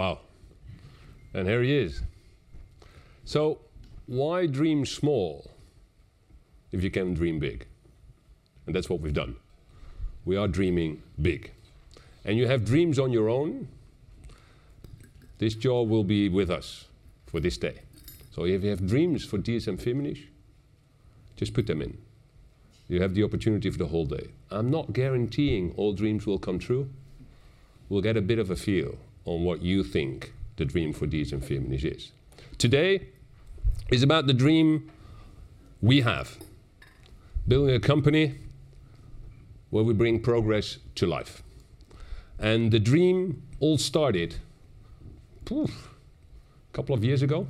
Wow! Here he is. So why dream small if you can dream big? That's what we've done. We are dreaming big. You have dreams on your own; this jar will be with us for this day. So if you have dreams for DSM-Firmenich, just put them in. You have the opportunity for the whole day. I'm not guaranteeing all dreams will come true. We'll get a bit of a feel on what you think the dream for DSM-Firmenich is. Today is about the dream we have, building a company where we bring progress to life. The dream all started, poof, a couple of years ago,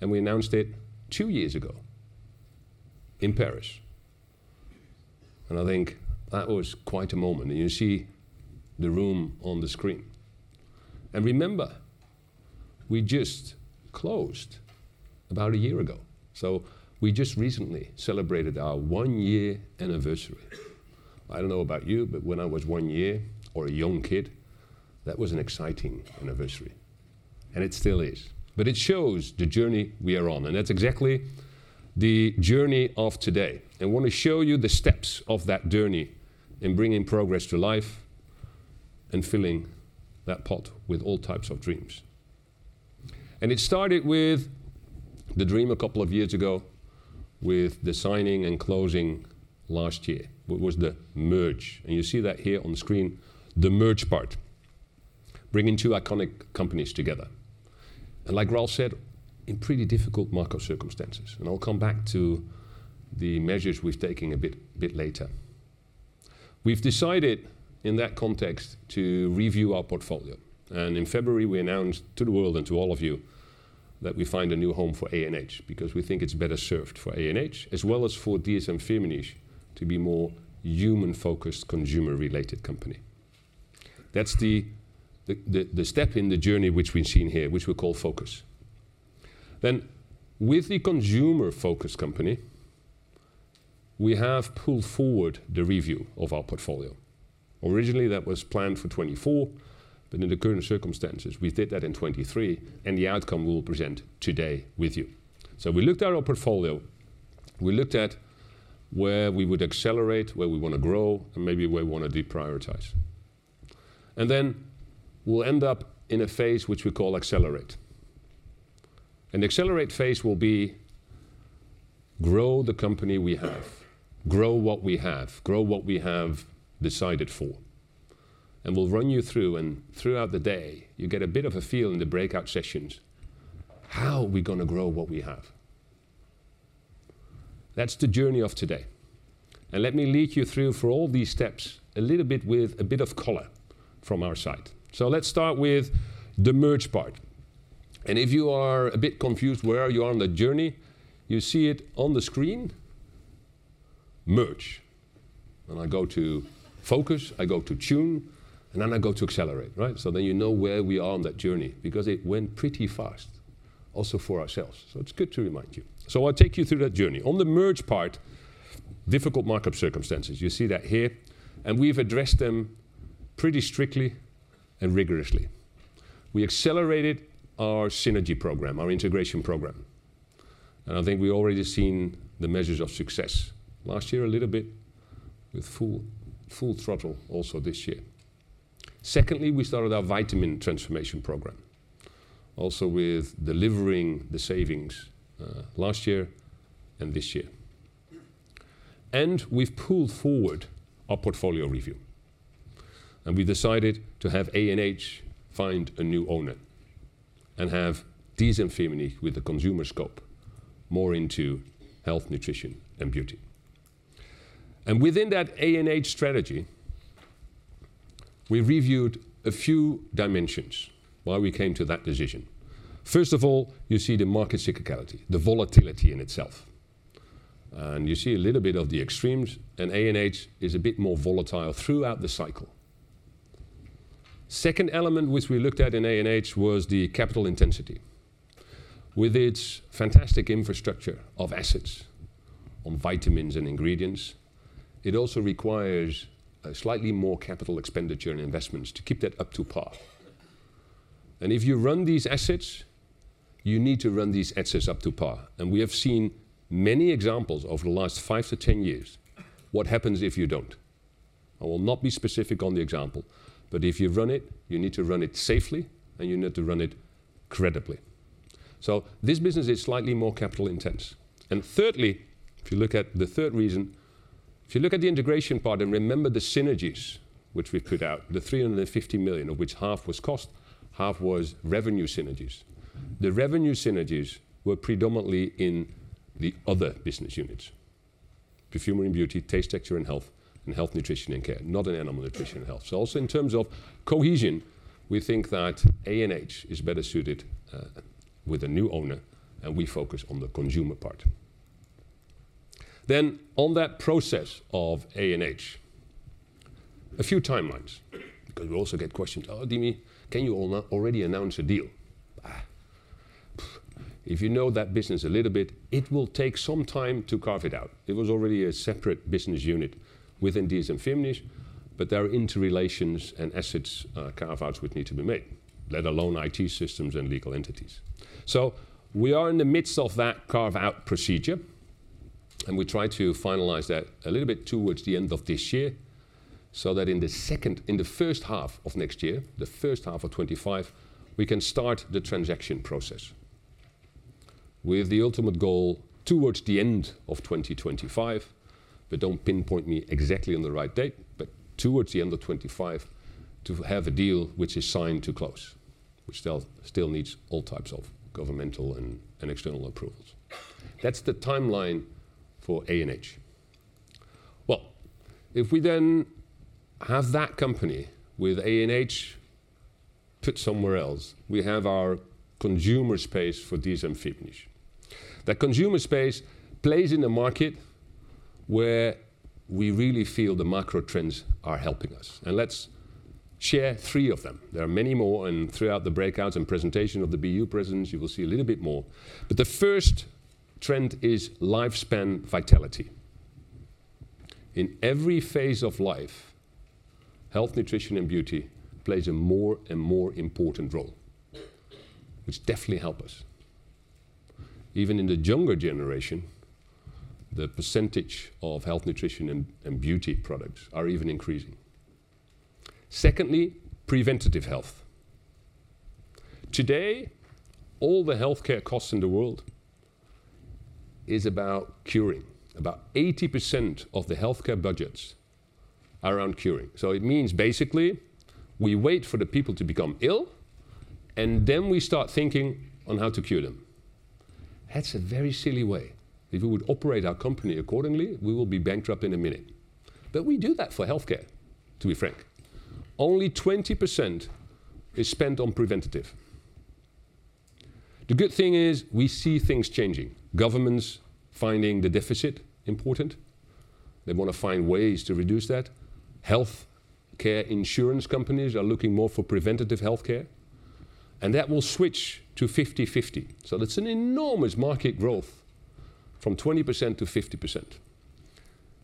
and we announced it two years ago in Paris. I think that was quite a moment, and you see the room on the screen. Remember, we just closed about a year ago, so we just recently celebrated our one-year anniversary. I don't know about you, but when I was one year or a young kid, that was an exciting anniversary, and it still is. But it shows the journey we are on, and that's exactly the journey of today. I wanna show you the steps of that journey in bringing progress to life and filling that pot with all types of dreams. And it started with the dream a couple of years ago with the signing and closing last year. What was the merger? And you see that here on the screen, the merger part, bringing two iconic companies together, and like Ralf said, in pretty difficult market circumstances. And I'll come back to the measures we're taking a bit later. We've decided, in that context, to review our portfolio, and in February, we announced to the world and to all of you, that we find a new home for ANH, because we think it's better served for ANH, as well as for DSM-Firmenich, to be more human-focused, consumer-related company. That's the step in the journey which we've seen here, which we call focus. Then, with the consumer-focused company, we have pulled forward the review of our portfolio. Originally, that was planned for 2024, but in the current circumstances, we did that in 2023, and the outcome we'll present today with you. So we looked at our portfolio. We looked at where we would accelerate, where we wanna grow, and maybe where we wanna deprioritize. And then we'll end up in a phase which we call accelerate. An accelerate phase will be grow the company we have, grow what we have, grow what we have decided for, and we'll run you through, and throughout the day, you get a bit of a feel in the breakout sessions, how we're gonna grow what we have. That's the journey of today. Let me lead you through for all these steps, a little bit with a bit of color from our side. Let's start with the merge part. If you are a bit confused where you are on the journey, you see it on the screen, merge. I go to focus, I go to tune, and then I go to accelerate, right? Then you know where we are on that journey, because it went pretty fast also for ourselves, so it's good to remind you. I'll take you through that journey. On the merger part, difficult market circumstances. You see that here, and we've addressed them pretty strictly and rigorously. We accelerated our synergy program, our integration program, and I think we've already seen the measures of success. Last year, a little bit with full, full throttle, also this year. Secondly, we started our vitamin transformation program, also with delivering the savings, last year and this year. And we've pulled forward our portfolio review, and we decided to have ANH find a new owner and have DSM-Firmenich with a consumer scope, more into health, nutrition, and beauty. And within that ANH strategy, we reviewed a few dimensions while we came to that decision. First of all, you see the market cyclicality, the volatility in itself, and you see a little bit of the extremes, and ANH is a bit more volatile throughout the cycle. Second element which we looked at in ANH was the capital intensity. With its fantastic infrastructure of assets on vitamins and ingredients, it also requires a slightly more capital expenditure and investments to keep that up to par. If you run these assets, you need to run these assets up to par, and we have seen many examples over the last 5 years-10 years what happens if you don't. I will not be specific on the example, but if you run it, you need to run it safely, and you need to run it credibly. So this business is slightly more capital intensive. Thirdly, if you look at the third reason, if you look at the integration part and remember the synergies which we put out, the 350 million, of which half was cost, half was revenue synergies. The revenue synergies were predominantly in the other business units: Perfumery & Beauty, Taste, Texture & Health, and Health, Nutrition & Care, not in Animal Nutrition & Health. So also in terms of cohesion, we think that ANH is better suited with a new owner, and we focus on the consumer part. Then on that process of ANH, a few timelines, because we also get questions, "Oh, Dimi, can you already announce a deal?"... If you know that business a little bit, it will take some time to carve it out. It was already a separate business unit within DSM-Firmenich, but there are interrelations and assets, carve-outs would need to be made, let alone IT systems and legal entities. So we are in the midst of that carve-out procedure, and we try to finalize that a little bit towards the end of this year, so that in the first half of next year, the first half of 2025, we can start the transaction process. With the ultimate goal towards the end of 2025, but don't pinpoint me exactly on the right date, but towards the end of 2025, to have a deal which is signed to close, which still needs all types of governmental and external approvals. That's the timeline for ANH. Well, if we then have that company with ANH put somewhere else, we have our consumer space for DSM-Firmenich. The consumer space plays in the market where we really feel the macro trends are helping us, and let's share three of them. There are many more, and throughout the breakouts and presentation of the BU presidents, you will see a little bit more. But the first trend is lifespan vitality. In every phase of life, health, nutrition, and beauty plays a more and more important role, which definitely help us. Even in the younger generation, the percentage of health, nutrition, and beauty products are even increasing. Secondly, preventative health. Today, all the healthcare costs in the world is about curing. About 80% of the healthcare budgets are around curing. So it means basically, we wait for the people to become ill, and then we start thinking on how to cure them. That's a very silly way. If we would operate our company accordingly, we will be bankrupt in a minute. But we do that for healthcare, to be frank. Only 20% is spent on preventative. The good thing is, we see things changing. Governments finding the deficit important, they want to find ways to reduce that. Healthcare insurance companies are looking more for preventative healthcare, and that will switch to 50/50. So that's an enormous market growth from 20% to 50%.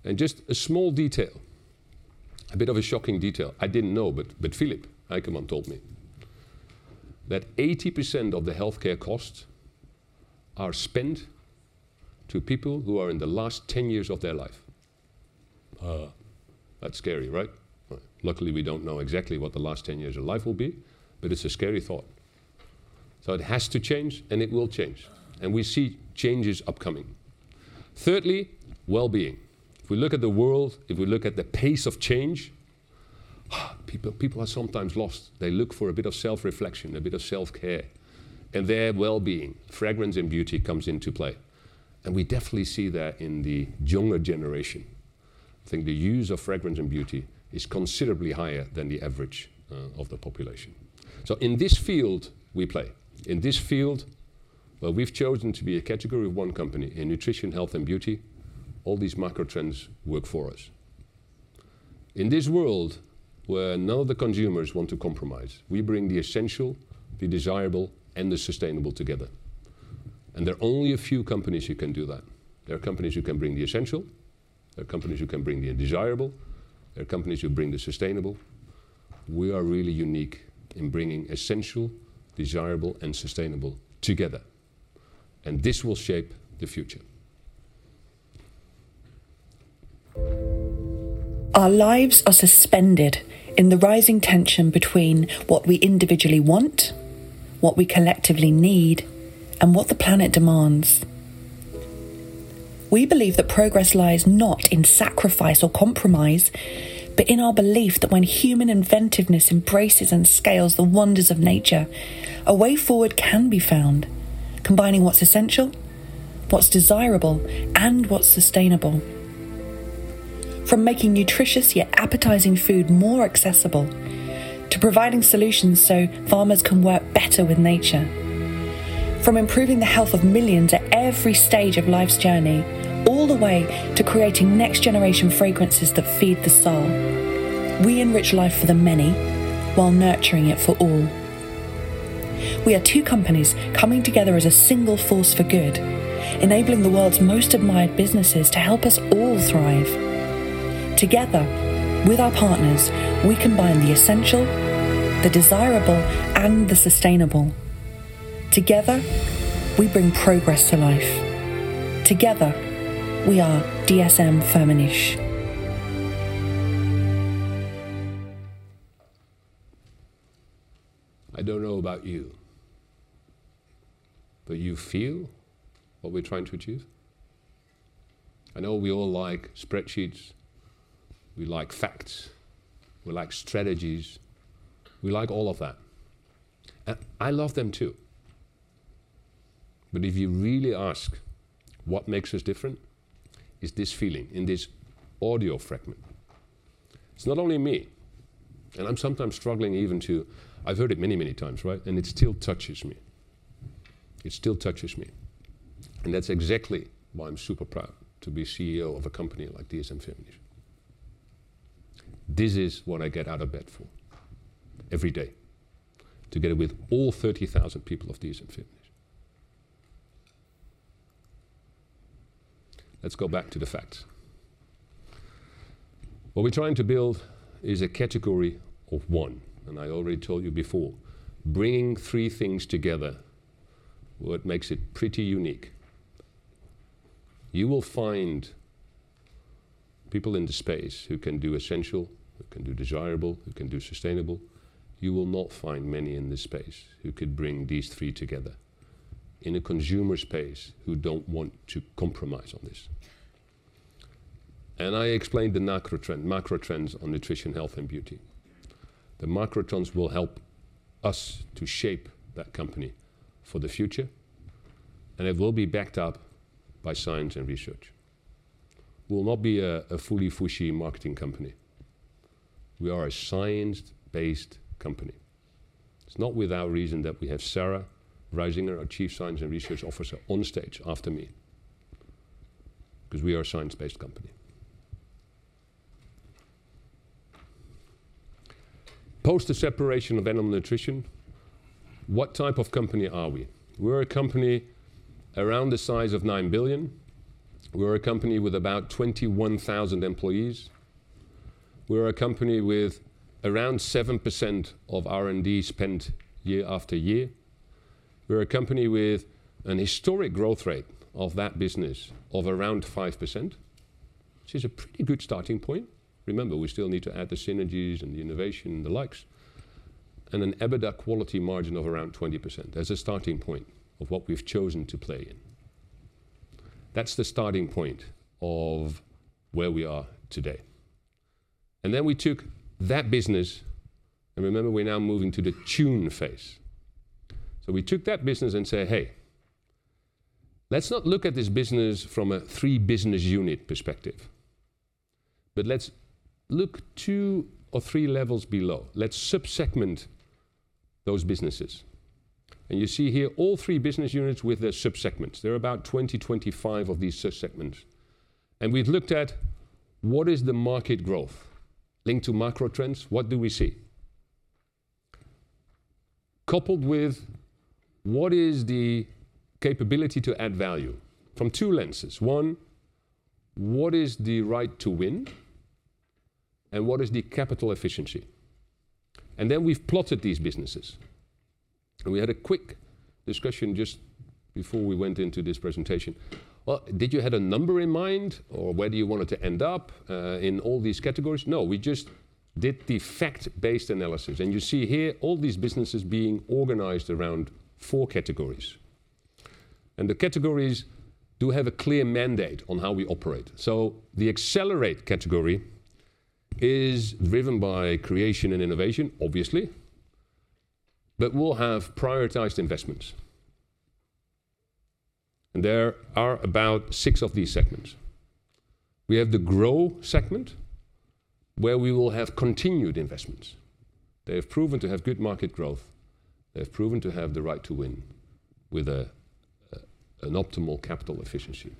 And just a small detail, a bit of a shocking detail. I didn't know, but Philip Eykerman told me, that 80% of the healthcare costs are spent to people who are in the last ten years of their life. That's scary, right? Luckily, we don't know exactly what the last ten years of life will be, but it's a scary thought. So it has to change, and it will change, and we see changes upcoming. Thirdly, wellbeing. If we look at the world, if we look at the pace of change, oh, people, people are sometimes lost. They look for a bit of self-reflection, a bit of self-care, and there, wellbeing, fragrance, and beauty comes into play. We definitely see that in the younger generation. I think the use of fragrance and beauty is considerably higher than the average of the population. In this field, we play. In this field, where we've chosen to be a category one company in nutrition, health, and beauty, all these macro trends work for us. In this world, where none of the consumers want to compromise, we bring the essential, the desirable, and the sustainable together, and there are only a few companies who can do that. There are companies who can bring the essential, there are companies who can bring the undesirable, there are companies who bring the sustainable. We are really unique in bringing essential, desirable, and sustainable together, and this will shape the future. Our lives are suspended in the rising tension between what we individually want, what we collectively need, and what the planet demands. We believe that progress lies not in sacrifice or compromise, but in our belief that when human inventiveness embraces and scales the wonders of nature, a way forward can be found, combining what's essential, what's desirable, and what's sustainable. From making nutritious, yet appetizing food more accessible, to providing solutions so farmers can work better with nature. From improving the health of millions at every stage of life's journey, all the way to creating next generation fragrances that feed the soul. We enrich life for the many while nurturing it for all. We are two companies coming together as a single force for good, enabling the world's most admired businesses to help us all thrive. Together, with our partners, we combine the essential, the desirable, and the sustainable. Together, we bring progress to life. Together, we are DSM-Firmenich. I don't know about you, but you feel what we're trying to achieve? I know we all like spreadsheets, we like facts, we like strategies, we like all of that. I love them, too. But if you really ask, what makes us different? It's this feeling in this audio fragment. It's not only me, and I'm sometimes struggling even to... I've heard it many, many times, right? And it still touches me. It still touches me, and that's exactly why I'm super proud to be CEO of a company like DSM-Firmenich... This is what I get out of bed for every day, together with all 30,000 people of DSM-Firmenich. Let's go back to the facts. What we're trying to build is a category of one, and I already told you before, bringing three things together, what makes it pretty unique. You will find people in the space who can do essential, who can do desirable, who can do sustainable. You will not find many in this space who could bring these three together in a consumer space, who don't want to compromise on this. And I explained the macro trend, macro trends on nutrition, health, and beauty. The macro trends will help us to shape that company for the future, and it will be backed up by science and research. We will not be a, a fooey-fooey marketing company. We are a science-based company. It's not without reason that we have Sarah Reisinger, our Chief Science and Research Officer, on stage after me, 'cause we are a science-based company. Post the separation of animal nutrition, what type of company are we? We're a company around the size of 9 billion. We're a company with about 21,000 employees. We're a company with around 7% of R&D spend year after year. We're a company with an historic growth rate of that business of around 5%, which is a pretty good starting point. Remember, we still need to add the synergies and the innovation and the likes, and an EBITDA quality margin of around 20%. That's a starting point of what we've chosen to play in. That's the starting point of where we are today. And then we took that business, and remember, we're now moving to the tune phase. So we took that business and said, "Hey, let's not look at this business from a three business unit perspective, but let's look two or three levels below. Let's sub-segment those businesses." And you see here all three business units with their sub-segments. There are about 20-25 of these sub-segments. We've looked at what is the market growth linked to macro trends? What do we see? Coupled with what is the capability to add value from two lenses. One, what is the right to win, and what is the capital efficiency? And then we've plotted these businesses, and we had a quick discussion just before we went into this presentation. Well, did you have a number in mind or where do you want it to end up in all these categories? No, we just did the fact-based analysis, and you see here all these businesses being organized around four categories, and the categories do have a clear mandate on how we operate. So the accelerate category is driven by creation and innovation, obviously, but we'll have prioritized investments. And there are about six of these segments. We have the grow segment, where we will have continued investments. They have proven to have good market growth. They have proven to have the right to win with an optimal capital efficiency.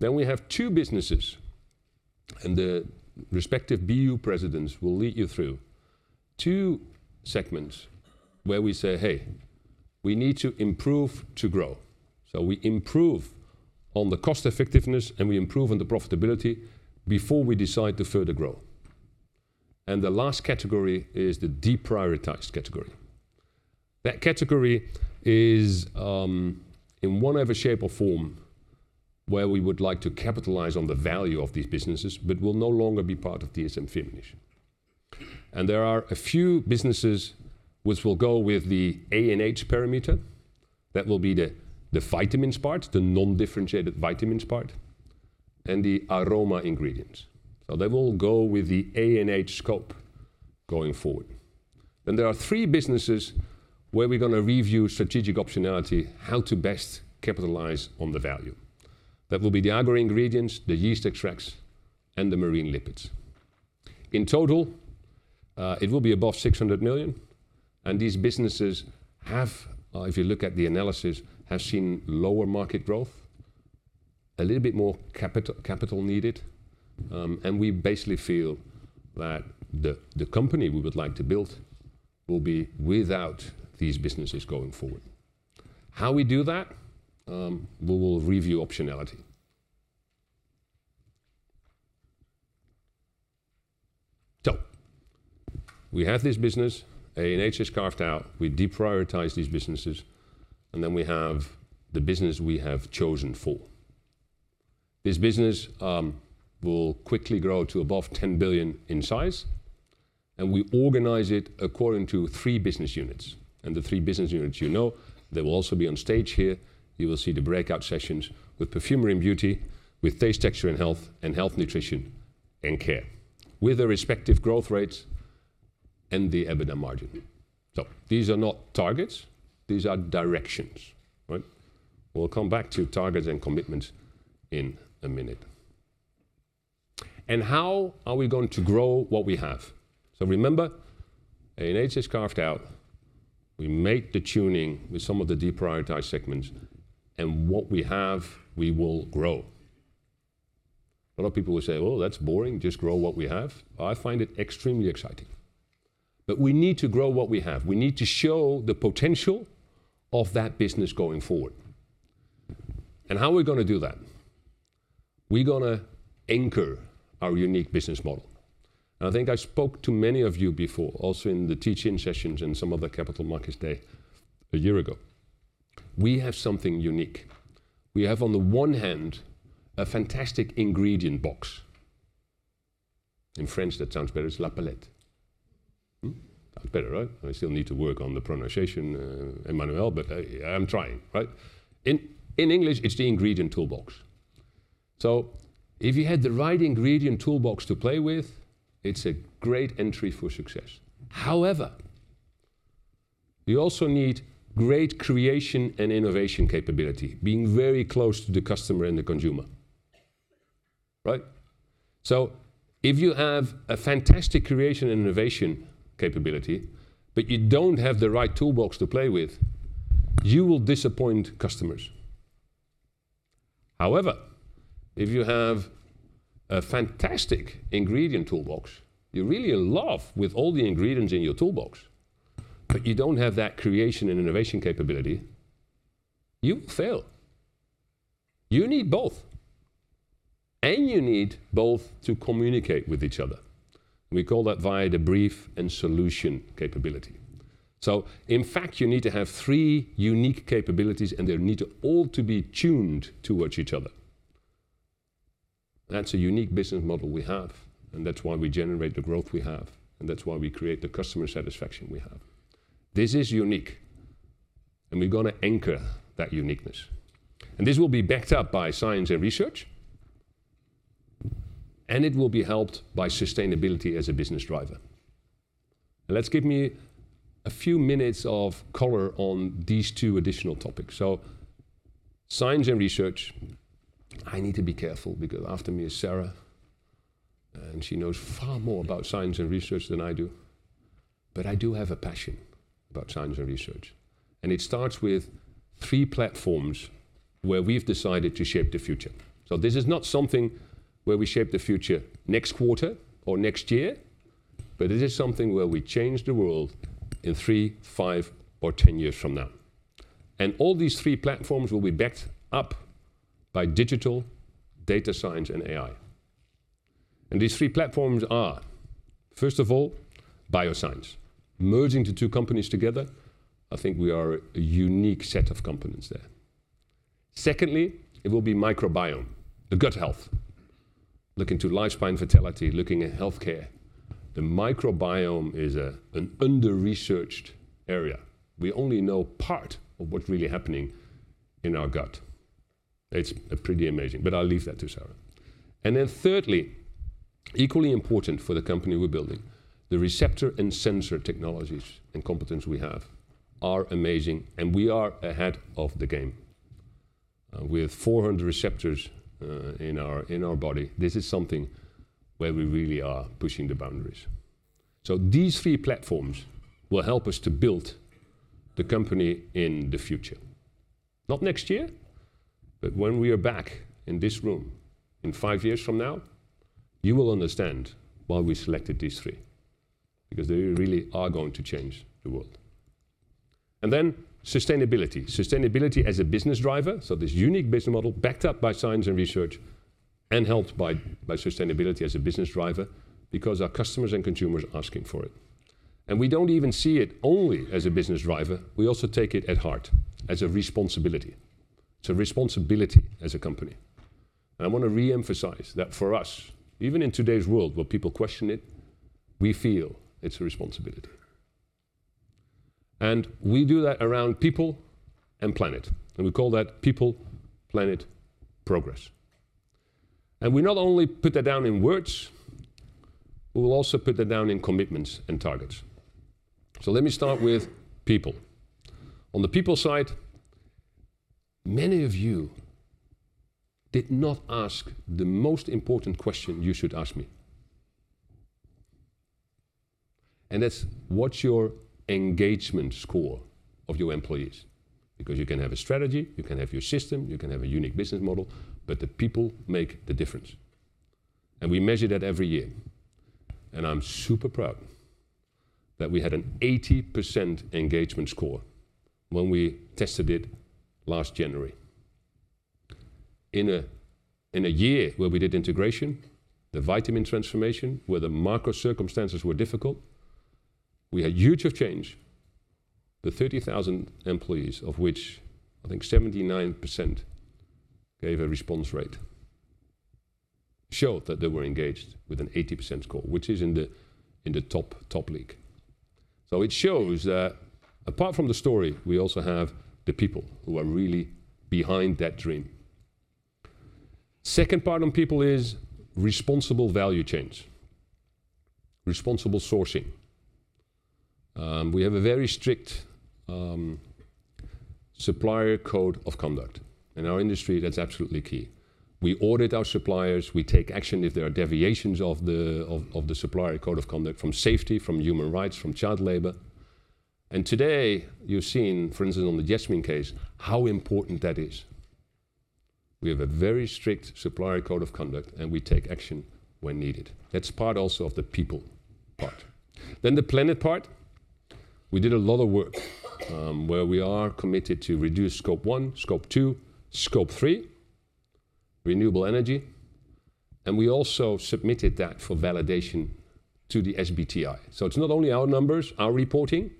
Then we have two businesses, and the respective BU presidents will lead you through two segments where we say, "Hey, we need to improve to grow." So we improve on the cost effectiveness, and we improve on the profitability before we decide to further grow. And the last category is the deprioritized category. That category is, in one way, shape, or form, where we would like to capitalize on the value of these businesses but will no longer be part of DSM-Firmenich. And there are a few businesses which will go with the ANH parameter. That will be the vitamins part, the non-differentiated vitamins part, and the aroma ingredients. So they will go with the ANH scope going forward. There are three businesses where we're gonna review strategic optionality, how to best capitalize on the value. That will be the agro ingredients, the yeast extracts, and the marine lipids. In total, it will be above 600 million, and these businesses have, if you look at the analysis, have seen lower market growth, a little bit more capital needed, and we basically feel that the company we would like to build will be without these businesses going forward. How we do that? We will review optionality. We have this business. ANH is carved out. We deprioritize these businesses, and then we have the business we have chosen for. This business will quickly grow to above 10 billion in size, and we organize it according to three business units. The three business units you know, they will also be on stage here. You will see the breakout sessions with Perfumery & Beauty, with Taste, Texture & Health, and Health, Nutrition & Care, with the respective growth rates and the EBITDA margin. These are not targets. These are directions, right? We'll come back to targets and commitments in a minute. How are we going to grow what we have? Remember, ANH is carved out. We make the tuning with some of the deprioritized segments, and what we have, we will grow. A lot of people will say, "Oh, that's boring, just grow what we have?" I find it extremely exciting. But we need to grow what we have. We need to show the potential of that business going forward. How are we gonna do that? We're gonna anchor our unique business model. I think I spoke to many of you before, also in the teaching sessions in some of the Capital Markets Day a year ago. We have something unique. We have, on the one hand, a fantastic ingredient box. In French, that sounds better, it's la palette. Hm? That's better, right? I still need to work on the pronunciation, Emmanuel, but I'm trying, right? In English, it's the ingredient toolbox. So if you had the right ingredient toolbox to play with, it's a great entry for success. However, you also need great creation and innovation capability, being very close to the customer and the consumer, right? So if you have a fantastic creation and innovation capability, but you don't have the right toolbox to play with, you will disappoint customers. However, if you have a fantastic ingredient toolbox, you're really in love with all the ingredients in your toolbox, but you don't have that creation and innovation capability, you fail. You need both, and you need both to communicate with each other. We call that via the brief and solution capability. So in fact, you need to have three unique capabilities, and they need all to be tuned towards each other. That's a unique business model we have, and that's why we generate the growth we have, and that's why we create the customer satisfaction we have. This is unique, and we're gonna anchor that uniqueness. And this will be backed up by science and research, and it will be helped by sustainability as a business driver. Let's give me a few minutes of color on these two additional topics. So science and research, I need to be careful because after me is Sarah, and she knows far more about science and research than I do. But I do have a passion about science and research, and it starts with three platforms where we've decided to shape the future. So this is not something where we shape the future next quarter or next year, but this is something where we change the world in three, five, or 10 years from now. And all these three platforms will be backed up by digital, data science, and AI. And these three platforms are, first of all, bioscience. Merging the two companies together, I think we are a unique set of components there. Secondly, it will be microbiome, the gut health. Looking to lifespan fertility, looking at healthcare, the microbiome is an under-researched area. We only know part of what's really happening in our gut. It's pretty amazing, but I'll leave that to Sarah. Then thirdly, equally important for the company we're building, the receptor and sensor technologies and competence we have are amazing, and we are ahead of the game. We have 400 receptors in our body. This is something where we really are pushing the boundaries. So these three platforms will help us to build the company in the future. Not next year, but when we are back in this room in five years from now, you will understand why we selected these three, because they really are going to change the world. And then sustainability. Sustainability as a business driver, so this unique business model, backed up by science and research, and helped by sustainability as a business driver, because our customers and consumers are asking for it. We don't even see it only as a business driver; we also take it at heart as a responsibility. It's a responsibility as a company. I wanna re-emphasize that for us, even in today's world, where people question it, we feel it's a responsibility. We do that around people and planet, and we call that People, Planet, Progress. We not only put that down in words; we will also put that down in commitments and targets. Let me start with people. On the people side, many of you did not ask the most important question you should ask me. That's: What's your engagement score of your employees? Because you can have a strategy, you can have your system, you can have a unique business model, but the people make the difference. We measure that every year. I'm super proud that we had an 80% engagement score when we tested it last January. In a year where we did integration, the vitamin transformation, where the macro circumstances were difficult, we had huge change. The 30,000 employees, of which I think 79% gave a response rate, showed that they were engaged with an 80% score, which is in the top league. It shows that apart from the story, we also have the people who are really behind that dream. Second part on people is responsible value chains, responsible sourcing. We have a very strict supplier code of conduct. In our industry, that's absolutely key. We audit our suppliers, we take action if there are deviations of the supplier code of conduct, from safety, from human rights, from child labor. And today, you've seen, for instance, on the Jasmine case, how important that is. We have a very strict supplier code of conduct, and we take action when needed. That's part also of the people part. Then the planet part, we did a lot of work, where we are committed to reduce Scope 1, Scope 2, Scope 3, renewable energy, and we also submitted that for validation to the SBTi. So it's not only our numbers, our reporting,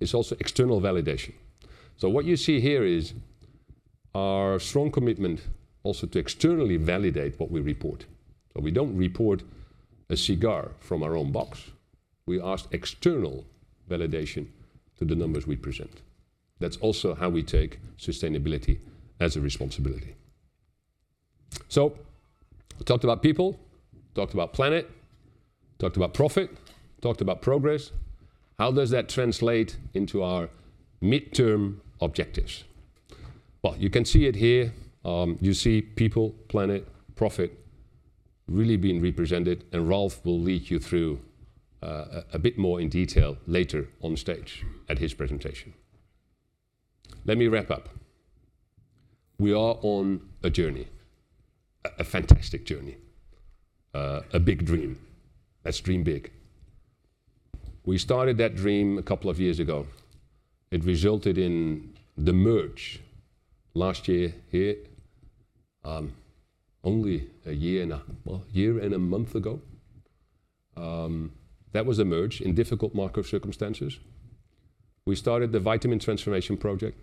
it's also external validation. So what you see here is our strong commitment also to externally validate what we report. So we don't report a cigar from our own box. We ask external validation to the numbers we present. That's also how we take sustainability as a responsibility. So we talked about people, we talked about planet, we talked about profit, talked about progress. How does that translate into our midterm objectives? Well, you can see it here. You see people, planet, profit really being represented, and Ralf will lead you through a bit more in detail later on stage at his presentation. Let me wrap up. We are on a journey, a fantastic journey, a big dream. Let's dream big. We started that dream a couple of years ago. It resulted in the merger last year here, only a year and a month ago. That was a merger in difficult market circumstances. We started the vitamin transformation project,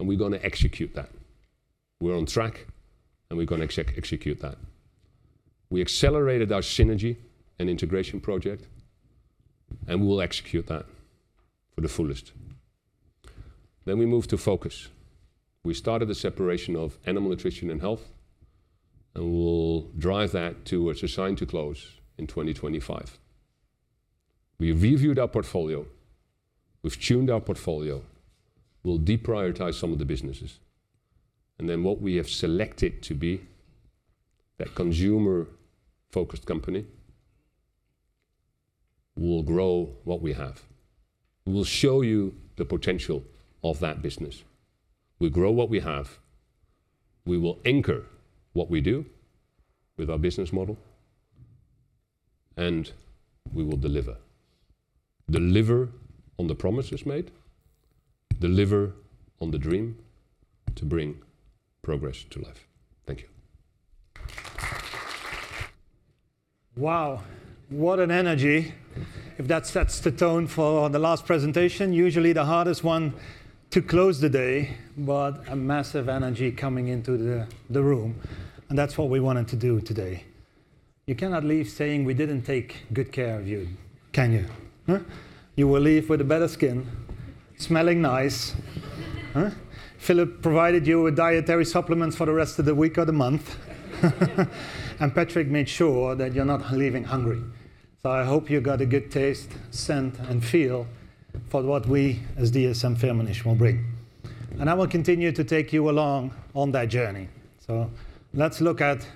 and we're gonna execute that. We're on track, and we're gonna execute that. We accelerated our synergy and integration project, and we will execute that for the fullest. Then we move to focus. We started the separation of animal nutrition and health, and we'll drive that to what's assigned to close in 2025. We reviewed our portfolio. We've tuned our portfolio. We'll deprioritize some of the businesses, and then what we have selected to be that consumer-focused company, we'll grow what we have. We will show you the potential of that business. We grow what we have, we will anchor what we do with our business model, and we will deliver. Deliver on the promises made, deliver on the dream to bring progress to life. Thank you. Wow, what an energy! If that sets the tone for the last presentation, usually the hardest one to close the day, but a massive energy coming into the room, and that's what we wanted to do today. You cannot leave saying we didn't take good care of you, can you, huh? You will leave with a better skin, smelling nice, huh? Philip provided you with dietary supplements for the rest of the week or the month. Patrick made sure that you're not leaving hungry. I hope you got a good taste, scent, and feel for what we, as DSM-Firmenich, will bring. I will continue to take you along on that journey. Let's look at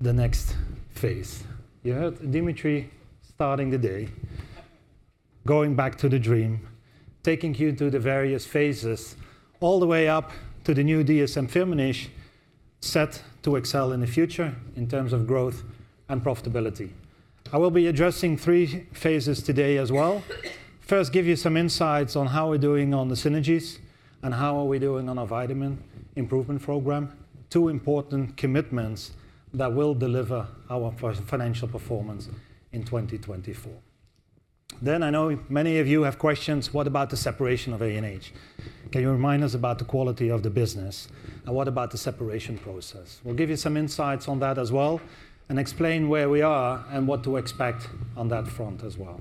the next phase. You heard Dimitri starting the day, going back to the dream, taking you through the various phases, all the way up to the new DSM-Firmenich, set to excel in the future in terms of growth and profitability. I will be addressing three phases today as well. First, give you some insights on how we're doing on the synergies and how are we doing on our vitamin improvement program, two important commitments that will deliver our financial performance in 2024. Then, I know many of you have questions, what about the separation of ANH? Can you remind us about the quality of the business, and what about the separation process? We'll give you some insights on that as well, and explain where we are and what to expect on that front as well.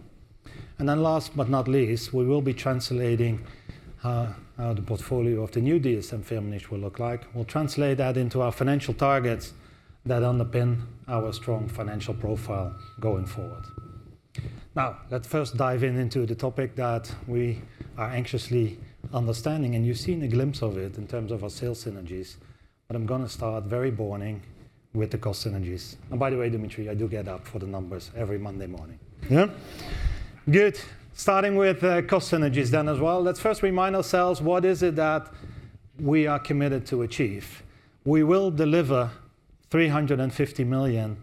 And then last but not least, we will be translating how the portfolio of the new DSM-Firmenich will look like. We'll translate that into our financial targets that underpin our strong financial profile going forward. Now, let's first dive in into the topic that we are anxiously understanding, and you've seen a glimpse of it in terms of our sales synergies, but I'm gonna start very boring with the cost synergies. And by the way, Dimitri, I do get up for the numbers every Monday morning. Yeah? Good. Starting with cost synergies then as well, let's first remind ourselves, what is it that we are committed to achieve? We will deliver 350 million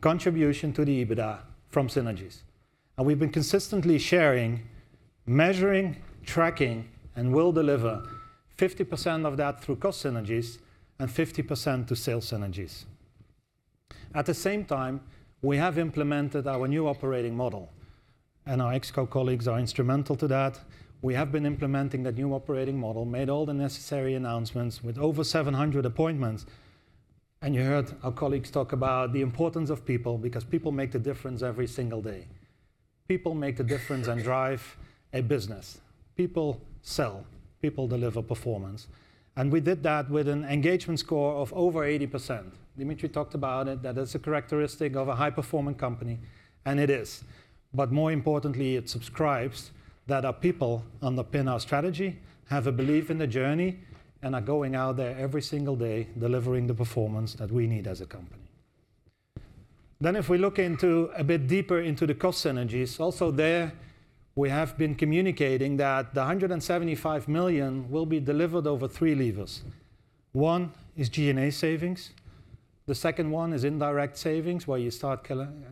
contribution to the EBITDA from synergies. And we've been consistently sharing, measuring, tracking, and will deliver 50% of that through cost synergies and 50% to sales synergies. At the same time, we have implemented our new operating model, and our Ex Co colleagues are instrumental to that. We have been implementing that new operating model, made all the necessary announcements with over 700 appointments. You heard our colleagues talk about the importance of people, because people make the difference every single day. People make a difference and drive a business. People sell.... people deliver performance, and we did that with an engagement score of over 80%. Dimitri talked about it, that it's a characteristic of a high-performing company, and it is. But more importantly, it subscribes that our people underpin our strategy, have a belief in the journey, and are going out there every single day, delivering the performance that we need as a company. Then if we look into a bit deeper into the cost synergies, also there we have been communicating that the 175 million will be delivered over three levers. One is G&A savings. The second one is indirect savings, where you start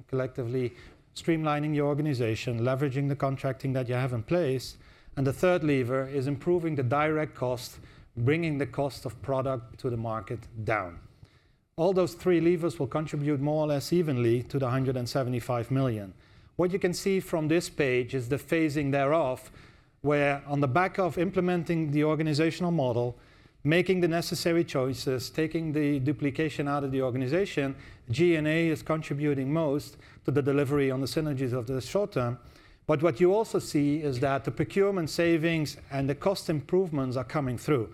collectively streamlining your organization, leveraging the contracting that you have in place. And the third lever is improving the direct cost, bringing the cost of product to the market down. All those three levers will contribute more or less evenly to the 175 million. What you can see from this page is the phasing thereof, where on the back of implementing the organizational model, making the necessary choices, taking the duplication out of the organization, G&A is contributing most to the delivery on the synergies of the short term. But what you also see is that the procurement savings and the cost improvements are coming through.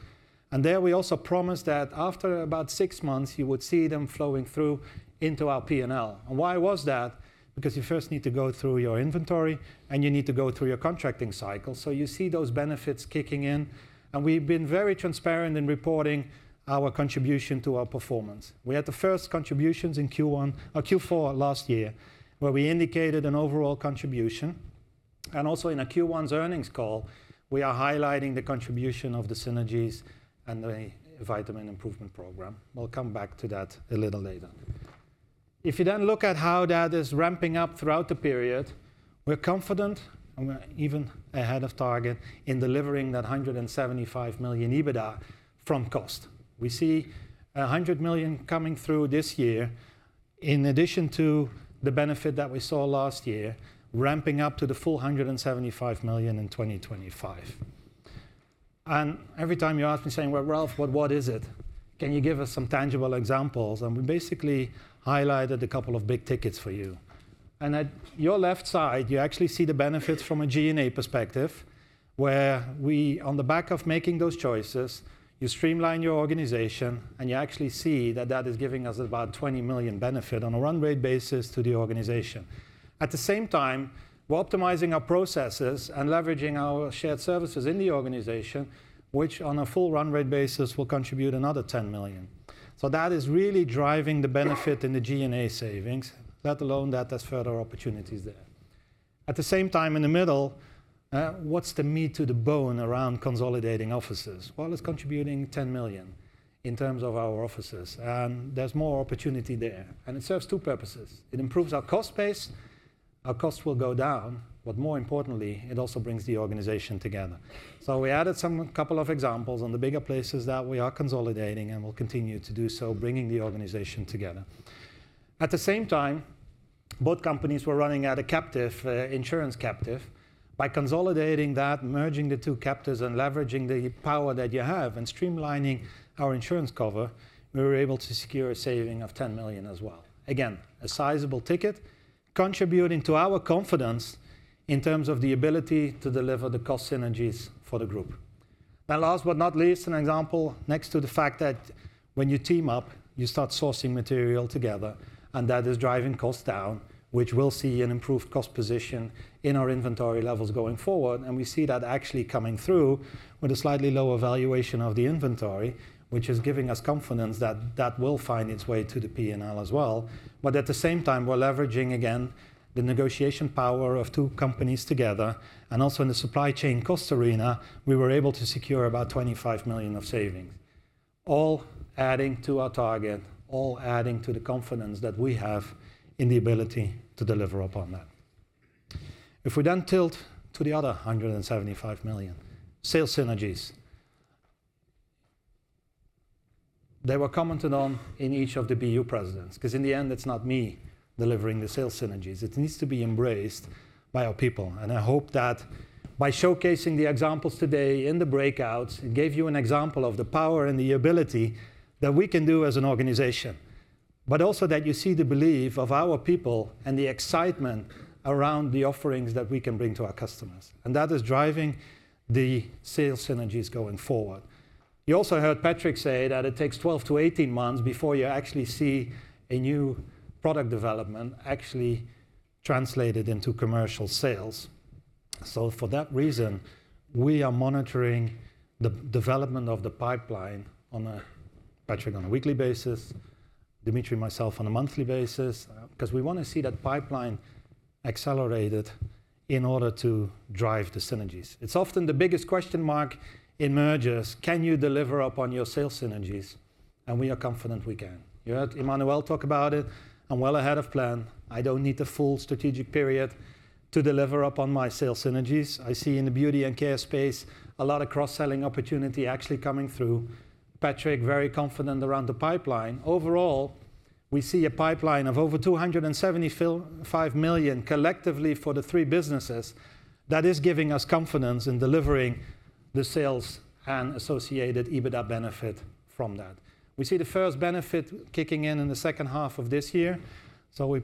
And there we also promised that after about six months, you would see them flowing through into our P&L. And why was that? Because you first need to go through your inventory, and you need to go through your contracting cycle, so you see those benefits kicking in, and we've been very transparent in reporting our contribution to our performance. We had the first contributions in Q1 or Q4 last year, where we indicated an overall contribution, and also in our Q1's earnings call, we are highlighting the contribution of the synergies and the vitamin improvement program. We'll come back to that a little later. If you then look at how that is ramping up throughout the period, we're confident and we're even ahead of target in delivering that 175 million EBITDA from cost. We see 100 million coming through this year in addition to the benefit that we saw last year, ramping up to the full 175 million in 2025. Every time you ask me, saying, "Well, Ralf, what, what is it? Can you give us some tangible examples?" We basically highlighted a couple of big tickets for you. At your left side, you actually see the benefits from a G&A perspective, where we, on the back of making those choices, you streamline your organization, and you actually see that that is giving us about 20 million benefit on a run rate basis to the organization. At the same time, we're optimizing our processes and leveraging our shared services in the organization, which on a full run rate basis, will contribute another 10 million. So that is really driving the benefit in the G&A savings, let alone that there's further opportunities there. At the same time, in the middle, what's the meat to the bone around consolidating offices? Well, it's contributing 10 million in terms of our offices, and there's more opportunity there, and it serves two purposes. It improves our cost base, our costs will go down, but more importantly, it also brings the organization together. So we added some couple of examples on the bigger places that we are consolidating, and we'll continue to do so, bringing the organization together. At the same time, both companies were running at a captive insurance captive. By consolidating that, merging the two captives and leveraging the power that you have and streamlining our insurance cover, we were able to secure a saving of 10 million as well. Again, a sizable ticket contributing to our confidence in terms of the ability to deliver the cost synergies for the group. And last but not least, an example next to the fact that when you team up, you start sourcing material together, and that is driving costs down, which we'll see an improved cost position in our inventory levels going forward. And we see that actually coming through with a slightly lower valuation of the inventory, which is giving us confidence that that will find its way to the P&L as well. But at the same time, we're leveraging, again, the negotiation power of two companies together, and also in the supply chain cost arena, we were able to secure about 25 million of savings. All adding to our target, all adding to the confidence that we have in the ability to deliver upon that. If we then tilt to the other 175 million, sales synergies. They were commented on in each of the BU presidents, 'cause in the end, it's not me delivering the sales synergies. It needs to be embraced by our people, and I hope that by showcasing the examples today in the breakouts, it gave you an example of the power and the ability that we can do as an organization. But also that you see the belief of our people and the excitement around the offerings that we can bring to our customers, and that is driving the sales synergies going forward. You also heard Patrick say that it takes 12-18 months before you actually see a new product development actually translated into commercial sales. So for that reason, we are monitoring the development of the pipeline on a, Patrick, on a weekly basis, Dimitri, myself on a monthly basis, 'cause we wanna see that pipeline accelerated in order to drive the synergies. It's often the biggest question mark in mergers: Can you deliver upon your sales synergies? And we are confident we can. You heard Emmanuel talk about it. I'm well ahead of plan. I don't need the full strategic period to deliver upon my sales synergies. I see Beauty and Care space a lot of cross-selling opportunity actually coming through. Patrick, very confident around the pipeline. Overall, we see a pipeline of over 275 million collectively for the three businesses. That is giving us confidence in delivering the sales and associated EBITDA benefit from that. We see the first benefit kicking in in the second half of this year, so we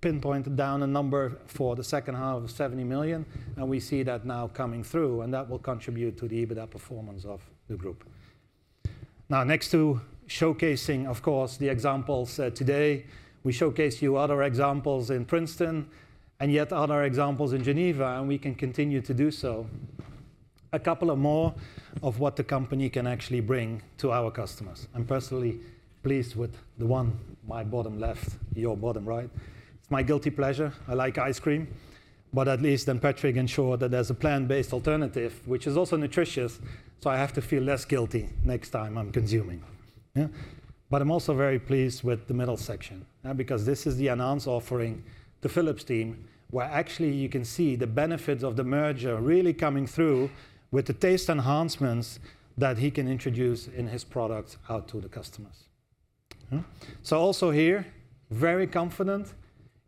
pinpointed down a number for the second half of 70 million, and we see that now coming through, and that will contribute to the EBITDA performance of the group. Now, next to showcasing, of course, the examples, today, we showcase you other examples in Princeton and yet other examples in Geneva, and we can continue to do so. A couple of more of what the company can actually bring to our customers. I'm personally pleased with the one my bottom left, your bottom right. It's my guilty pleasure, I like ice cream. But at least then Patrick ensured that there's a plant-based alternative, which is also nutritious, so I have to feel less guilty next time I'm consuming. Yeah? But I'm also very pleased with the middle section, because this is the ANH offering, the P&B team, where actually you can see the benefits of the merger really coming through with the taste enhancements that he can introduce in his products out to the customers. So also here, very confident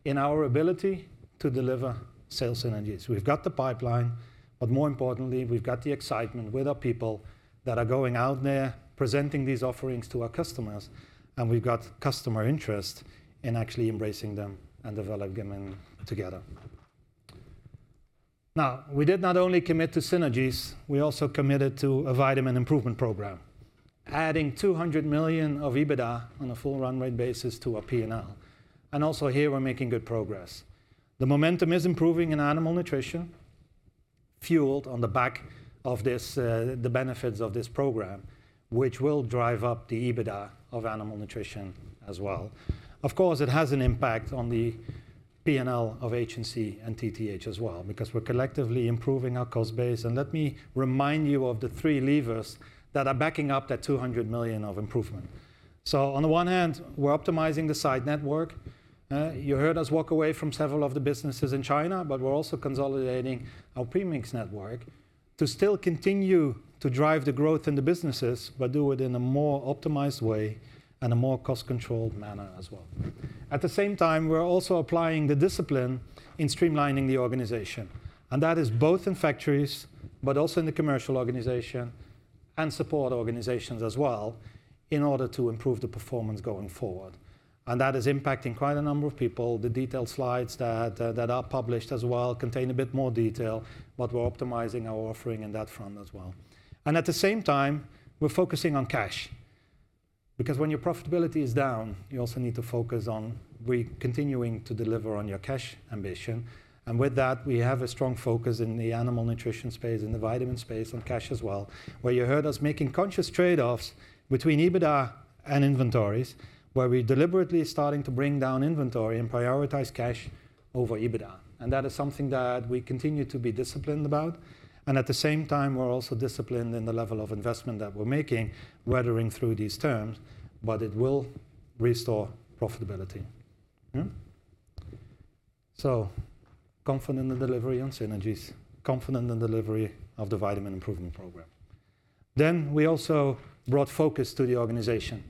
in our ability to deliver sales synergies. We've got the pipeline, but more importantly, we've got the excitement with our people that are going out there, presenting these offerings to our customers, and we've got customer interest in actually embracing them and develop them in together. Now, we did not only commit to synergies, we also committed to a vitamin improvement program, adding 200 million of EBITDA on a full run rate basis to our P&L. And also here, we're making good progress. The momentum is improving in animal nutrition, fueled on the back of this, the benefits of this program, which will drive up the EBITDA of animal nutrition as well. Of course, it has an impact on the P&L of HNC and TTH as well, because we're collectively improving our cost base. And let me remind you of the three levers that are backing up that 200 million of improvement. So on the one hand, we're optimizing the site network. You heard us walk away from several of the businesses in China, but we're also consolidating our premix network to still continue to drive the growth in the businesses, but do it in a more optimized way and a more cost-controlled manner as well. At the same time, we're also applying the discipline in streamlining the organization, and that is both in factories, but also in the commercial organization and support organizations as well, in order to improve the performance going forward. That is impacting quite a number of people. The detailed slides that are published as well contain a bit more detail, but we're optimizing our offering in that front as well. At the same time, we're focusing on cash, because when your profitability is down, you also need to focus on continuing to deliver on your cash ambition. And with that, we have a strong focus in the animal nutrition space, in the vitamin space, and cash as well, where you heard us making conscious trade-offs between EBITDA and inventories, where we're deliberately starting to bring down inventory and prioritize cash over EBITDA. And that is something that we continue to be disciplined about. And at the same time, we're also disciplined in the level of investment that we're making, weathering through these terms, but it will restore profitability. So confident in the delivery on synergies, confident in the delivery of the vitamin improvement program. Then, we also brought focus to the organization.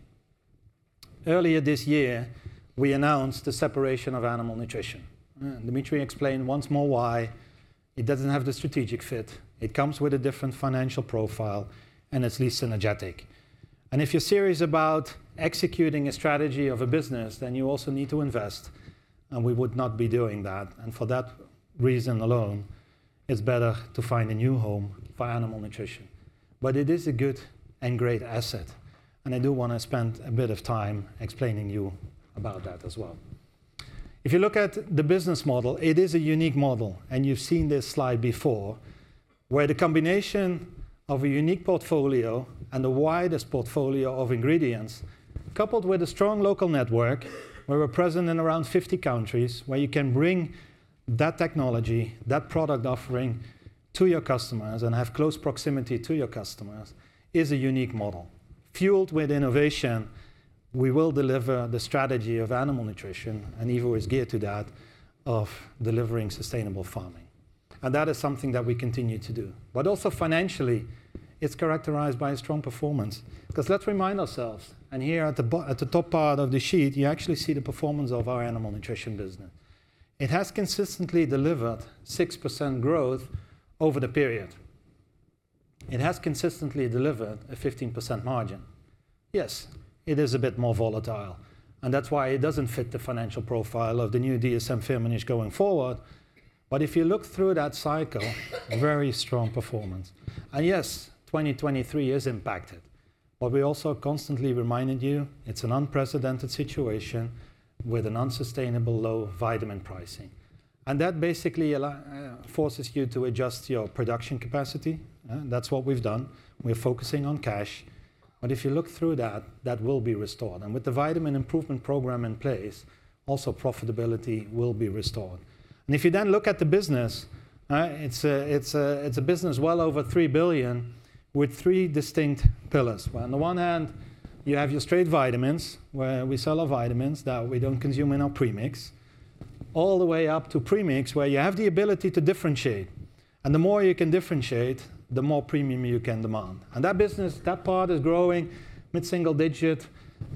Earlier this year, we announced the separation of animal nutrition. Dimitri explained once more why it doesn't have the strategic fit. It comes with a different financial profile, and it's less synergetic. If you're serious about executing a strategy of a business, then you also need to invest, and we would not be doing that. For that reason alone, it's better to find a new home for animal nutrition. It is a good and great asset, and I do want to spend a bit of time explaining you about that as well. If you look at the business model, it is a unique model, and you've seen this slide before, where the combination of a unique portfolio and the widest portfolio of ingredients, coupled with a strong local network, where we're present in around 50 countries, where you can bring that technology, that product offering to your customers and have close proximity to your customers, is a unique model. Fueled with innovation, we will deliver the strategy of animal nutrition, and Ivo is geared to that, of delivering sustainable farming. And that is something that we continue to do. But also financially, it's characterized by a strong performance, 'cause let's remind ourselves, and here at the top part of the sheet, you actually see the performance of our animal nutrition business. It has consistently delivered 6% growth over the period. It has consistently delivered a 15% margin. Yes, it is a bit more volatile, and that's why it doesn't fit the financial profile of the new DSM-Firmenich going forward. But if you look through that cycle, very strong performance. And yes, 2023 is impacted, but we also constantly reminded you, it's an unprecedented situation with an unsustainable low vitamin pricing. That basically allows you to adjust your production capacity. That's what we've done. We're focusing on cash. But if you look through that, that will be restored. And with the vitamin improvement program in place, also profitability will be restored. And if you then look at the business, it's a business well over 3 billion with three distinct pillars. Well, on the one hand, you have your straight vitamins, where we sell our vitamins that we don't consume in our premix, all the way up to premix, where you have the ability to differentiate. And the more you can differentiate, the more premium you can demand. That business, that part is growing mid-single-digit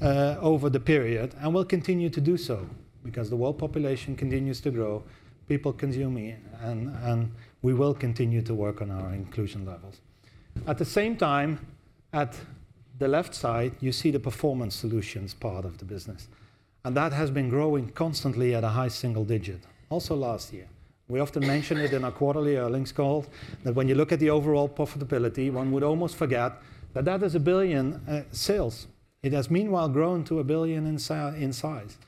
over the period and will continue to do so, because the world population continues to grow, people consume it, and we will continue to work on our inclusion levels. At the same time, at the left side, you see the performance solutions part of the business, and that has been growing constantly at a high-single-digit. Also, last year, we often mention it in our quarterly earnings call, that when you look at the overall profitability, one would almost forget that that is 1 billion sales. It has meanwhile grown to 1 billion in size,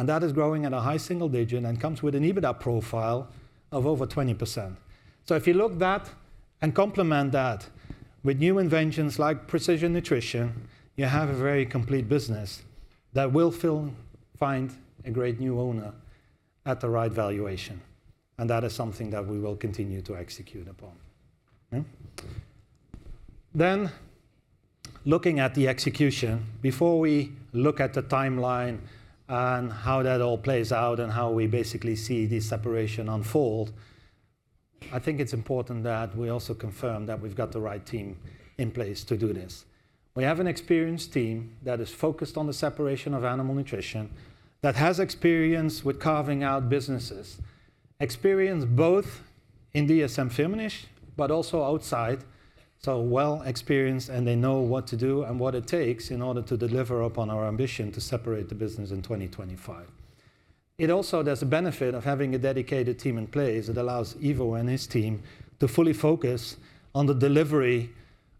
and that is growing at a high-single-digit and comes with an EBITDA profile of over 20%. So if you look that and complement that with new inventions like precision nutrition, you have a very complete business that will find a great new owner at the right valuation, and that is something that we will continue to execute upon. Then, looking at the execution, before we look at the timeline and how that all plays out and how we basically see the separation unfold, I think it's important that we also confirm that we've got the right team in place to do this. We have an experienced team that is focused on the separation of animal nutrition, that has experience with carving out businesses, experience both in DSM-Firmenich, but also outside, so well experienced, and they know what to do and what it takes in order to deliver upon our ambition to separate the business in 2025. It also, there's a benefit of having a dedicated team in place that allows Ivo and his team to fully focus on the delivery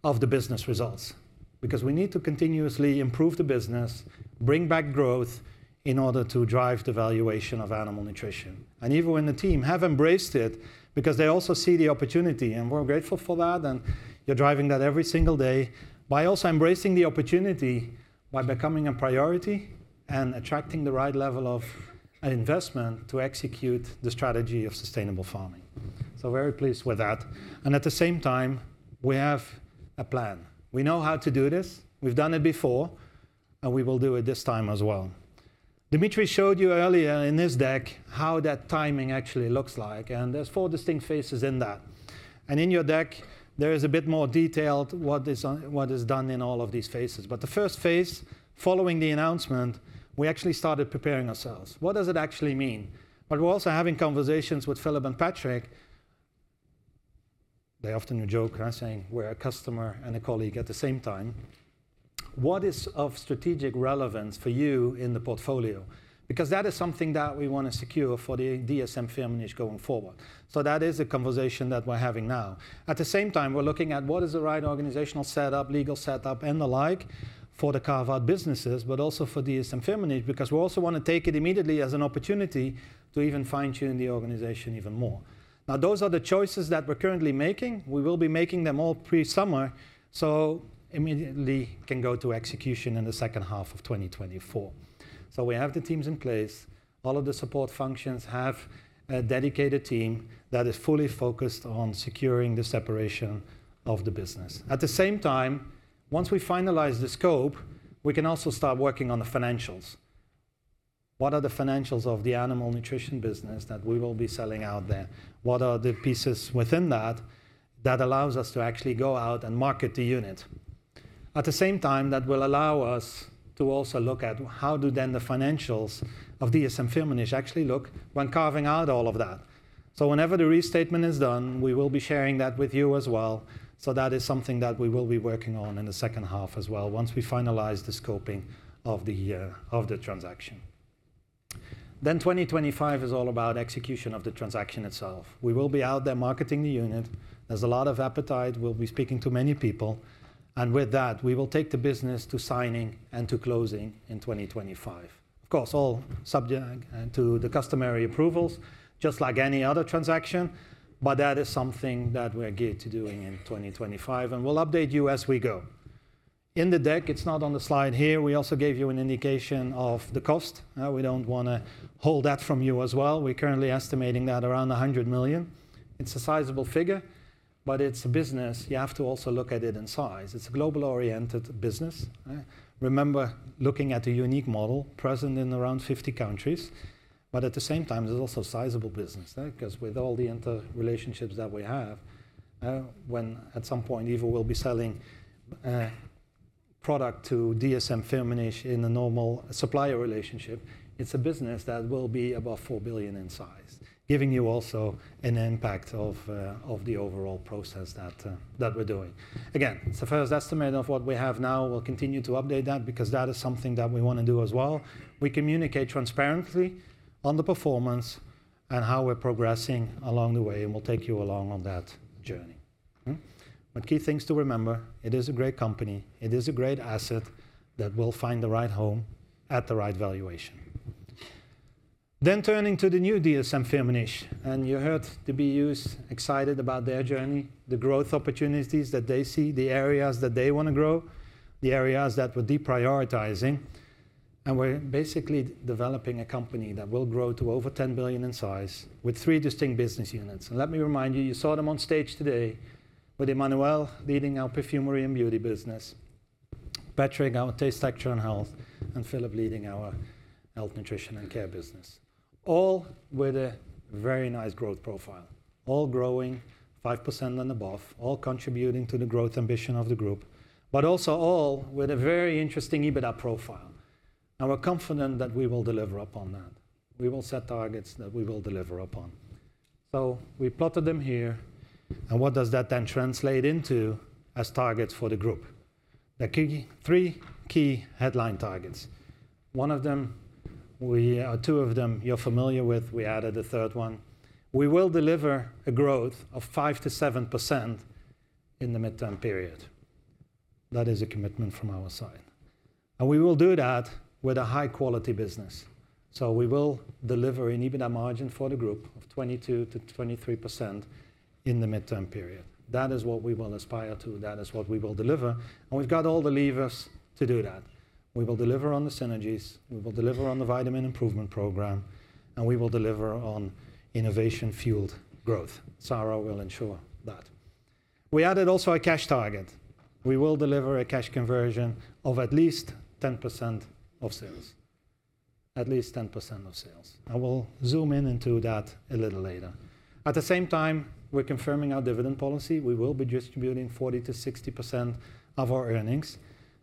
of the business results, because we need to continuously improve the business, bring back growth, in order to drive the valuation of animal nutrition. And Ivo and the team have embraced it, because they also see the opportunity, and we're grateful for that, and you're driving that every single day by also embracing the opportunity by becoming a priority and attracting the right level of investment to execute the strategy of sustainable farming. So very pleased with that, and at the same time, we have a plan. We know how to do this. We've done it before, and we will do it this time as well. Dimitri showed you earlier in his deck how that timing actually looks like, and there's four distinct phases in that. In your deck, there is a bit more detail to what is on, what is done in all of these phases. The first phase, following the announcement, we actually started preparing ourselves. What does it actually mean? We're also having conversations with Philip and Patrick. They often joke, saying, "We're a customer and a colleague at the same time." What is of strategic relevance for you in the portfolio? Because that is something that we want to secure for the DSM-Firmenich going forward. That is a conversation that we're having now. At the same time, we're looking at what is the right organizational setup, legal setup, and the like, for the carved-out businesses, but also for DSM-Firmenich, because we also want to take it immediately as an opportunity to even fine-tune the organization even more. Now, those are the choices that we're currently making. We will be making them all pre-summer, so immediately can go to execution in the second half of 2024. So we have the teams in place. All of the support functions have a dedicated team that is fully focused on securing the separation of the business. At the same time, once we finalize the scope, we can also start working on the financials. What are the financials of the animal nutrition business that we will be selling out there? What are the pieces within that, that allows us to actually go out and market the unit? At the same time, that will allow us to also look at how do then the financials of DSM-Firmenich actually look when carving out all of that. So whenever the restatement is done, we will be sharing that with you as well. So that is something that we will be working on in the second half as well, once we finalize the scoping of the, of the transaction. Then 2025 is all about execution of the transaction itself. We will be out there marketing the unit. There's a lot of appetite. We'll be speaking to many people, and with that, we will take the business to signing and to closing in 2025. Of course, all subject to the customary approvals, just like any other transaction, but that is something that we're geared to doing in 2025, and we'll update you as we go. In the deck, it's not on the slide here, we also gave you an indication of the cost. We don't want to hold that from you as well. We're currently estimating that around 100 million. It's a sizable figure, but it's a business. You have to also look at it in size. It's a global-oriented business, remember, looking at a unique model present in around 50 countries, but at the same time, it's also sizable business, 'cause with all the interrelationships that we have, when at some point, Ivo will be selling, product to DSM-Firmenich in a normal supplier relationship, it's a business that will be above 4 billion in size, giving you also an impact of, of the overall process that, that we're doing. Again, it's the first estimate of what we have now. We'll continue to update that because that is something that we want to do as well. We communicate transparently on the performance and how we're progressing along the way, and we'll take you along on that journey. Hmm? But key things to remember, it is a great company. It is a great asset that will find the right home at the right valuation. Then turning to the new DSM-Firmenich, and you heard the BUs excited about their journey, the growth opportunities that they see, the areas that they want to grow, the areas that we're deprioritizing, and we're basically developing a company that will grow to over 10 billion in size with three distinct business units. And let me remind you, you saw them on stage today with Emmanuel leading our Perfumery and Beauty Taste, Texture, and Health, and philip leading our Health, Nutrition, and Care business. All with a very nice growth profile, all growing 5% and above, all contributing to the growth ambition of the group, but also all with a very interesting EBITDA profile... and we're confident that we will deliver upon that. We will set targets that we will deliver upon. So we plotted them here, and what does that then translate into as targets for the group? The key three key headline targets. One of them we, or two of them you're familiar with, we added a third one. We will deliver a growth of 5%-7% in the midterm period. That is a commitment from our side, and we will do that with a high-quality business. So we will deliver an EBITDA margin for the group of 22%-23% in the midterm period. That is what we will aspire to. That is what we will deliver, and we've got all the levers to do that. We will deliver on the synergies, we will deliver on the vitamin improvement program, and we will deliver on innovation-fueled growth. Sarah will ensure that. We added also a cash target. We will deliver a cash conversion of at least 10% of sales. At least 10% of sales. I will zoom in into that a little later. At the same time, we're confirming our dividend policy. We will be distributing 40%-60% of our earnings,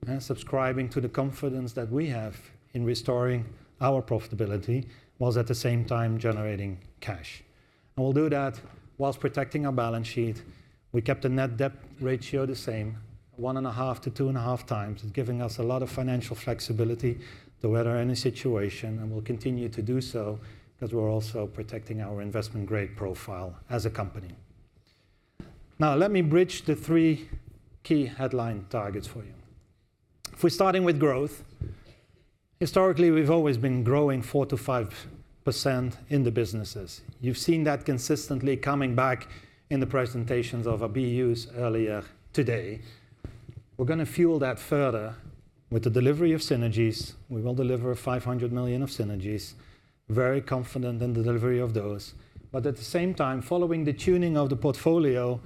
and subscribing to the confidence that we have in restoring our profitability, while at the same time generating cash. And we'll do that while protecting our balance sheet. We kept the net debt ratio the same, 1.5-2.5 times, giving us a lot of financial flexibility to weather any situation, and we'll continue to do so, 'cause we're also protecting our investment-grade profile as a company. Now, let me bridge the three key headline targets for you. If we're starting with growth, historically, we've always been growing 4%-5% in the businesses. You've seen that consistently coming back in the presentations of our BUs earlier today. We're gonna fuel that further with the delivery of synergies. We will deliver 500 million of synergies, very confident in the delivery of those. But at the same time, following the tuning of the portfolio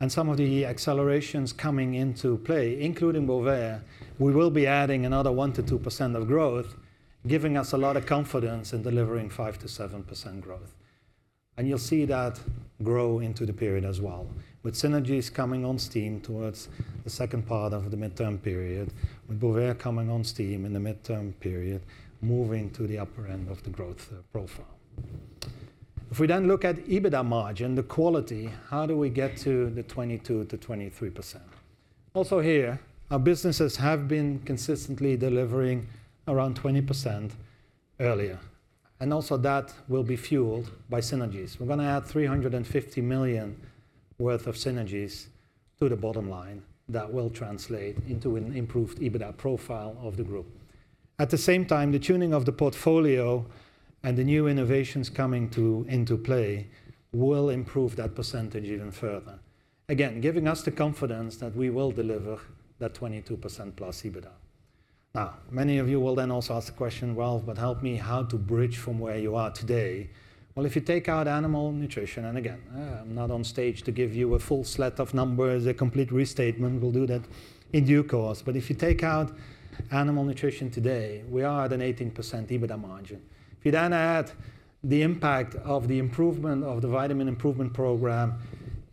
and some of the accelerations coming into play, including Bovaer, we will be adding another 1%-2% of growth, giving us a lot of confidence in delivering 5%-7% growth. And you'll see that grow into the period as well, with synergies coming on stream towards the second part of the midterm period, with Bovaer coming on stream in the midterm period, moving to the upper end of the growth profile. If we then look at EBITDA margin, the quality, how do we get to the 22%-23%? Also here, our businesses have been consistently delivering around 20% earlier, and also that will be fueled by synergies. We're gonna add 350 million worth of synergies to the bottom line. That will translate into an improved EBITDA profile of the group. At the same time, the tuning of the portfolio and the new innovations coming to, into play will improve that percentage even further, again, giving us the confidence that we will deliver that 22%+ EBITDA. Now, many of you will then also ask the question, "Well, but help me, how to bridge from where you are today?" Well, if you take out Animal Nutrition, and again, I'm not on stage to give you a full slate of numbers, a complete restatement. We'll do that in due course. But if you take out Animal Nutrition today, we are at an 18% EBITDA margin. If you then add the impact of the improvement of the vitamin improvement program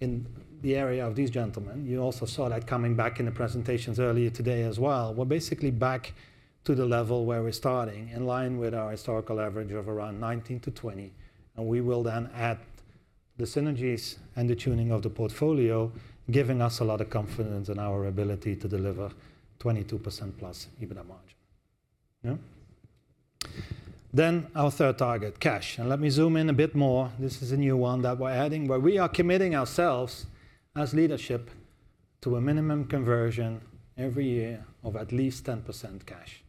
in the area of these gentlemen, you also saw that coming back in the presentations earlier today as well, we're basically back to the level where we're starting, in line with our historical average of around 19%-20%, and we will then add the synergies and the tuning of the portfolio, giving us a lot of confidence in our ability to deliver 22%+ EBITDA margin. Yeah? Then our third target, cash, and let me zoom in a bit more. This is a new one that we're adding, where we are committing ourselves, as leadership, to a minimum conversion every year of at least 10% cash,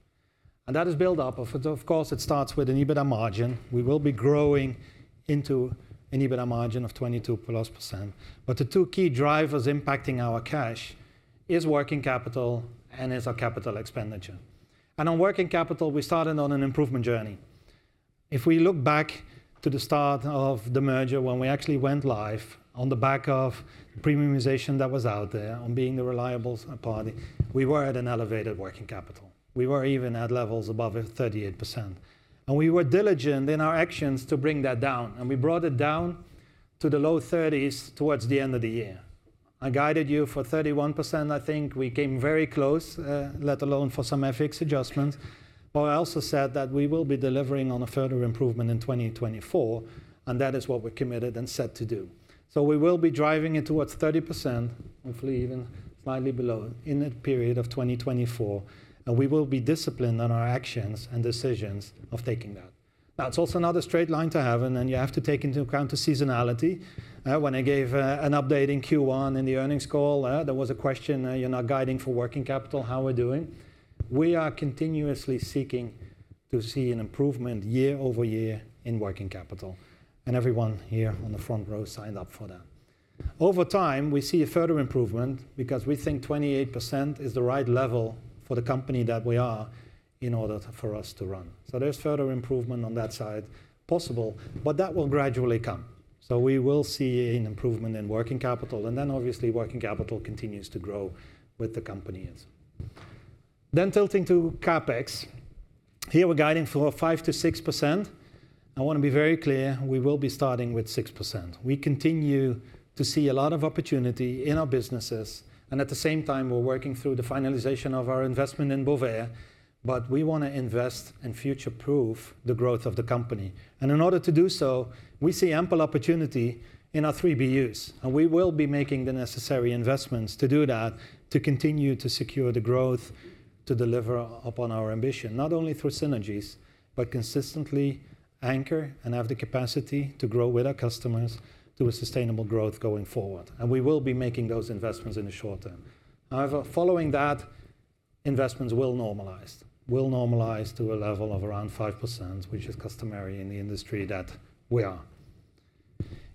and that is built up. Of course, it starts with an EBITDA margin. We will be growing into an EBITDA margin of 22%+, but the two key drivers impacting our cash is working capital and is our capital expenditure. On working capital, we started on an improvement journey. If we look back to the start of the merger, when we actually went live on the back of premiumization that was out there, on being the reliable party, we were at an elevated working capital. We were even at levels above 38%, and we were diligent in our actions to bring that down, and we brought it down to the low 30s towards the end of the year. I guided you for 31%, I think. We came very close, let alone for some FX adjustments. But I also said that we will be delivering on a further improvement in 2024, and that is what we're committed and set to do. So we will be driving it towards 30%, hopefully even slightly below, in the period of 2024, and we will be disciplined in our actions and decisions of taking that. Now, it's also not a straight line to heaven, and you have to take into account the seasonality. When I gave an update in Q1, in the earnings call, there was a question, "You're not guiding for working capital, how we're doing?" We are continuously seeking to see an improvement year-over-year in working capital, and everyone here on the front row signed up for that. Over time, we see a further improvement because we think 28% is the right level for the company that we are in order for us to run. So there's further improvement on that side possible, but that will gradually come. So we will see an improvement in working capital, and then obviously, working capital continues to grow with the company. Then tilting to CapEx. Here, we're guiding for 5%-6%. I want to be very clear, we will be starting with 6%. We continue to see a lot of opportunity in our businesses, and at the same time, we're working through the finalization of our investment in Bovaer, but we want to invest and future-proof the growth of the company. In order to do so, we see ample opportunity in our three BUs, and we will be making the necessary investments to do that, to continue to secure the growth, to deliver upon our ambition, not only through synergies, but consistently anchor and have the capacity to grow with our customers through a sustainable growth going forward. We will be making those investments in the short term. However, following that, investments will normalize, will normalize to a level of around 5%, which is customary in the industry that we are.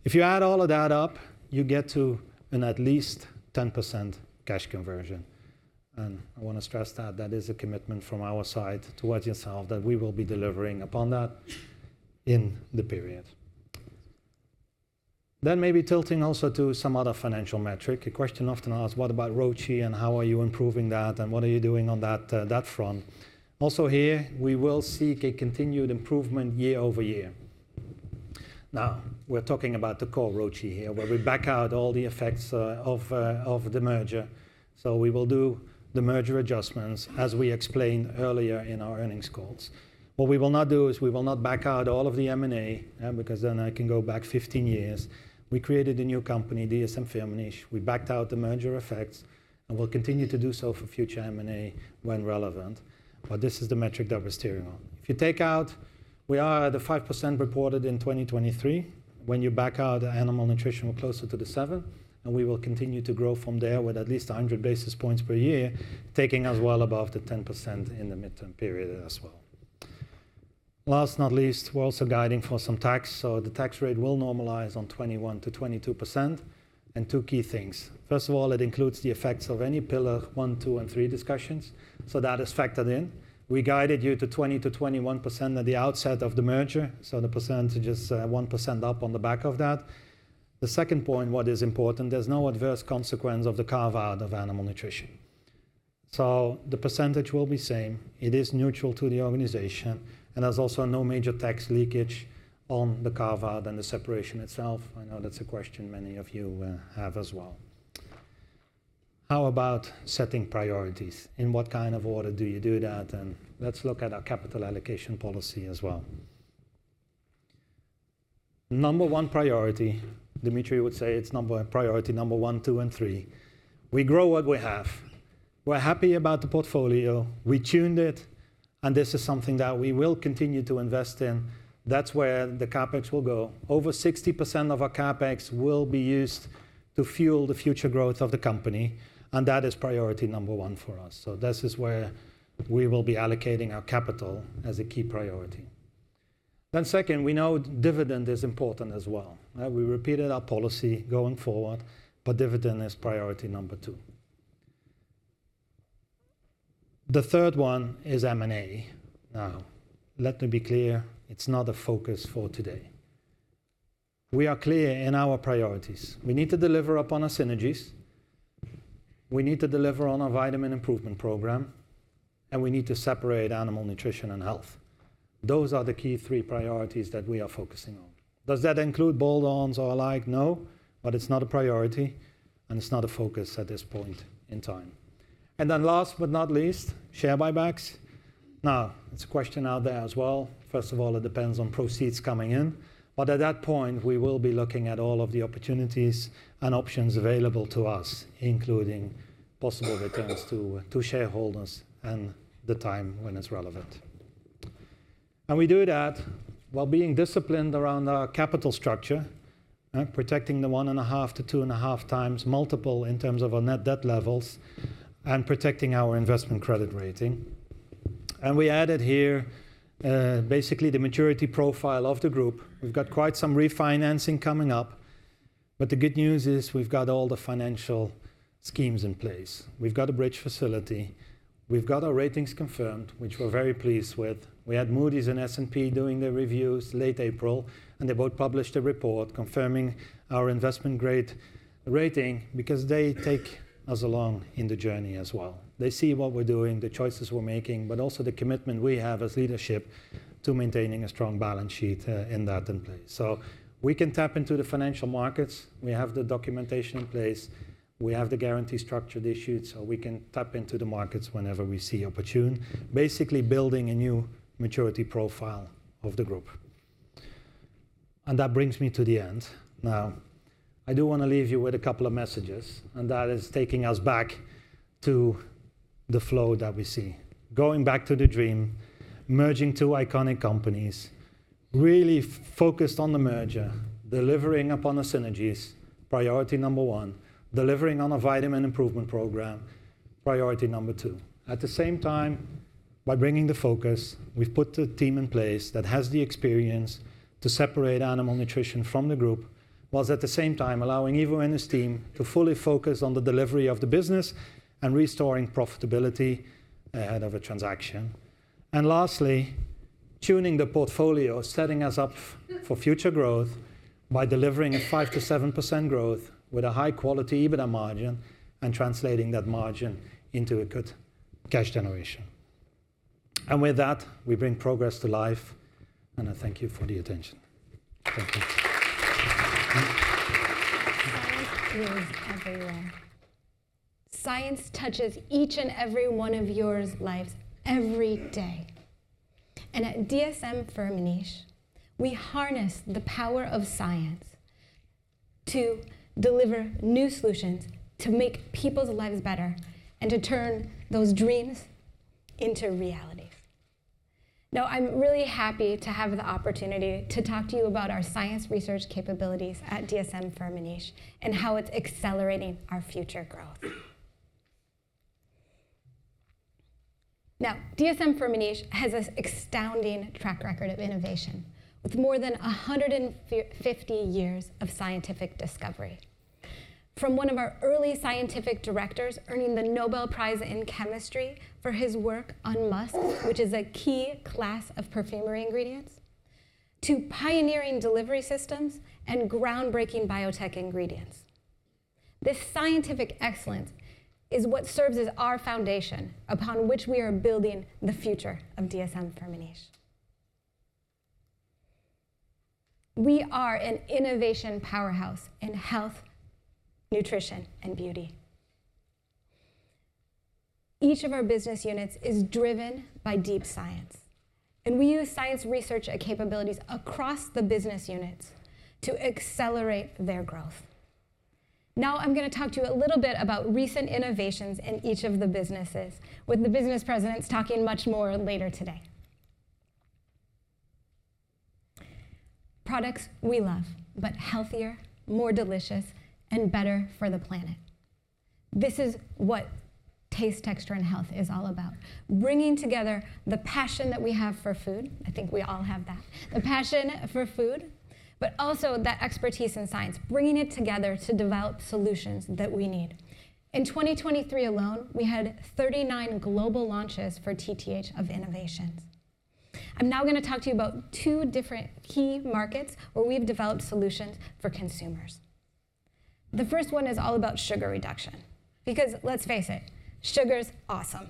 If you add all of that up, you get to an at least 10% cash conversion. And I want to stress that that is a commitment from our side towards yourself, that we will be delivering upon that in the period. Then maybe tilting also to some other financial metric. A question often asked, "What about ROCE, and how are you improving that, and what are you doing on that, that front?" Also here, we will seek a continued improvement year over year. Now, we're talking about the core ROCE here, where we back out all the effects of the merger. So we will do the merger adjustments as we explained earlier in our earnings calls. What we will not do is we will not back out all of the M&A, because then I can go back 15 years. We created a new company, DSM-Firmenich. We backed out the merger effects, and we'll continue to do so for future M&A when relevant, but this is the metric that we're steering on. If you take out, we are at the 5% reported in 2023. When you back out Animal Nutrition, we're closer to the 7, and we will continue to grow from there with at least 100 basis points per year, taking us well above the 10% in the midterm period as well. Last, not least, we're also guiding for some tax, so the tax rate will normalize on 21%-22%. And two key things: first of all, it includes the effects of any Pillar One, Two, and Three discussions, so that is factored in. We guided you to 20%-21% at the outset of the merger, so the percentage is, 1% up on the back of that. The second point, what is important, there's no adverse consequence of the carve-out of Animal Nutrition. So the percentage will be same. It is neutral to the organization, and there's also no major tax leakage on the carve-out and the separation itself. I know that's a question many of you have as well. How about setting priorities? In what kind of order do you do that? And let's look at our capital allocation policy as well. Number one priority, Dimitri would say it's number one, priority number one, two, and three. We grow what we have. We're happy about the portfolio. We tuned it, and this is something that we will continue to invest in. That's where the CapEx will go. Over 60% of our CapEx will be used to fuel the future growth of the company, and that is priority number one for us, so this is where we will be allocating our capital as a key priority. Then second, we know dividend is important as well. We repeated our policy going forward, but dividend is priority number two. The third one is M&A. Now, let me be clear, it's not a focus for today. We are clear in our priorities. We need to deliver upon our synergies, we need to deliver on our vitamin improvement program, and we need to separate Animal Nutrition and Health. Those are the key three priorities that we are focusing on. Does that include bolt-ons or alike? No, but it's not a priority, and it's not a focus at this point in time. And then last but not least, share buybacks. Now, it's a question out there as well. First of all, it depends on proceeds coming in, but at that point, we will be looking at all of the opportunities and options available to us, including possible returns to shareholders and the time when it's relevant. We do that while being disciplined around our capital structure, protecting the 1.5-2.5 times multiple in terms of our net debt levels and protecting our investment credit rating. We added here basically the maturity profile of the group. We've got quite some refinancing coming up, but the good news is we've got all the financial schemes in place. We've got a bridge facility. We've got our ratings confirmed, which we're very pleased with. We had Moody's and S&P doing their reviews late April, and they both published a report confirming our investment-grade rating because they take us along in the journey as well. They see what we're doing, the choices we're making, but also the commitment we have as leadership to maintaining a strong balance sheet, with that in place. So we can tap into the financial markets. We have the documentation in place. We have the guarantee structured issued, so we can tap into the markets whenever we see opportune, basically building a new maturity profile of the group. And that brings me to the end. Now, I do want to leave you with a couple of messages, and that is taking us back to the flow that we see. Going back to the dream, merging two iconic companies, really focused on the merger, delivering upon the synergies, priority number one, delivering on a vitamin improvement program, priority number two. At the same time, by bringing the focus, we've put the team in place that has the experience to separate Animal Nutrition from the group, while at the same time allowing Ivo and his team to fully focus on the delivery of the business and restoring profitability ahead of a transaction. And lastly, tuning the portfolio, setting us up for future growth by delivering 5%-7% growth with a high-quality EBITDA margin and translating that margin into a good cash generation. And with that, we bring progress to life, and I thank you for the attention. Thank you. Science is everywhere. Science touches each and every one of your lives every day. At DSM-Firmenich, we harness the power of science to deliver new solutions to make people's lives better, and to turn those dreams into reality. Now, I'm really happy to have the opportunity to talk to you about our science research capabilities at DSM-Firmenich, and how it's accelerating our future growth. Now, DSM-Firmenich has an astounding track record of innovation, with more than 150 years of scientific discovery. From one of our early scientific directors earning the Nobel Prize in Chemistry for his work on musks, which is a key class of perfumery ingredients, to pioneering delivery systems and groundbreaking biotech ingredients. This scientific excellence is what serves as our foundation upon which we are building the future of DSM-Firmenich. We are an innovation powerhouse in health, nutrition, and beauty. Each of our business units is driven by deep science, and we use science research and capabilities across the business units to accelerate their growth. Now, I'm gonna talk to you a little bit about recent innovations in each of the businesses, with the business presidents talking much more later today. Products we love, but healthier, more delicious, and better for the planet. Taste, Texture, and Health is all about, bringing together the passion that we have for food, I think we all have that, the passion for food, but also that expertise in science, bringing it together to develop solutions that we need. In 2023 alone, we had 39 global launches for TTH of innovations. I'm now gonna talk to you about two different key markets where we've developed solutions for consumers. The first one is all about sugar reduction, because let's face it, sugar's awesome.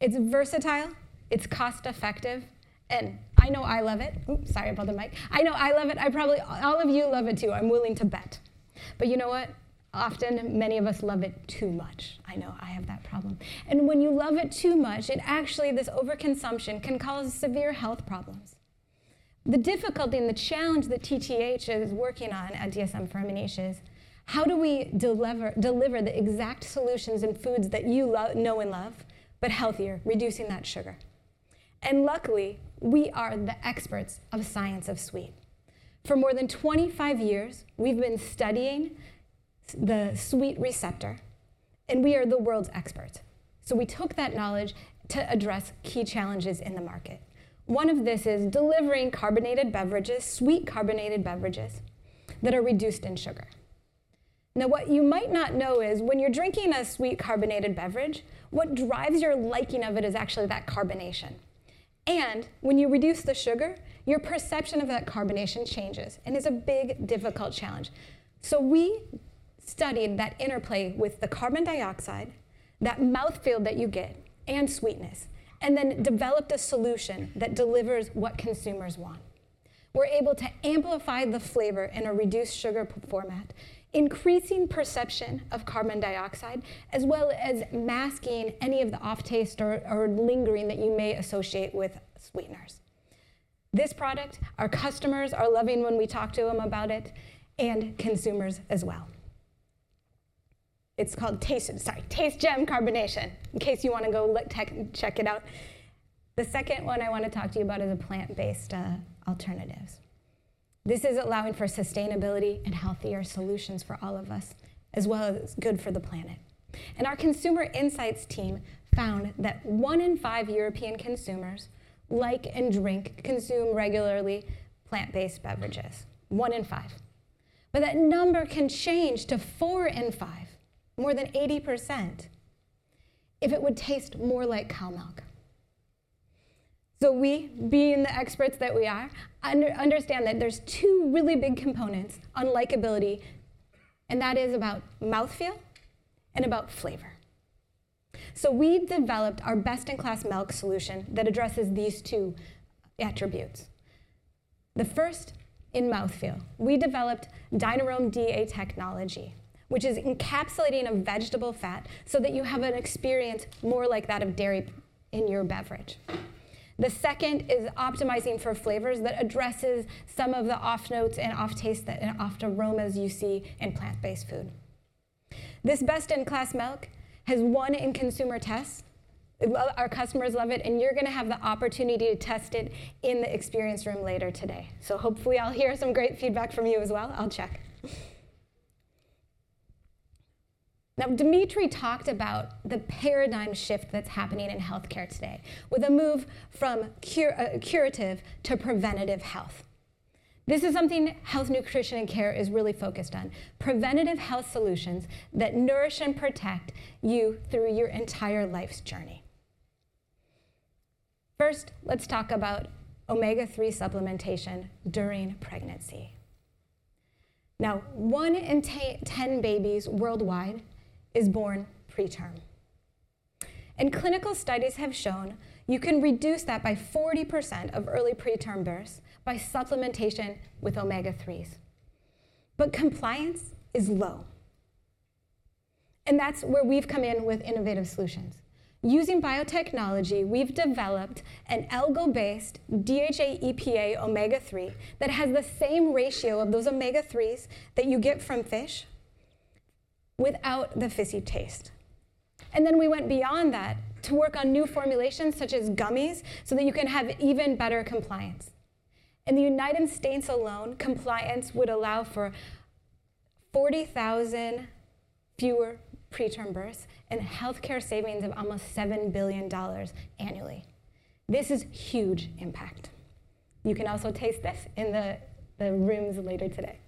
It's versatile, it's cost-effective, and I know I love it. Oops, sorry about the mic. I know I love it. I probably all of you love it, too, I'm willing to bet. But you know what? Often, many of us love it too much. I know I have that problem. And when you love it too much, it actually, this overconsumption, can cause severe health problems. The difficulty and the challenge that TTH is working on at DSM-Firmenich is: how do we deliver the exact solutions in foods that you know and love, but healthier, reducing that sugar? And luckily, we are the experts of science of sweet. For more than 25 years, we've been studying the sweet receptor, and we are the world's expert, so we took that knowledge to address key challenges in the market. One of these is delivering carbonated beverages, sweet carbonated beverages, that are reduced in sugar. Now, what you might not know is, when you're drinking a sweet carbonated beverage, what drives your liking of it is actually that carbonation, and when you reduce the sugar, your perception of that carbonation changes, and it's a big, difficult challenge. So we studied that interplay with the carbon dioxide, that mouthfeel that you get, and sweetness, and then developed a solution that delivers what consumers want. We're able to amplify the flavor in a reduced sugar format, increasing perception of carbon dioxide, as well as masking any of the off taste or, or lingering that you may associate with sweeteners. This product, our customers are loving when we talk to them about it, and consumers as well. It's called Taste, sorry, TasteGEM Carbonation, in case you wanna go look check it out. The second one I wanna talk to you about is the plant-based alternatives. This is allowing for sustainability and healthier solutions for all of us, as well as it's good for the planet. And our consumer insights team found that one in five European consumers like and drink, consume regularly plant-based beverages. One in five. But that number can change to four in five, more than 80%, if it would taste more like cow milk. So we, being the experts that we are, understand that there's two really big components on likeability, and that is about mouthfeel and about flavor. So we've developed our best-in-class milk solution that addresses these two attributes. The first, in mouthfeel. We developed Dynarome DA technology, which is encapsulating a vegetable fat, so that you have an experience more like that of dairy in your beverage. The second is optimizing for flavors that addresses some of the off-notes and off-taste, and off the aromas you see in plant-based food. This best-in-class milk has won in consumer tests, well, our customers love it, and you're gonna have the opportunity to test it in the experience room later today. So hopefully, I'll hear some great feedback from you as well. I'll check. Now, Dimitri talked about the paradigm shift that's happening in healthcare today, with a move from curative to preventative health. This is something Health Nutrition and Care is really focused on, preventative health solutions that nourish and protect you through your entire life's journey. First, let's talk about omega-3 supplementation during pregnancy. Now, one in ten babies worldwide is born preterm, and clinical studies have shown you can reduce that by 40% of early preterm births by supplementation with omega-3s. But compliance is low, and that's where we've come in with innovative solutions. Using biotechnology, we've developed an algal-based DHA/EPA omega-3 that has the same ratio of those omega-3s that you get from fish, without the fishy taste. And then we went beyond that to work on new formulations, such as gummies, so that you can have even better compliance. In the United States alone, compliance would allow for 40,000 fewer preterm births and healthcare savings of almost $7 billion annually. This is huge impact. You can also taste this in the rooms later today.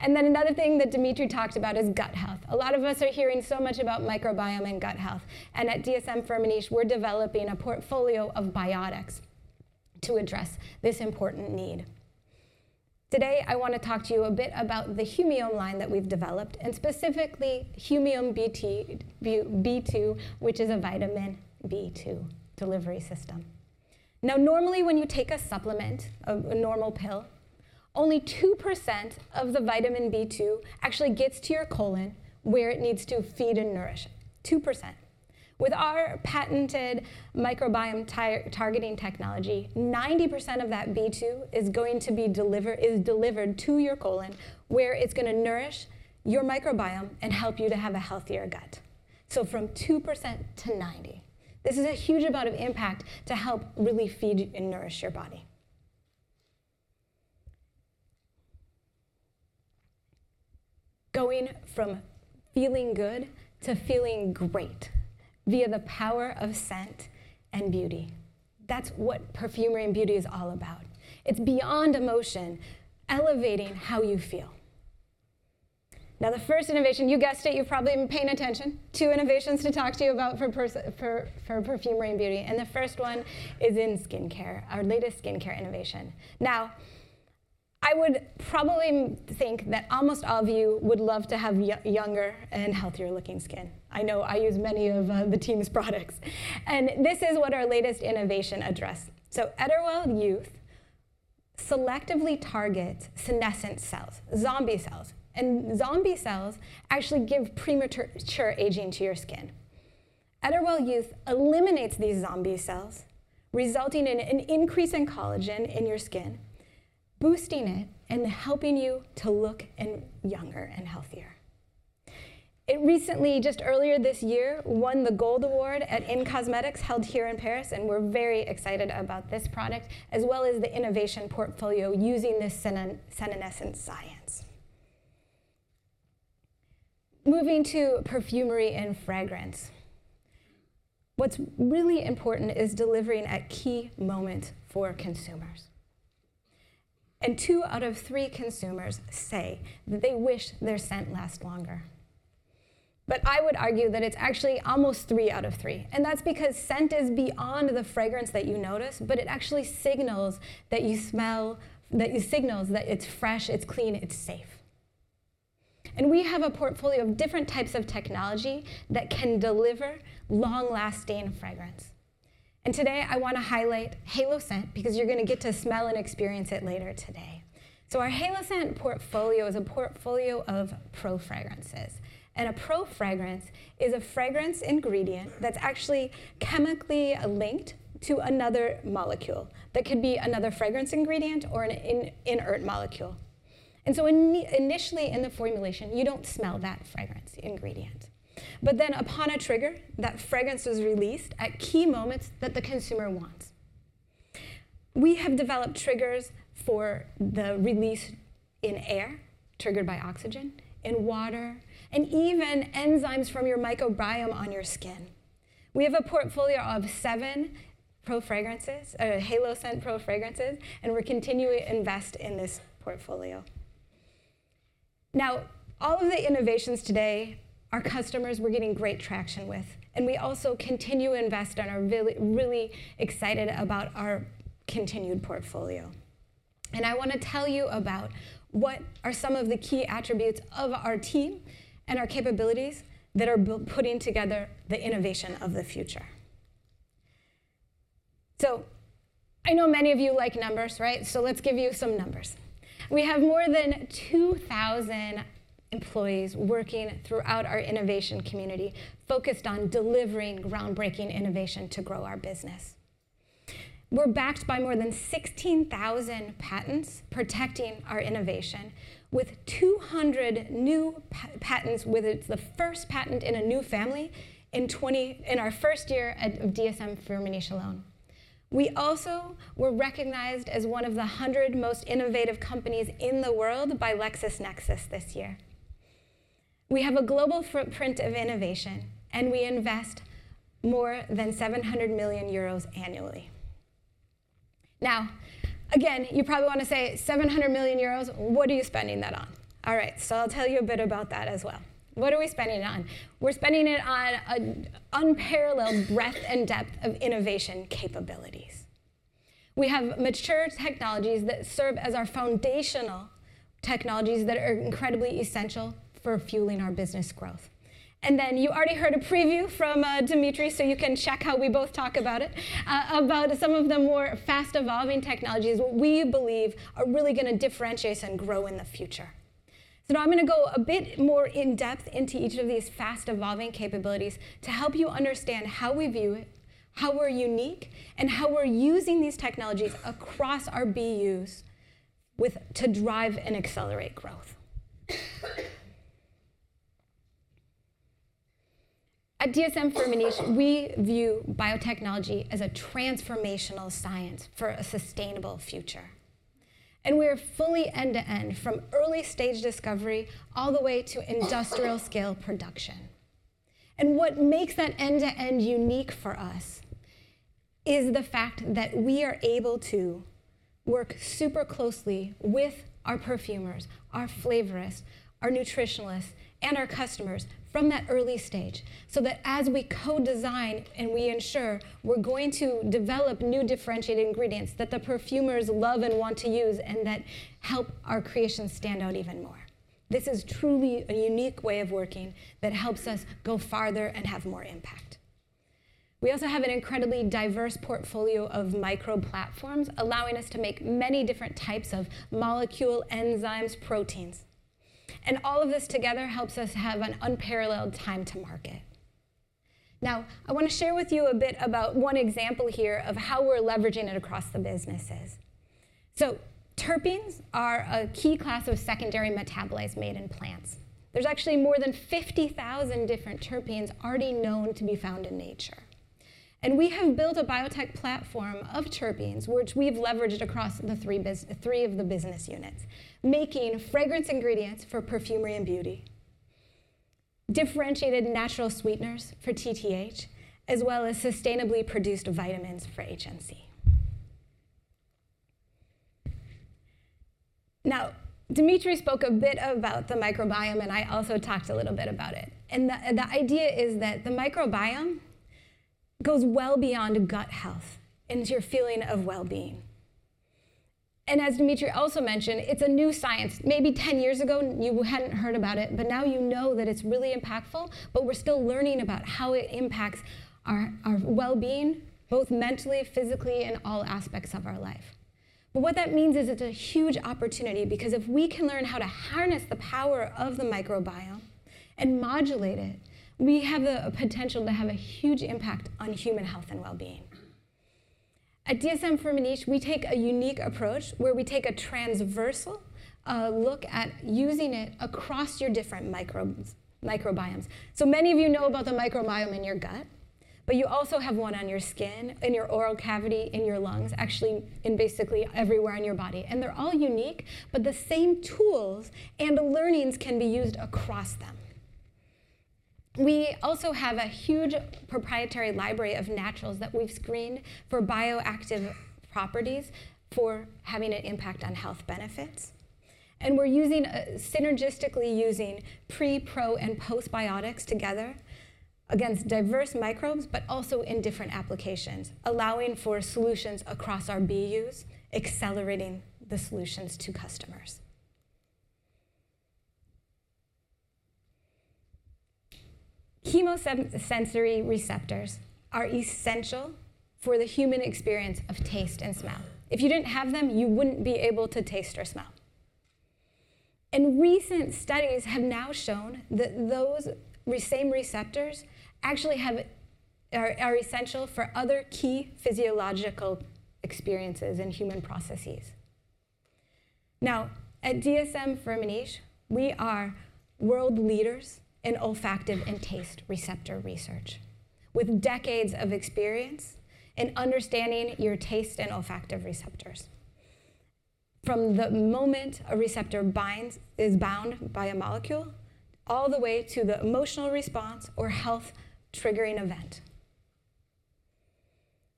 And then another thing that Dimitri talked about is gut health. A lot of us are hearing so much about microbiome and gut health, and at DSM-Firmenich, we're developing a portfolio of biotics to address this important need. Today, I wanna talk to you a bit about the Humiome line that we've developed, and specifically, Humiome B2, which is a vitamin B2 delivery system. Now, normally, when you take a supplement, a normal pill, only 2% of the vitamin B2 actually gets to your colon, where it needs to feed and nourish it. 2%. With our patented microbiome targeting technology, 90% of that B2 is going to be delivered to your colon, where it's gonna nourish your microbiome and help you to have a healthier gut. So from 2% to 90, this is a huge amount of impact to help really feed and nourish your body. Going from feeling good to feeling great via the power of scent and beauty, that's what Perfumery and Beauty is all about. It's beyond emotion, elevating how you feel. Now, the first innovation, you guessed it, you've probably been paying attention, two innovations to talk to you about for Perfumery and Beauty, and the first one is in skincare, our latest skincare innovation. Now, I would probably think that almost all of you would love to have younger and healthier-looking skin. I know I use many of the team's products and this is what our latest innovation addresses. So Eterwell Youth selectively targets senescent cells, zombie cells, and zombie cells actually give premature aging to your skin. Eterwell Youth eliminates these zombie cells, resulting in an increase in collagen in your skin, boosting it, and helping you to look younger and healthier. It recently, just earlier this year, won the Gold Award at in-cosmetics, held here in Paris, and we're very excited about this product, as well as the innovation portfolio using this senescence science. Moving to perfumery and fragrance, what's really important is delivering at key moment for consumers, and two out of three consumers say that they wish their scent last longer. But I would argue that it's actually almost three out of three, and that's because scent is beyond the fragrance that you notice, but it actually signals that it's fresh, it's clean, it's safe. And we have a portfolio of different types of technology that can deliver long-lasting fragrance, and today, I wanna highlight HaloScent, because you're gonna get to smell and experience it later today. So our HaloScent portfolio is a portfolio of pro fragrances, and a pro fragrance is a fragrance ingredient that's actually chemically linked to another molecule. That could be another fragrance ingredient or an inert molecule. And so initially, in the formulation, you don't smell that fragrance ingredient, but then upon a trigger, that fragrance is released at key moments that the consumer wants. We have developed triggers for the release in air, triggered by oxygen, in water, and even enzymes from your microbiome on your skin. We have a portfolio of seven pro fragrances, HaloScent pro fragrances, and we're continuing to invest in this portfolio. Now, all of the innovations today, our customers, we're getting great traction with, and we also continue to invest and are really, really excited about our continued portfolio. I wanna tell you about what are some of the key attributes of our team and our capabilities that are putting together the innovation of the future. So I know many of you like numbers, right? So let's give you some numbers. We have more than 2,000 employees working throughout our innovation community, focused on delivering groundbreaking innovation to grow our business. We're backed by more than 16,000 patents protecting our innovation, with 200 new patents, whether it's the first patent in a new family, in 2023, in our first year at DSM-Firmenich alone. We also were recognized as one of the 100 most innovative companies in the world by LexisNexis this year. We have a global footprint of innovation, and we invest more than 700 million euros annually. Now, again, you probably want to say, "700 million euros? What are you spending that on?" All right, so I'll tell you a bit about that as well. What are we spending it on? We're spending it on an unparalleled breadth and depth of innovation capabilities. We have mature technologies that serve as our foundational technologies that are incredibly essential for fueling our business growth. And then you already heard a preview from Dimitri, so you can check how we both talk about it, about some of the more fast-evolving technologies what we believe are really gonna differentiate us and grow in the future. So now I'm gonna go a bit more in depth into each of these fast-evolving capabilities to help you understand how we view it, how we're unique, and how we're using these technologies across our BUs to drive and accelerate growth. At DSM-Firmenich, we view biotechnology as a transformational science for a sustainable future, and we are fully end-to-end, from early-stage discovery all the way to industrial-scale production. What makes that end-to-end unique for us is the fact that we are able to work super closely with our perfumers, our flavorists, our nutritionalists, and our customers from that early stage, so that as we co-design and we ensure, we're going to develop new differentiated ingredients that the perfumers love and want to use, and that help our creations stand out even more. This is truly a unique way of working that helps us go farther and have more impact. We also have an incredibly diverse portfolio of microplatforms, allowing us to make many different types of molecule enzymes, proteins, and all of this together helps us have an unparalleled time to market. Now, I want to share with you a bit about one example here of how we're leveraging it across the businesses. So terpenes are a key class of secondary metabolites made in plants. There's actually more than 50,000 different terpenes already known to be found in nature. And we have built a biotech platform of terpenes, which we've leveraged across the three of the business units, making fragrance ingredients for Perfumery and Beauty, differentiated natural sweeteners for TTH, as well as sustainably produced vitamins for HNC. Now, Dimitri spoke a bit about the microbiome, and I also talked a little bit about it, and the idea is that the microbiome goes well beyond gut health into your feeling of well-being. And as Dimitri also mentioned, it's a new science. Maybe ten years ago, you hadn't heard about it, but now you know that it's really impactful, but we're still learning about how it impacts our our well-being, both mentally, physically, and all aspects of our life. But what that means is it's a huge opportunity, because if we can learn how to harness the power of the microbiome and modulate it, we have the potential to have a huge impact on human health and well-being. At DSM-Firmenich, we take a unique approach, where we take a transversal look at using it across your different microbiomes. So many of you know about the microbiome in your gut, but you also have one on your skin, in your oral cavity, in your lungs, actually, in basically everywhere in your body, and they're all unique, but the same tools and learnings can be used across them. We also have a huge proprietary library of naturals that we've screened for bioactive properties for having an impact on health benefits. And we're using synergistically using pre, pro, and postbiotics together against diverse microbes, but also in different applications, allowing for solutions across our BUs, accelerating the solutions to customers. Chemosensory receptors are essential for the human experience of taste and smell. If you didn't have them, you wouldn't be able to taste or smell. And recent studies have now shown that those same receptors actually are essential for other key physiological experiences and human processes. Now, at DSM-Firmenich, we are world leaders in olfactive and taste receptor research, with decades of experience in understanding your taste and olfactive receptors. From the moment a receptor is bound by a molecule, all the way to the emotional response or health-triggering event.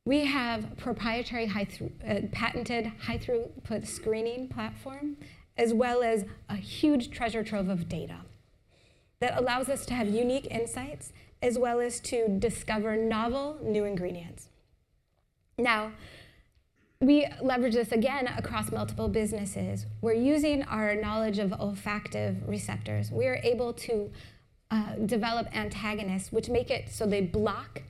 We have proprietary high-throughput screening platform, as well as a huge treasure trove of data that allows us to have unique insights, as well as to discover novel, new ingredients. Now, we leverage this again across multiple businesses. We're using our knowledge of olfactory receptors. We're able to develop antagonists, which make it so they block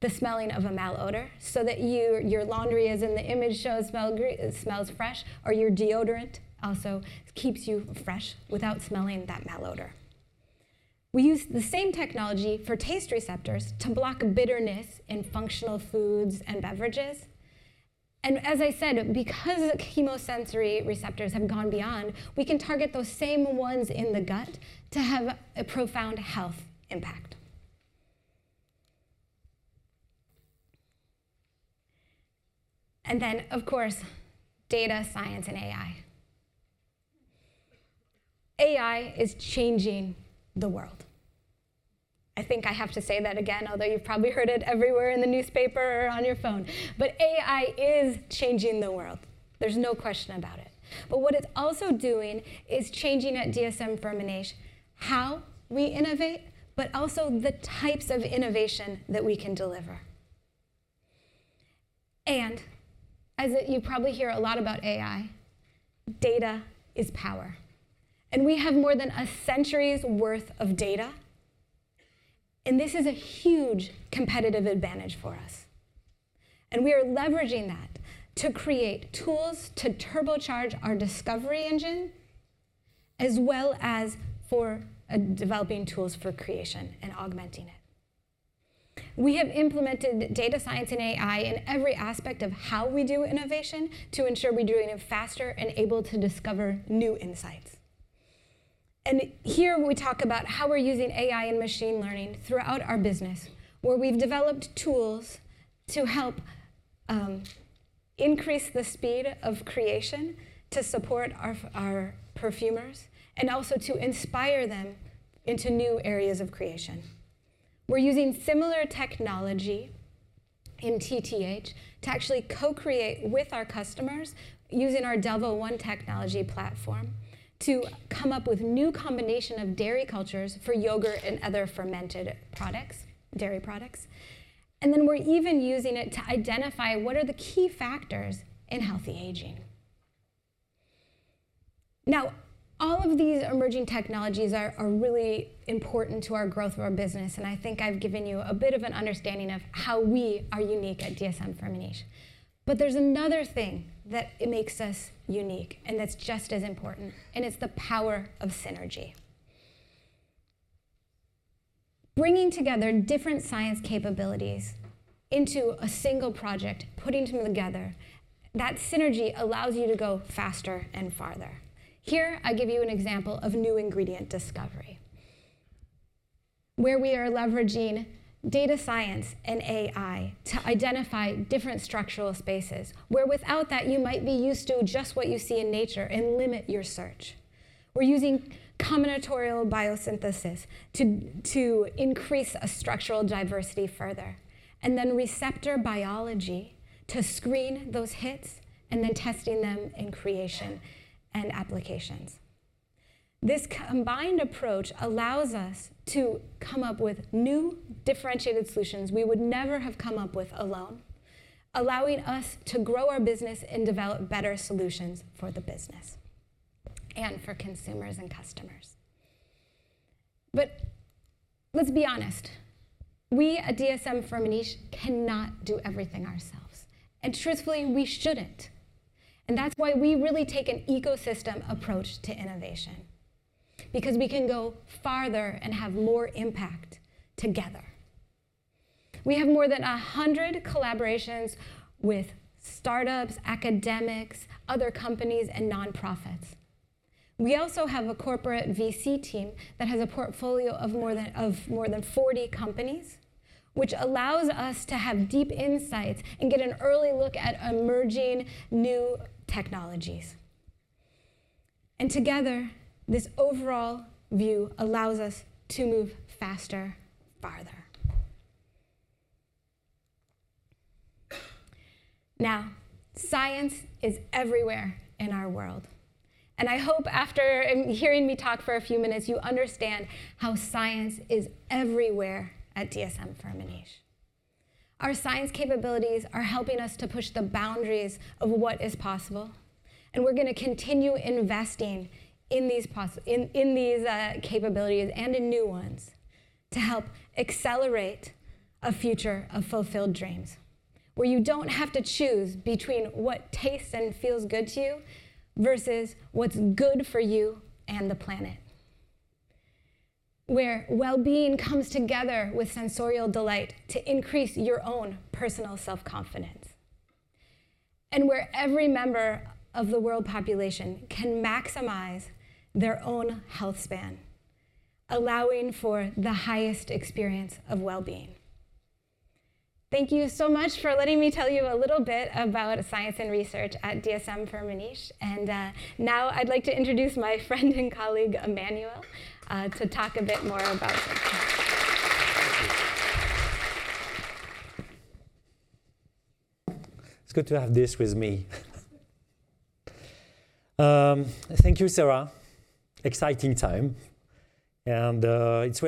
the smelling of a malodor, so that your laundry, as in the image shows, smells fresh, or your deodorant also keeps you fresh without smelling that malodor. We use the same technology for taste receptors to block bitterness in functional foods and beverages, and as I said, because the chemosensory receptors have gone beyond, we can target those same ones in the gut to have a profound health impact. And then, of course, data science and AI. AI is changing the world. I think I have to say that again, although you've probably heard it everywhere in the newspaper or on your phone, but AI is changing the world. There's no question about it. But what it's also doing is changing, at DSM-Firmenich, how we innovate, but also the types of innovation that we can deliver. And as you probably hear a lot about AI, data is power, and we have more than a century's worth of data, and this is a huge competitive advantage for us. And we are leveraging that to create tools to turbocharge our discovery engine, as well as for developing tools for creation and augmenting it. We have implemented data science and AI in every aspect of how we do innovation to ensure we're doing it faster and able to discover new insights. And here, we talk about how we're using AI and machine learning throughout our business, where we've developed tools to help, increase the speed of creation to support our, our perfumers, and also to inspire them into new areas of creation. We're using similar technology in TTH to actually co-create with our customers, using our DelvoOne technology platform, to come up with new combination of dairy cultures for yogurt and other fermented products, dairy products. And then we're even using it to identify what are the key factors in healthy aging. Now, all of these emerging technologies are, really important to our growth of our business, and I think I've given you a bit of an understanding of how we are unique at DSM-Firmenich. But there's another thing that makes us unique, and that's just as important, and it's the power of synergy. Bringing together different science capabilities into a single project, putting them together, that synergy allows you to go faster and farther. Here, I give you an example of new ingredient discovery, where we are leveraging data science and AI to identify different structural spaces, where without that, you might be used to just what you see in nature and limit your search. We're using combinatorial biosynthesis to increase a structural diversity further, and then receptor biology to screen those hits, and then testing them in creation and applications. This combined approach allows us to come up with new, differentiated solutions we would never have come up with alone, allowing us to grow our business and develop better solutions for the business and for consumers and customers. But let's be honest, we at DSM-Firmenich cannot do everything ourselves, and truthfully, we shouldn't. And that's why we really take an ecosystem approach to innovation, because we can go farther and have more impact together. We have more than 100 collaborations with startups, academics, other companies, and nonprofits. We also have a corporate VC team that has a portfolio of more than 40 companies, which allows us to have deep insights and get an early look at emerging new technologies. And together, this overall view allows us to move faster, farther. Now, science is everywhere in our world, and I hope after hearing me talk for a few minutes, you understand how science is everywhere at DSM-Firmenich. Our science capabilities are helping us to push the boundaries of what is possible, and we're gonna continue investing in these possibilities and in new ones to help accelerate a future of fulfilled dreams, where you don't have to choose between what tastes and feels good to you versus what's good for you and the planet. Where well-being comes together with sensorial delight to increase your own personal self-confidence. And where every member of the world population can maximize their own health span, allowing for the highest experience of well-being. Thank you so much for letting me tell you a little bit about science and research at DSM-Firmenich, and now I'd like to introduce my friend and colleague, Emmanuel, to talk a bit more about it. Thank you. It's good to have this with me. Thank you, Sarah. Exciting time, and it's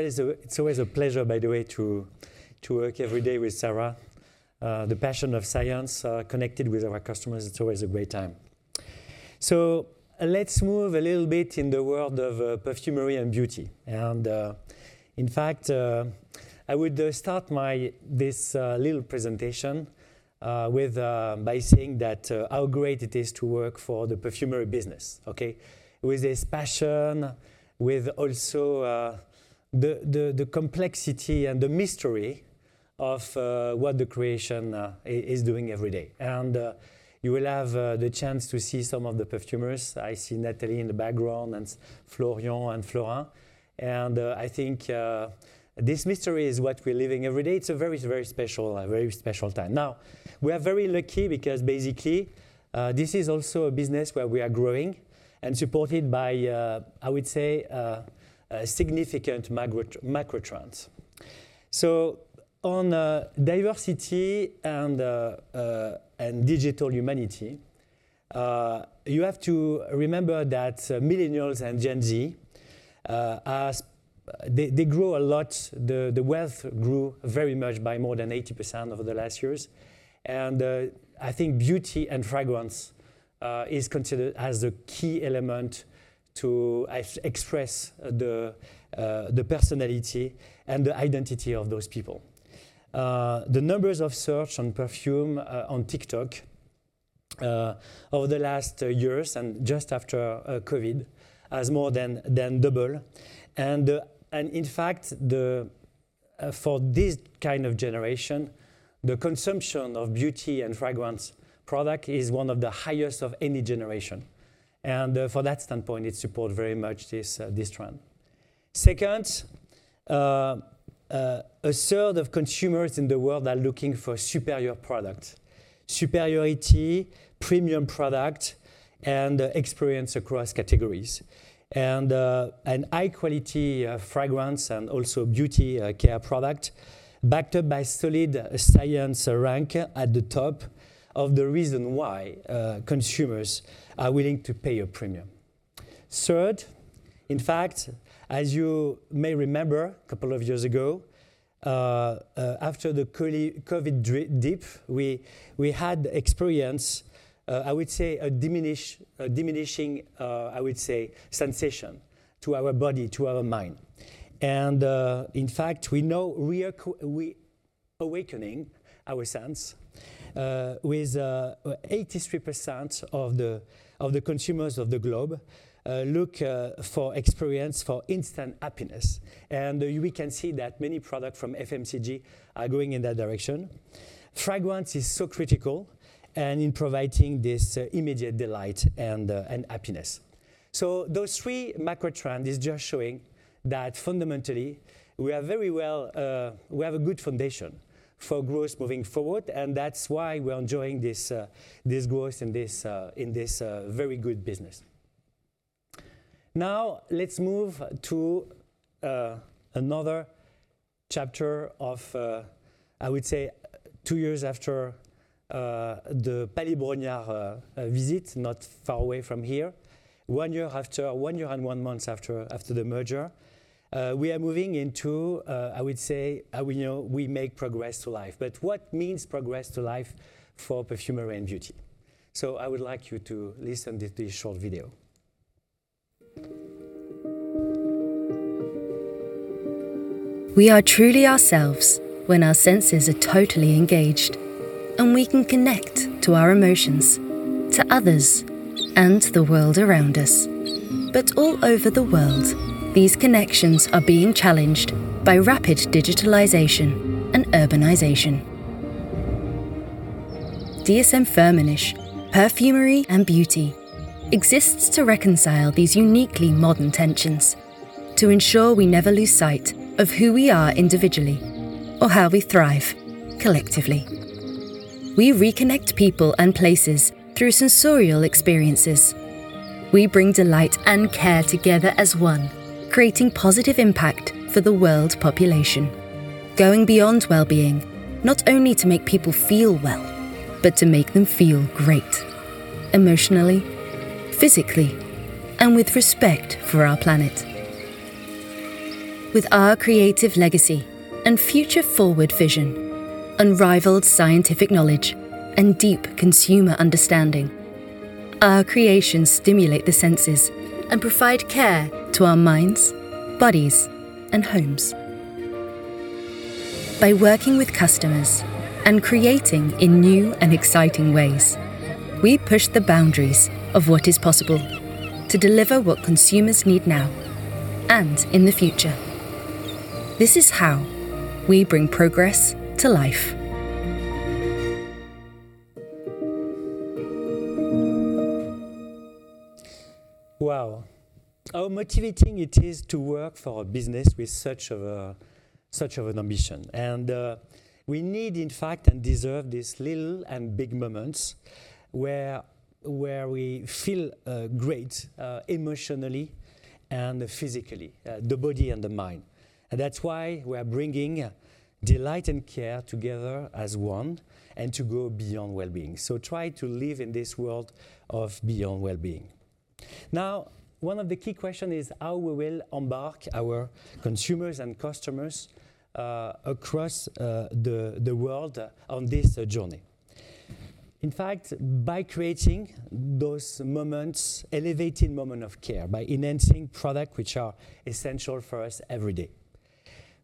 always a pleasure, by the way, to work every day with Sarah. The passion of science connected with our customers, it's always a great time. So let's move a little bit in the world of Perfumery and Beauty, and in fact, I would start this little presentation with by saying that how great it is to work for the perfumery business, okay? With this passion, with also the complexity and the mystery of what the creation is doing every day. And you will have the chance to see some of the perfumers. I see Nathalie in the background, and Florian and Florent. I think this mystery is what we're living every day. It's a very, very special, a very special time. Now, we are very lucky because basically this is also a business where we are growing and supported by, I would say, significant macro trends. So on diversity and digital humanity, you have to remember that millennials and Gen Z, they, they grew a lot, the wealth grew very much by more than 80% over the last years. And I think beauty and fragrance is considered as a key element to express the personality and the identity of those people. The numbers of search on perfume on TikTok over the last years and just after COVID has more than doubled. In fact, for this kind of generation, the consumption of beauty and fragrance product is one of the highest of any generation, and for that standpoint, it support very much this trend. Second, a third of consumers in the world are looking for superior product, superiority, premium product, and experience across categories. And high quality fragrance and also beauty care product, backed up by solid science rank at the top of the reason why consumers are willing to pay a premium. Third, in fact, as you may remember, a couple of years ago, after the COVID dip, we had experience, I would say, a diminishing, I would say, sensation to our body, to our mind. In fact, we know we are awakening our sense with 83% of the consumers of the globe look for experience, for instant happiness. We can see that many product from FMCG are going in that direction. Fragrance is so critical and in providing this immediate delight and and happiness. So those three macro trend is just showing that fundamentally, we are very well we have a good foundation for growth moving forward, and that's why we're enjoying this growth in this very good business. Now, let's move to another chapter of I would say, two years after the Palais Brongniart visit, not far away from here. One year and one month after the merger, we are moving into, I would say, we know, we make progress to life. But what means progress to life for Perfumery and Beauty? So I would like you to listen to this short video. We are truly ourselves when our senses are totally engaged, and we can connect to our emotions, to others, and to the world around us. But all over the world, these connections are being challenged by rapid digitalization and urbanization. DSM-Firmenich, Perfumery and Beauty, exists to reconcile these uniquely modern tensions, to ensure we never lose sight of who we are individually or how we thrive collectively. We reconnect people and places through sensorial experiences. We bring delight and care together as one, creating positive impact for the world's population, going beyond well-being, not only to make people feel well, but to make them feel great, emotionally, physically, and with respect for our planet. With our creative legacy and future-forward vision, unrivaled scientific knowledge, and deep consumer understanding, our creations stimulate the senses and provide care to our minds, bodies, and homes. By working with customers and creating in new and exciting ways, we push the boundaries of what is possible to deliver what consumers need now and in the future. This is how we bring progress to life. Wow! How motivating it is to work for a business with such an ambition. We need, in fact, and deserve these little and big moments, where we feel great emotionally and physically, the body and the mind. That's why we are bringing delight and care together as one, and to go beyond well-being. So try to live in this world of beyond well-being. Now, one of the key question is: How we will embark our consumers and customers across the world on this journey? In fact, by creating those moments, elevating moment of care, by enhancing product, which are essential for us every day.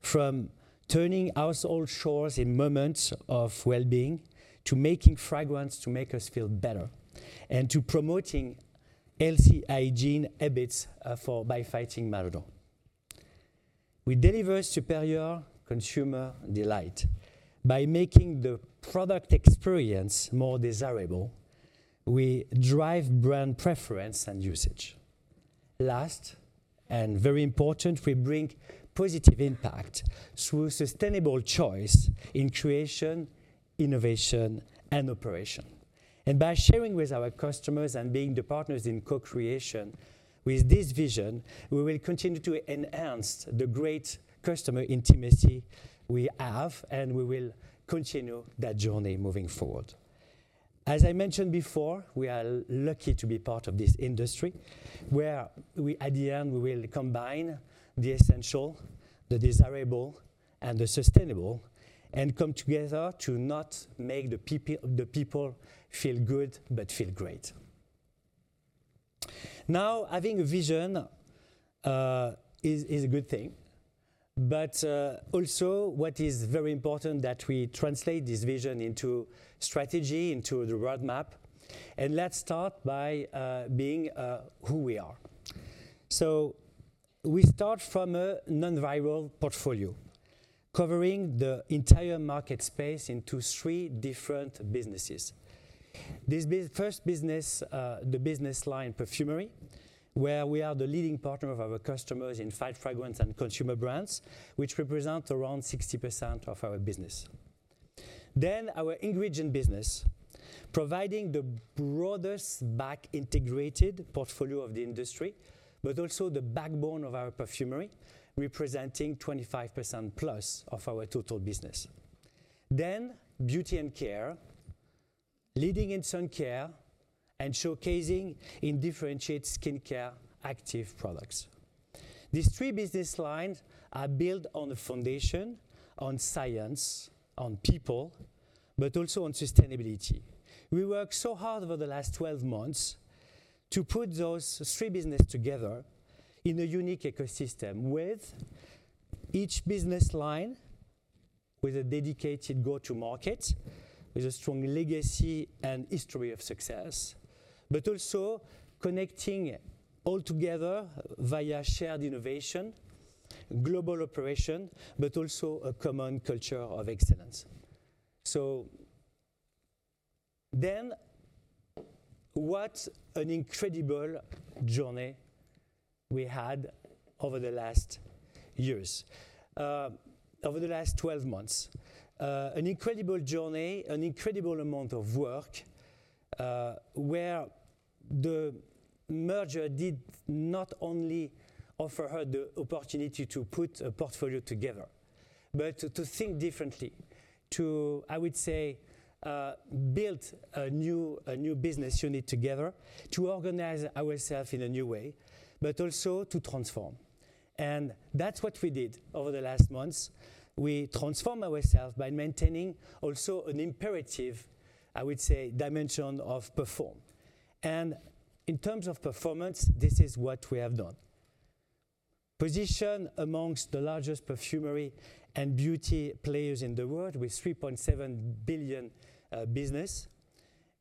From turning household chores in moments of well-being, to making fragrance to make us feel better, and to promoting healthy hygiene habits for by fighting malodor. We deliver superior consumer delight. By making the product experience more desirable, we drive brand preference and usage. Last, and very important, we bring positive impact through sustainable choice in creation, innovation, and operation… and by sharing with our customers and being the partners in co-creation, with this vision, we will continue to enhance the great customer intimacy we have, and we will continue that journey moving forward. As I mentioned before, we are lucky to be part of this industry, where we, at the end, we will combine the essential, the desirable, and the sustainable, and come together to not make the people feel good, but feel great. Now, having a vision, is a good thing, but, also what is very important that we translate this vision into strategy, into the roadmap. Let's start by, being, who we are. So we start from a non-viral portfolio, covering the entire market space into three different businesses. This first business, the business line perfumery, where we are the leading partner of our customers in fine fragrance and consumer brands, which represent around 60% of our business. Then, our ingredient business, providing the broadest backward integrated portfolio of the industry, but also the backbone of our perfumery, representing 25% plus of our total Beauty and Care, leading in sun care and showcasing differentiated skincare active products. These three business lines are built on a foundation, on science, on people, but also on sustainability. We worked so hard over the last 12 months to put those three businesses together in a unique ecosystem, with each business line, with a dedicated go-to-market, with a strong legacy and history of success. But also connecting all together via shared innovation, global operation, but also a common culture of excellence. So, then, what an incredible journey we had over the last years, over the last 12 months. An incredible journey, an incredible amount of work, where the merger did not only offer her the opportunity to put a portfolio together, but to, to think differently, to, I would say, build a new, a new business unit together, to organize ourselves in a new way, but also to transform. And that's what we did over the last months. We transform ourselves by maintaining also an imperative, I would say, dimension of performance. And in terms of performance, this is what we have done. Position amongst the largest Perfumery and Beauty players in the world, with $3.7 billion business.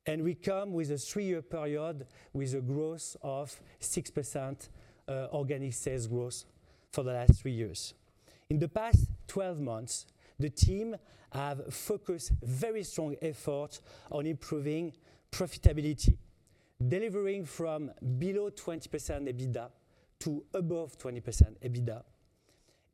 We come with a three-year period, with a growth of 6%, organic sales growth for the last three years. In the past 12 months, the team have focused very strong effort on improving profitability, delivering from below 20% EBITDA to above 20% EBITDA.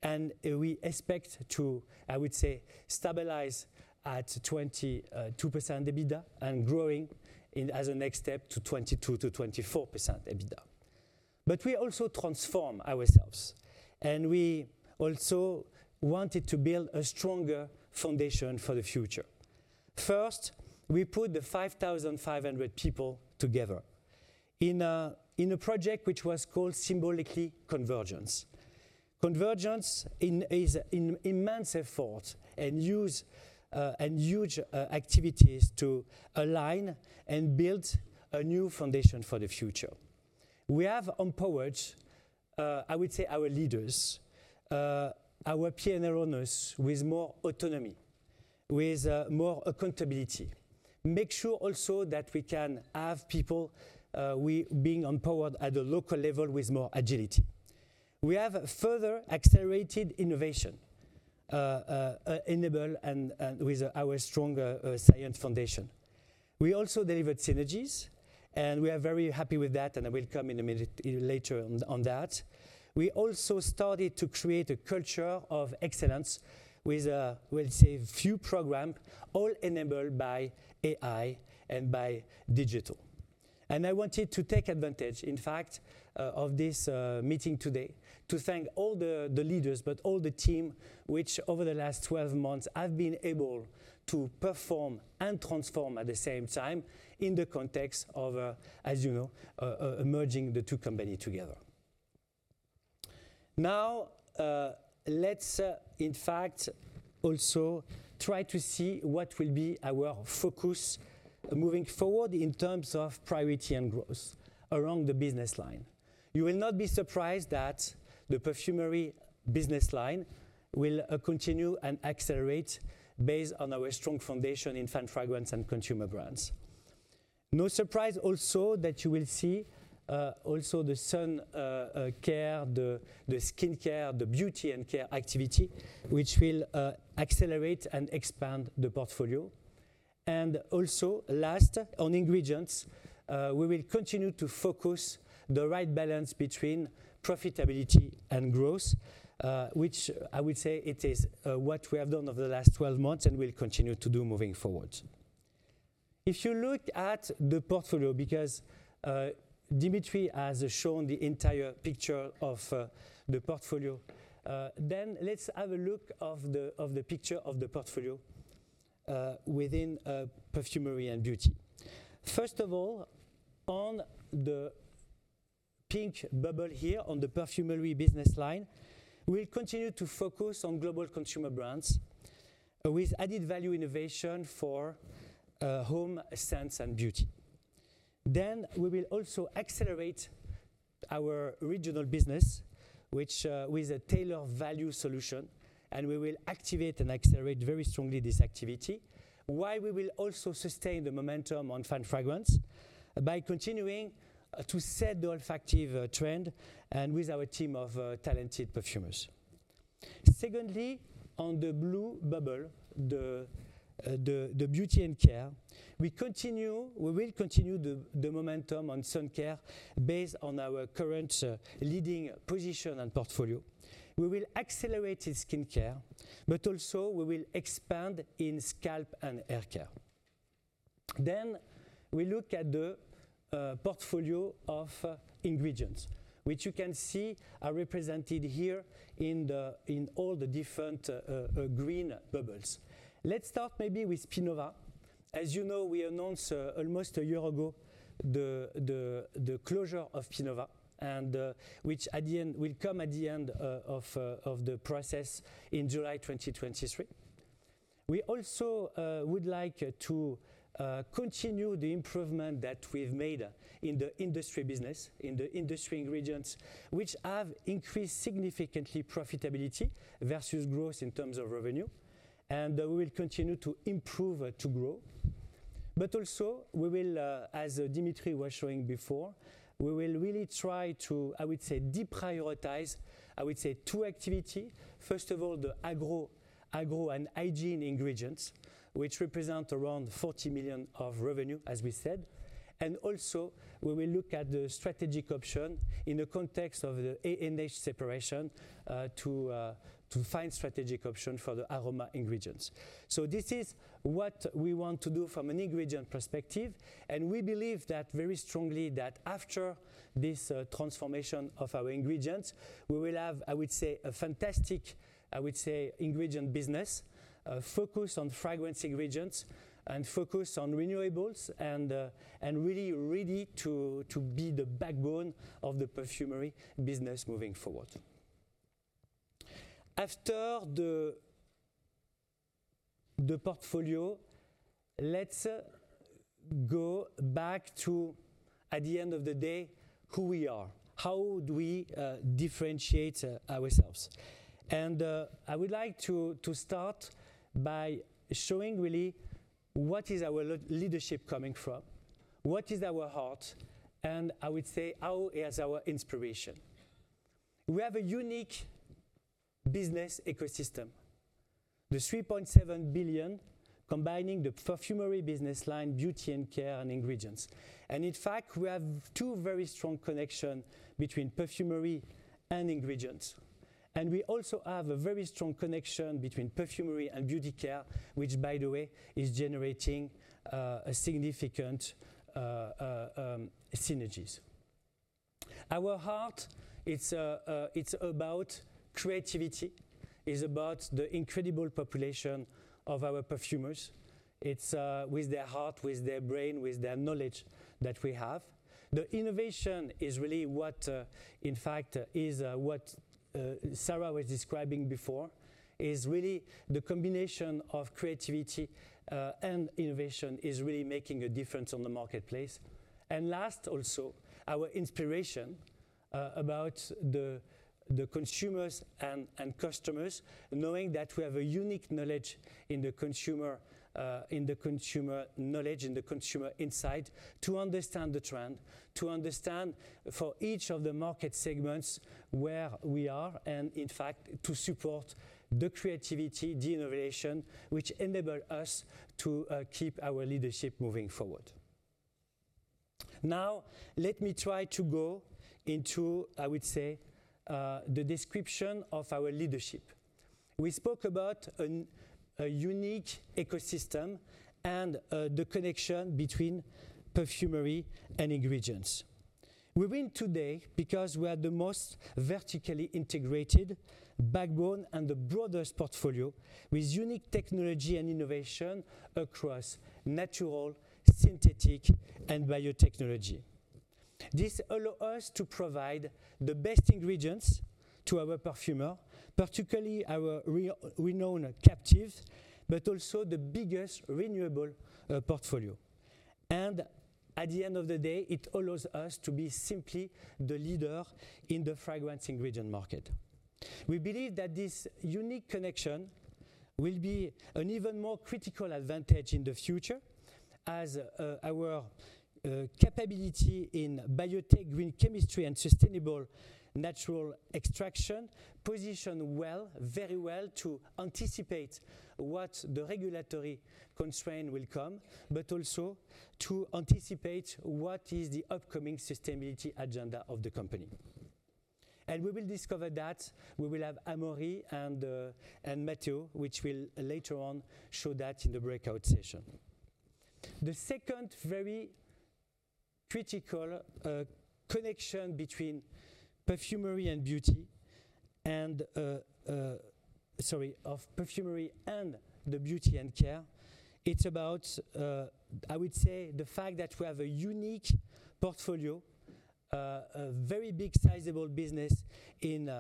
And, we expect to, I would say, stabilize at 22% EBITDA and growing in-- as a next step, to 22%-24% EBITDA. But we also transform ourselves, and we also wanted to build a stronger foundation for the future. First, we put the 5,500 people together in a, in a project which was called symbolically Convergence. Convergence is an immense effort and use, and huge activities to align and build a new foundation for the future. We have empowered, I would say, our leaders, our P&L owners, with more autonomy, with, more accountability. Make sure also that we can have people, we being empowered at a local level with more agility. We have further accelerated innovation, enabled and, and with our stronger, science foundation. We also delivered synergies, and we are very happy with that, and I will come in a minute, later on, on that. We also started to create a culture of excellence with, we'll say, few program, all enabled by AI and by digital. I wanted to take advantage, in fact, of this meeting today, to thank all the leaders, but all the team, which over the last 12 months have been able to perform and transform at the same time in the context of, as you know, merging the two companies together. Now, let's, in fact, also try to see what will be our focus moving forward in terms of priority and growth around the business line. You will not be surprised that the perfumery business line will continue and accelerate based on our strong foundation in fine fragrance and consumer brands. No surprise, also, that you will see also the sun care, the Beauty and Care activity, which will accelerate and expand the portfolio. Also, last, on ingredients, we will continue to focus the right balance between profitability and growth, which I would say it is, what we have done over the last 12 months, and we'll continue to do moving forward. If you look at the portfolio, because Dimitri has shown the entire picture of the portfolio, then let's have a look at the picture of the portfolio within Perfumery and Beauty. First of all, on the pink bubble here, on the perfumery business line, we'll continue to focus on global consumer brands, with added value innovation for home, scents, and beauty. Then, we will also accelerate our regional business, which with a tailored value solution, and we will activate and accelerate very strongly this activity. While we will also sustain the momentum on fine fragrance by continuing to set the olfactive trend and with our team of talented perfumers. Secondly, on the blue Beauty and Care, we continue, we will continue the momentum on sun care based on our current leading position and portfolio. We will accelerate in skincare, but also, we will expand in scalp and hair care. Then, we look at the portfolio of ingredients, which you can see are represented here in all the different green bubbles. Let's start maybe with Pinova. As you know, we announced almost a year ago the closure of Pinova, and which at the end will come at the end of the process in July 2023. We also would like to continue the improvement that we've made in the industry business, in the industry ingredients, which have increased significantly profitability versus growth in terms of revenue, and we will continue to improve to grow. But also, we will, as Dimitri was showing before, we will really try to, I would say, deprioritize, I would say, two activity. First of all, the agro and hygiene ingredients, which represent around 40 million of revenue, as we said. And also, we will look at the strategic option in the context of the ANH separation, to find strategic option for the aroma ingredients. So this is what we want to do from an ingredient perspective, and we believe that very strongly that after this, transformation of our ingredients, we will have, I would say, a fantastic, I would say, ingredient business, focused on fragrance ingredients and focused on renewables and, and really ready to, to be the backbone of the perfumery business moving forward. After the, the portfolio, let's, go back to, at the end of the day, who we are. How do we, differentiate ourselves? And, I would like to, to start by showing really what is our leadership coming from, what is our heart, and I would say, how is our inspiration. We have a unique business ecosystem. The 3.7 billion, combining the perfumery Beauty and Care, and ingredients. In fact, we have two very strong connections between perfumery and ingredients. We also have a very strong connection between Perfumery and Beauty care, which, by the way, is generating a significant synergies. Our heart, it's about creativity, is about the incredible population of our perfumers. It's with their heart, with their brain, with their knowledge that we have. The innovation is really what, in fact, is what Sarah was describing before, is really the combination of creativity and innovation is really making a difference on the marketplace. And last, also, our inspiration about the consumers and customers, knowing that we have a unique knowledge in the consumer knowledge, in the consumer insight, to understand the trend, to understand for each of the market segments where we are, and in fact, to support the creativity, the innovation, which enable us to keep our leadership moving forward. Now, let me try to go into, I would say, the description of our leadership. We spoke about a unique ecosystem and the connection between perfumery and ingredients. We win today because we are the most vertically integrated backbone and the broadest portfolio with unique technology and innovation across natural, synthetic, and biotechnology. This allow us to provide the best ingredients to our perfumer, particularly our renowned captives, but also the biggest renewable portfolio. At the end of the day, it allows us to be simply the leader in the fragrance ingredient market. We believe that this unique connection will be an even more critical advantage in the future, as our capability in biotech, green chemistry, and sustainable natural extraction position well, very well to anticipate what the regulatory constraint will come, but also to anticipate what is the upcoming sustainability agenda of the company, and we will discover that. We will have Amaury and Matthieu, which will later on show that in the breakout session. The second very critical connection between Perfumery and Beauty, and, sorry, of perfumery Beauty and Care, it's about, I would say, the fact that we have a unique portfolio, a very big sizable business in,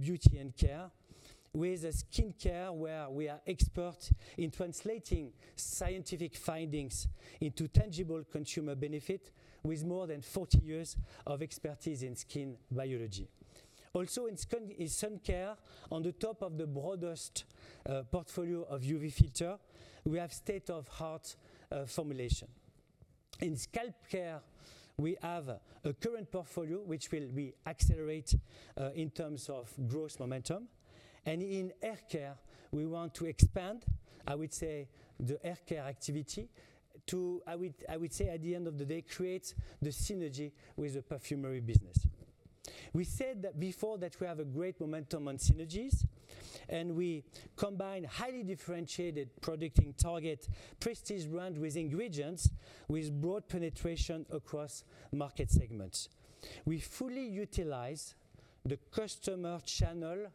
Beauty and Care, with a skincare where we are expert in translating scientific findings into tangible consumer benefit, with more than 40 years of expertise in skin biology. Also, in sun care, on top of the broadest portfolio of UV filter, we have state-of-the-art formulation. In scalp care, we have a current portfolio, which will be accelerated in terms of growth momentum, and in hair care, we want to expand, I would say, the hair care activity to, I would say, at the end of the day, create the synergy with the perfumery business. We said that before that we have a great momentum on synergies, and we combine highly differentiated product in target prestige brand with ingredients, with broad penetration across market segments. We fully utilize the customer channel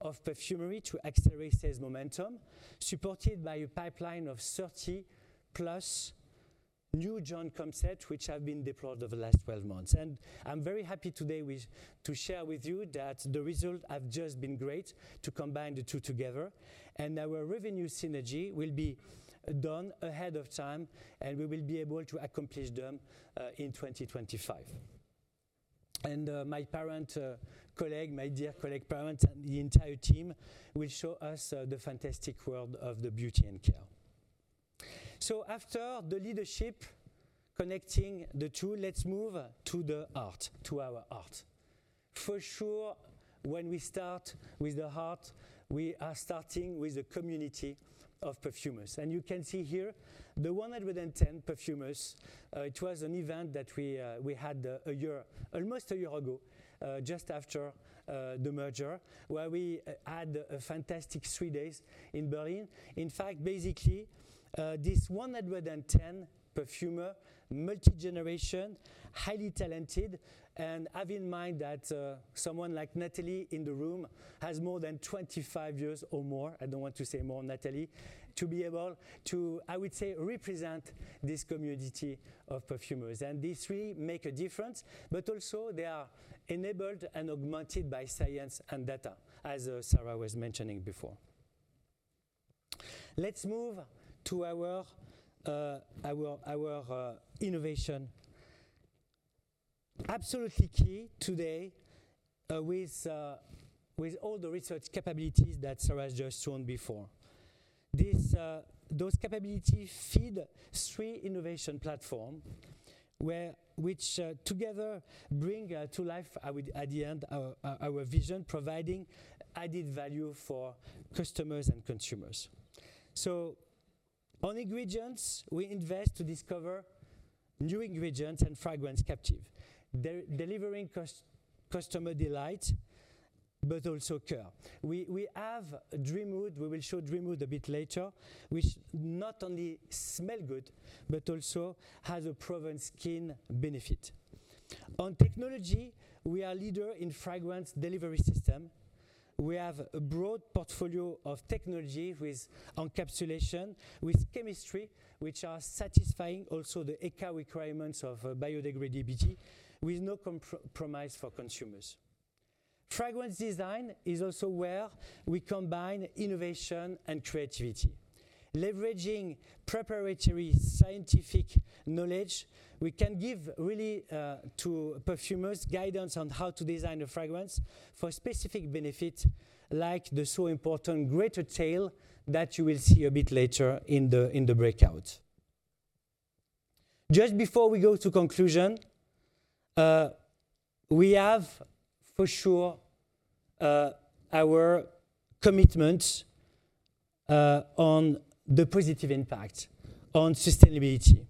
of perfumery to accelerate sales momentum, supported by a pipeline of 30+ new joint concept, which have been deployed over the last 12 months. And I'm very happy today with-- to share with you that the result have just been great to combine the two together, and our revenue synergy will be done ahead of time, and we will be able to accomplish them in 2025. And, my parent, colleague, my dear colleague, parent, and the entire team will show us the fantastic world Beauty and Care. so after the leadership connecting the two, let's move to the heart, to our heart. For sure, when we start with the heart, we are starting with a community of perfumers, and you can see here, the 110 perfumers, it was an event that we, we had a year, almost a year ago, just after the merger, where we had a fantastic three days in Berlin. In fact, basically, this 110 perfumer, multi-generation, highly talented, and have in mind that, someone like Nathalie in the room, has more than 25 years or more, I don't want to say more, Nathalie, to be able to, I would say, represent this community of perfumers. And these three make a difference, but also they are enabled and augmented by science and data, as Sarah was mentioning before. Let's move to our innovation. Absolutely key today, with all the research capabilities that Sarah has just shown before. Those capabilities feed three innovation platform, which together bring to life, I would, at the end, our vision, providing added value for customers and consumers. So on ingredients, we invest to discover new ingredients and fragrance captive, delivering customer delight, but also care. We have Dreamwood. We will show Dreamwood a bit later, which not only smell good, but also has a proven skin benefit. On technology, we are leader in fragrance delivery system. We have a broad portfolio of technology with encapsulation, with chemistry, which are satisfying also the ECHA requirements of biodegradability, with no compromise for consumers. Fragrance design is also where we combine innovation and creativity. Leveraging proprietary scientific knowledge, we can give really to perfumers guidance on how to design a fragrance for specific benefit, like the so important greater tail, that you will see a bit later in the breakout. Just before we go to conclusion, we have, for sure, our commitment on the positive impact on sustainability.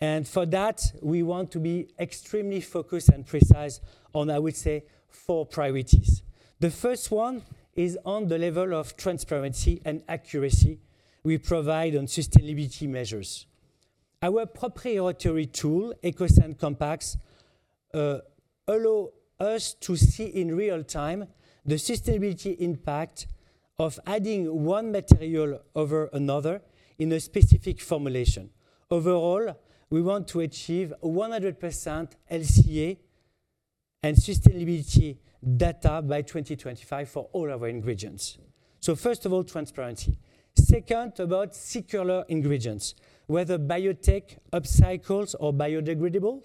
And for that, we want to be extremely focused and precise on, I would say, four priorities. The first one is on the level of transparency and accuracy we provide on sustainability measures. Our proprietary tool, EcoScent Compass, allow us to see in real time the sustainability impact of adding one material over another in a specific formulation. Overall, we want to achieve 100% LCA and sustainability data by 2025 for all our ingredients. So first of all, transparency. Second, about circular ingredients, whether biotech, upcycles, or biodegradable,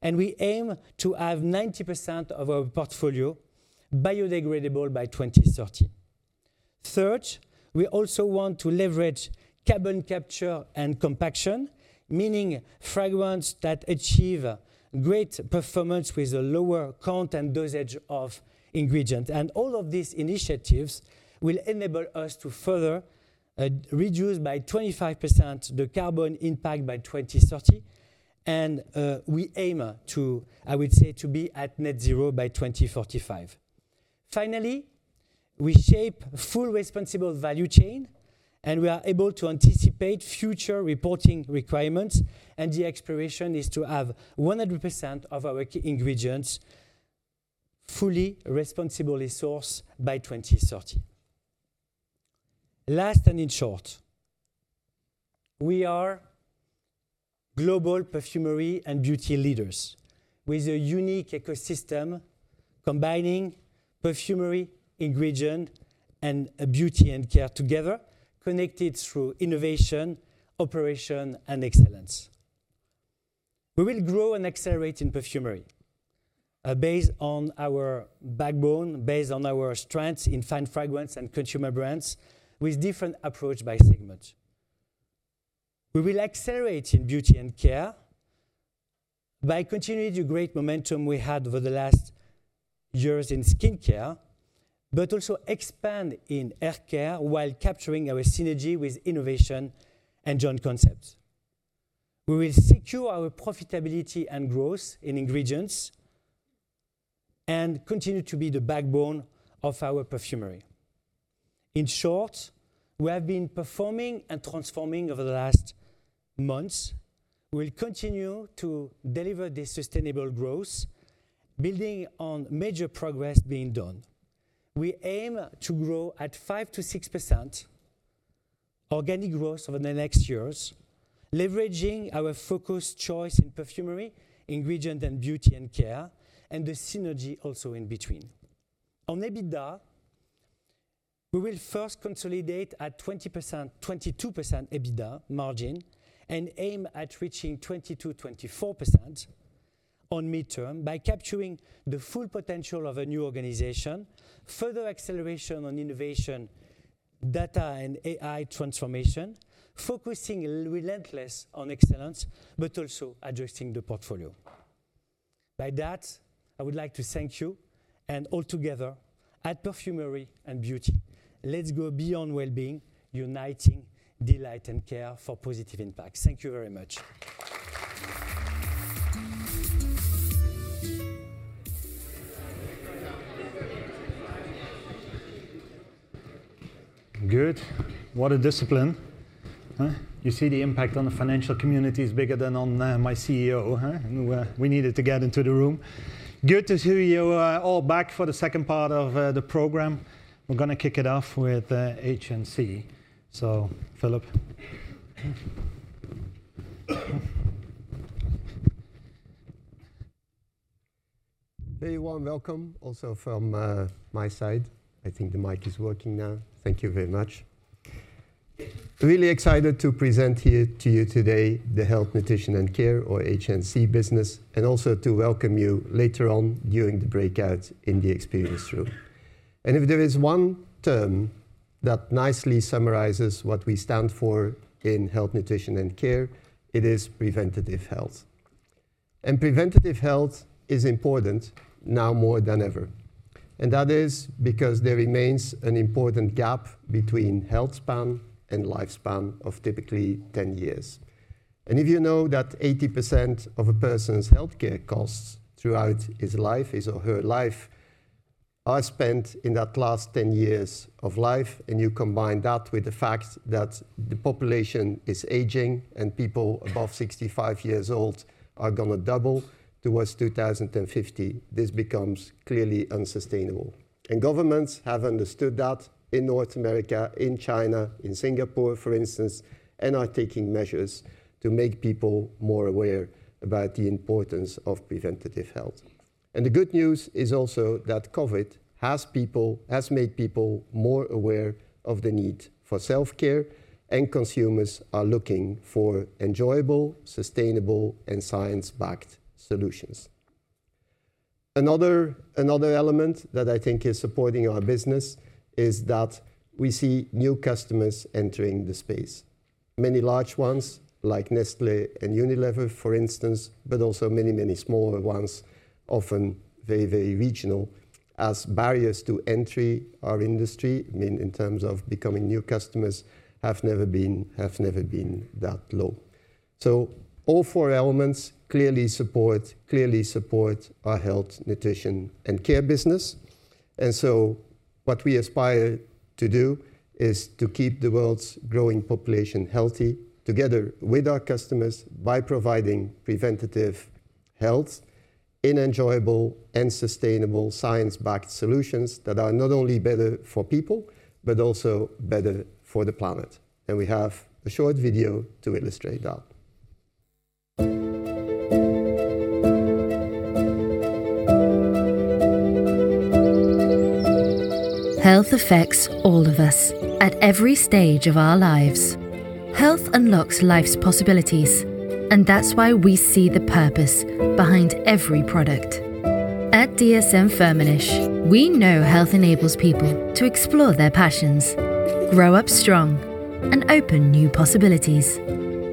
and we aim to have 90% of our portfolio biodegradable by 2030. Third, we also want to leverage carbon capture and compaction, meaning fragrance that achieve great performance with a lower count and dosage of ingredient. And all of these initiatives will enable us to further reduce by 25% the carbon impact by 2030, and we aim to, I would say, to be at net zero by 2045. Finally, we shape full responsible value chain, and we are able to anticipate future reporting requirements, and the aspiration is to have 100% of our key ingredients fully responsibly sourced by 2030. Last, and in short, we are global Perfumery and Beauty leaders with a unique ecosystem combining perfumery, Beauty and Care together, connected through innovation, operation, and excellence. We will grow and accelerate in perfumery based on our backbone, based on our strengths in fine fragrance and consumer brands, with different approach by segment. We will Beauty and Care by continuing the great momentum we had over the last years in skincare, but also expand in hair care while capturing our synergy with innovation and joint concepts. We will secure our profitability and growth in ingredients and continue to be the backbone of our perfumery. In short, we have been performing and transforming over the last months. We'll continue to deliver this sustainable growth, building on major progress being done. We aim to grow at 5%-6% organic growth over the next years, leveraging our focused choice in perfumery, Beauty and Care, and the synergy also in between. On EBITDA, we will first consolidate at 20%-22% EBITDA margin and aim at reaching 20%-24% on mid-term by capturing the full potential of a new organization, further acceleration on innovation, data, and AI transformation, focusing relentlessly on excellence, but also adjusting the portfolio. By that, I would like to thank you, and all together at Perfumery and Beauty, let's go beyond well-being, uniting delight and care for positive impact. Thank you very much. Good. What a discipline, huh? You see the impact on the financial community is bigger than on my CEO, huh? We needed to get into the room. Good to see you all back for the second part of the program. We're gonna kick it off with HNC. So, Philip. A warm welcome also from, my side. I think the mic is working now. Thank you very much. Really excited to present here, to you today the Health, Nutrition & Care, or HNC, business, and also to welcome you later on during the breakout in the experience room. If there is one term that nicely summarizes what we stand for in Health, Nutrition, and Care, it is preventative health. Preventative health is important now more than ever, and that is because there remains an important gap between health span and lifespan of typically 10 years. If you know that 80% of a person's healthcare costs throughout his life, his or her life, are spent in that last 10 years of life, and you combine that with the fact that the population is aging and people above 65 years old are gonna double towards 2050, this becomes clearly unsustainable. Governments have understood that in North America, in China, in Singapore, for instance, and are taking measures to make people more aware about the importance of preventative health. The good news is also that COVID has people—has made people more aware of the need for self-care, and consumers are looking for enjoyable, sustainable, and science-backed solutions. Another, another element that I think is supporting our business is that we see new customers entering the space. Many large ones, like Nestlé and Unilever, for instance, but also many, many smaller ones, often very, very regional, as barriers to entry our industry, I mean, in terms of becoming new customers, have never been, have never been that low. So all four elements clearly support, clearly support our Health, Nutrition & Care business. And so what we aspire to do is to keep the world's growing population healthy, together with our customers, by providing preventative health in enjoyable and sustainable science-backed solutions that are not only better for people, but also better for the planet. And we have a short video to illustrate that. Health affects all of us at every stage of our lives. Health unlocks life's possibilities, and that's why we see the purpose behind every product. At DSM-Firmenich, we know health enables people to explore their passions, grow up strong, and open new possibilities.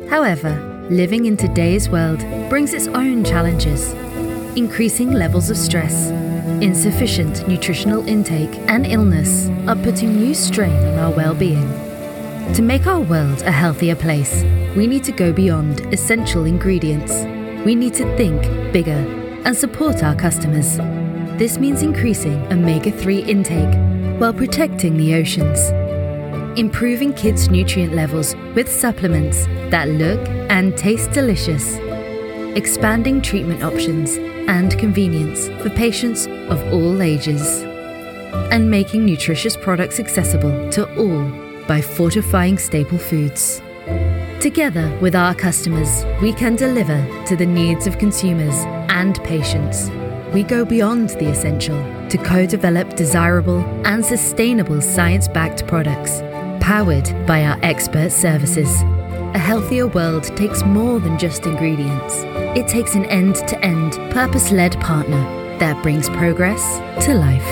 However, living in today's world brings its own challenges. Increasing levels of stress, insufficient nutritional intake, and illness are putting new strain on our wellbeing. To make our world a healthier place, we need to go beyond essential ingredients. We need to think bigger and support our customers. This means increasing omega-3 intake while protecting the oceans, improving kids' nutrient levels with supplements that look and taste delicious, expanding treatment options and convenience for patients of all ages, and making nutritious products accessible to all by fortifying staple foods. Together with our customers, we can deliver to the needs of consumers and patients. We go beyond the essential to co-develop desirable and sustainable science-backed products, powered by our expert services. A healthier world takes more than just ingredients. It takes an end-to-end purpose-led partner that brings progress to life.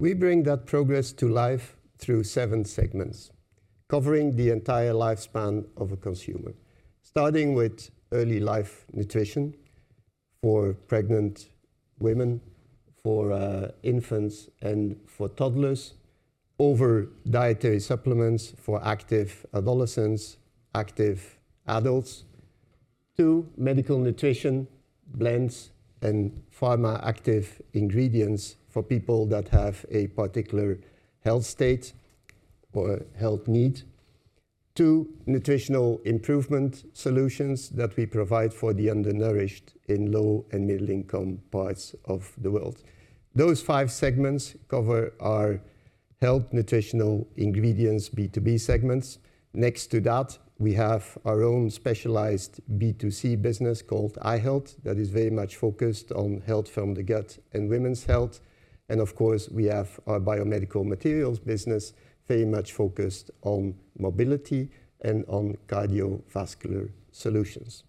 We bring that progress to life through seven segments, covering the entire lifespan of a consumer. Starting with early life nutrition for pregnant women, for infants, and for toddlers, over dietary supplements for active adolescents, active adults, to medical nutrition blends and pharma active ingredients for people that have a particular health state or health need, to nutritional improvement solutions that we provide for the undernourished in low and middle-income parts of the world. Those five segments cover our health nutritional ingredients, B2B segments. Next to that, we have our own specialized B2C business called i-Health, that is very much focused on health from the gut and women's health. Of course, we have our biomedical materials business, very much focused on mobility and on cardiovascular solutions.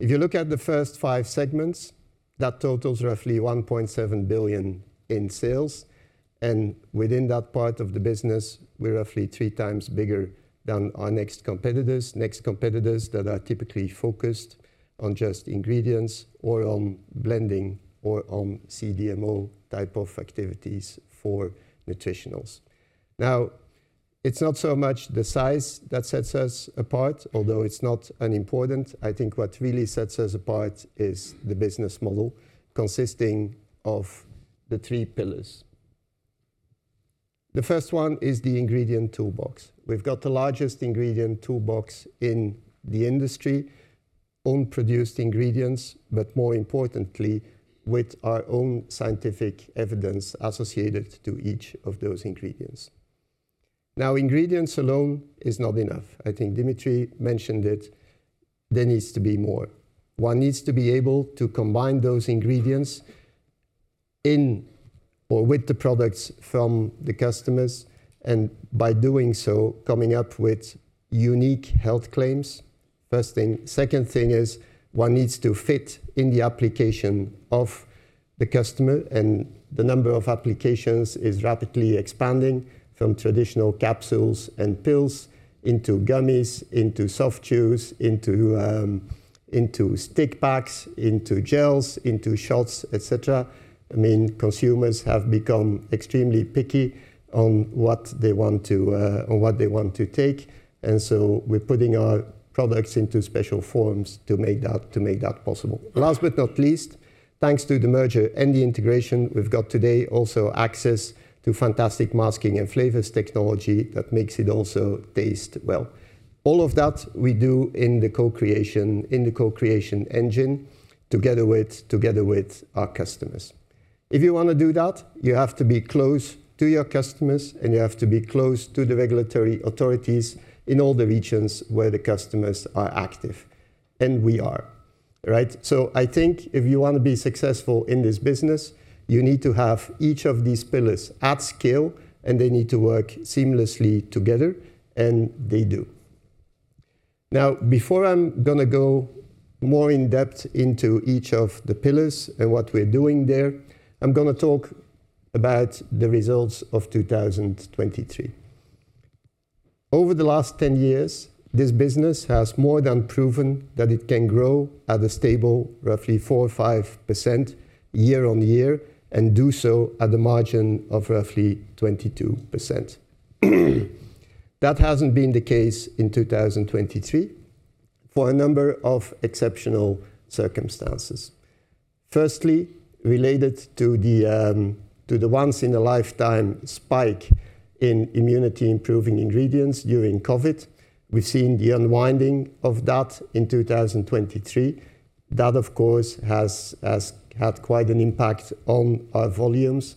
If you look at the first 5 segments, that totals roughly 1.7 billion in sales, and within that part of the business, we're roughly 3x bigger than our next competitors, next competitors that are typically focused on just ingredients or on blending or on CDMO type of activities for nutritionals. Now, it's not so much the size that sets us apart, although it's not unimportant. I think what really sets us apart is the business model, consisting of the 3 pillars. The first one is the ingredient toolbox. We've got the largest ingredient toolbox in the industry, own produced ingredients, but more importantly, with our own scientific evidence associated to each of those ingredients. Now, ingredients alone is not enough. I think Dimitri mentioned it. There needs to be more. One needs to be able to combine those ingredients in or with the products from the customers, and by doing so, coming up with unique health claims, first thing. Second thing is, one needs to fit in the application of the customer, and the number of applications is rapidly expanding from traditional capsules and pills, into gummies, into soft chews, into into stick packs, into gels, into shots, et cetera. I mean, consumers have become extremely picky on what they want to, on what they want to take, and so we're putting our products into special forms to make that, to make that possible. Last but not least, thanks to the merger and the integration we've got today, also access to fantastic masking and flavors technology that makes it also taste well. All of that we do in the co-creation, in the co-creation engine, together with, together with our customers. If you wanna do that, you have to be close to your customers, and you have to be close to the regulatory authorities in all the regions where the customers are active. And we are, right? So I think if you want to be successful in this business, you need to have each of these pillars at scale, and they need to work seamlessly together, and they do. Now, before I'm gonna go more in depth into each of the pillars and what we're doing there, I'm gonna talk about the results of 2023. Over the last 10 years, this business has more than proven that it can grow at a stable, roughly 4% or 5% year-on-year, and do so at the margin of roughly 22%. That hasn't been the case in 2023 for a number of exceptional circumstances. Firstly, related to the once-in-a-lifetime spike in immunity-improving ingredients during COVID. We've seen the unwinding of that in 2023. That, of course, has had quite an impact on our volumes,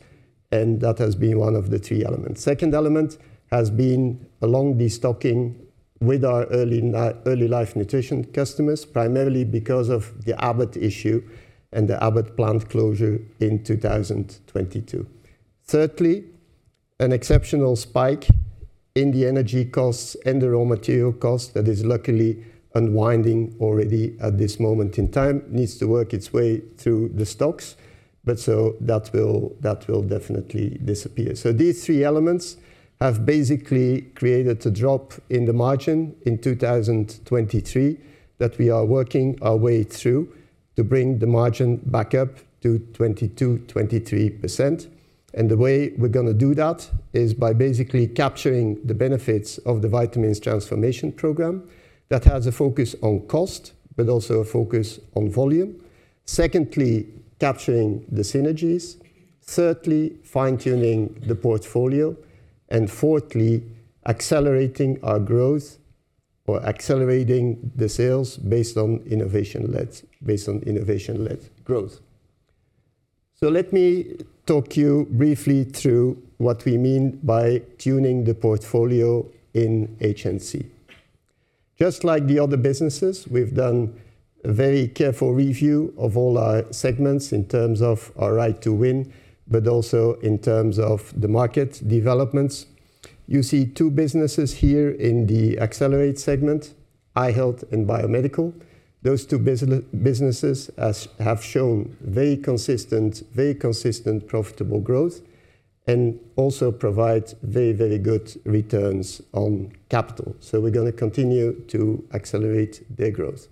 and that has been one of the three elements. Second element has been a long destocking with our early life nutrition customers, primarily because of the Abbott issue and the Abbott plant closure in 2022. Thirdly, an exceptional spike in the energy costs and the raw material cost that is luckily unwinding already at this moment in time, needs to work its way through the stocks, but so that will definitely disappear. So these three elements have basically created a drop in the margin in 2023 that we are working our way through to bring the margin back up to 22%-23%. And the way we're gonna do that is by basically capturing the benefits of the vitamins transformation program. That has a focus on cost, but also a focus on volume. Secondly, capturing the synergies. Thirdly, fine-tuning the portfolio. And fourthly, accelerating our growth or accelerating the sales based on innovation-led, based on innovation-led growth. So let me talk you briefly through what we mean by tuning the portfolio in HNC. Just like the other businesses, we've done a very careful review of all our segments in terms of our right to win, but also in terms of the market developments. You see two businesses here in the accelerate segment: Eye Health and Biomedical. Those two businesses have shown very consistent, very consistent, profitable growth, and also provide very, very good returns on capital. So we're gonna continue to accelerate their growth.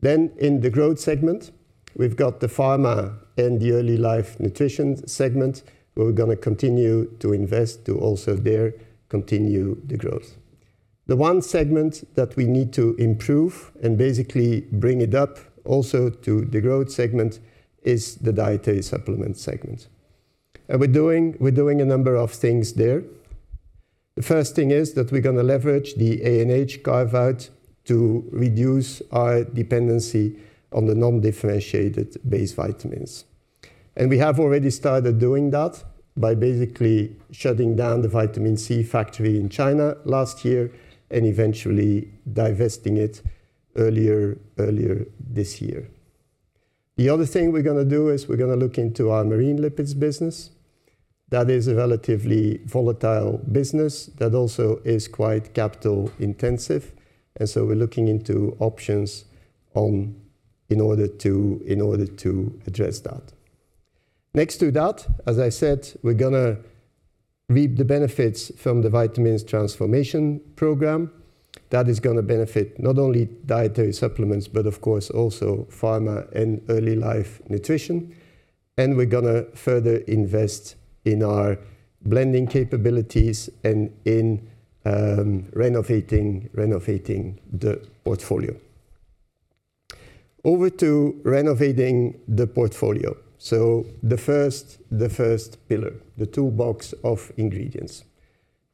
Then, in the growth segment, we've got the Pharma and the Early Life Nutrition segment, where we're gonna continue to invest to also there continue the growth. The one segment that we need to improve and basically bring it up also to the growth segment is the dietary supplement segment. And we're doing a number of things there. The first thing is that we're gonna leverage the ANH carve-out to reduce our dependency on the non-differentiated base vitamins. And we have already started doing that by basically shutting down the vitamin C factory in China last year, and eventually divesting it earlier this year. The other thing we're gonna do is we're gonna look into our marine lipids business. That is a relatively volatile business that also is quite capital intensive, and so we're looking into options in order to address that. Next to that, as I said, we're gonna reap the benefits from the vitamins transformation program. That is gonna benefit not only dietary supplements, but of course, also pharma and early life nutrition, and we're gonna further invest in our blending capabilities and in renovating the portfolio. Over to renovating the portfolio. So the first pillar, the toolbox of ingredients.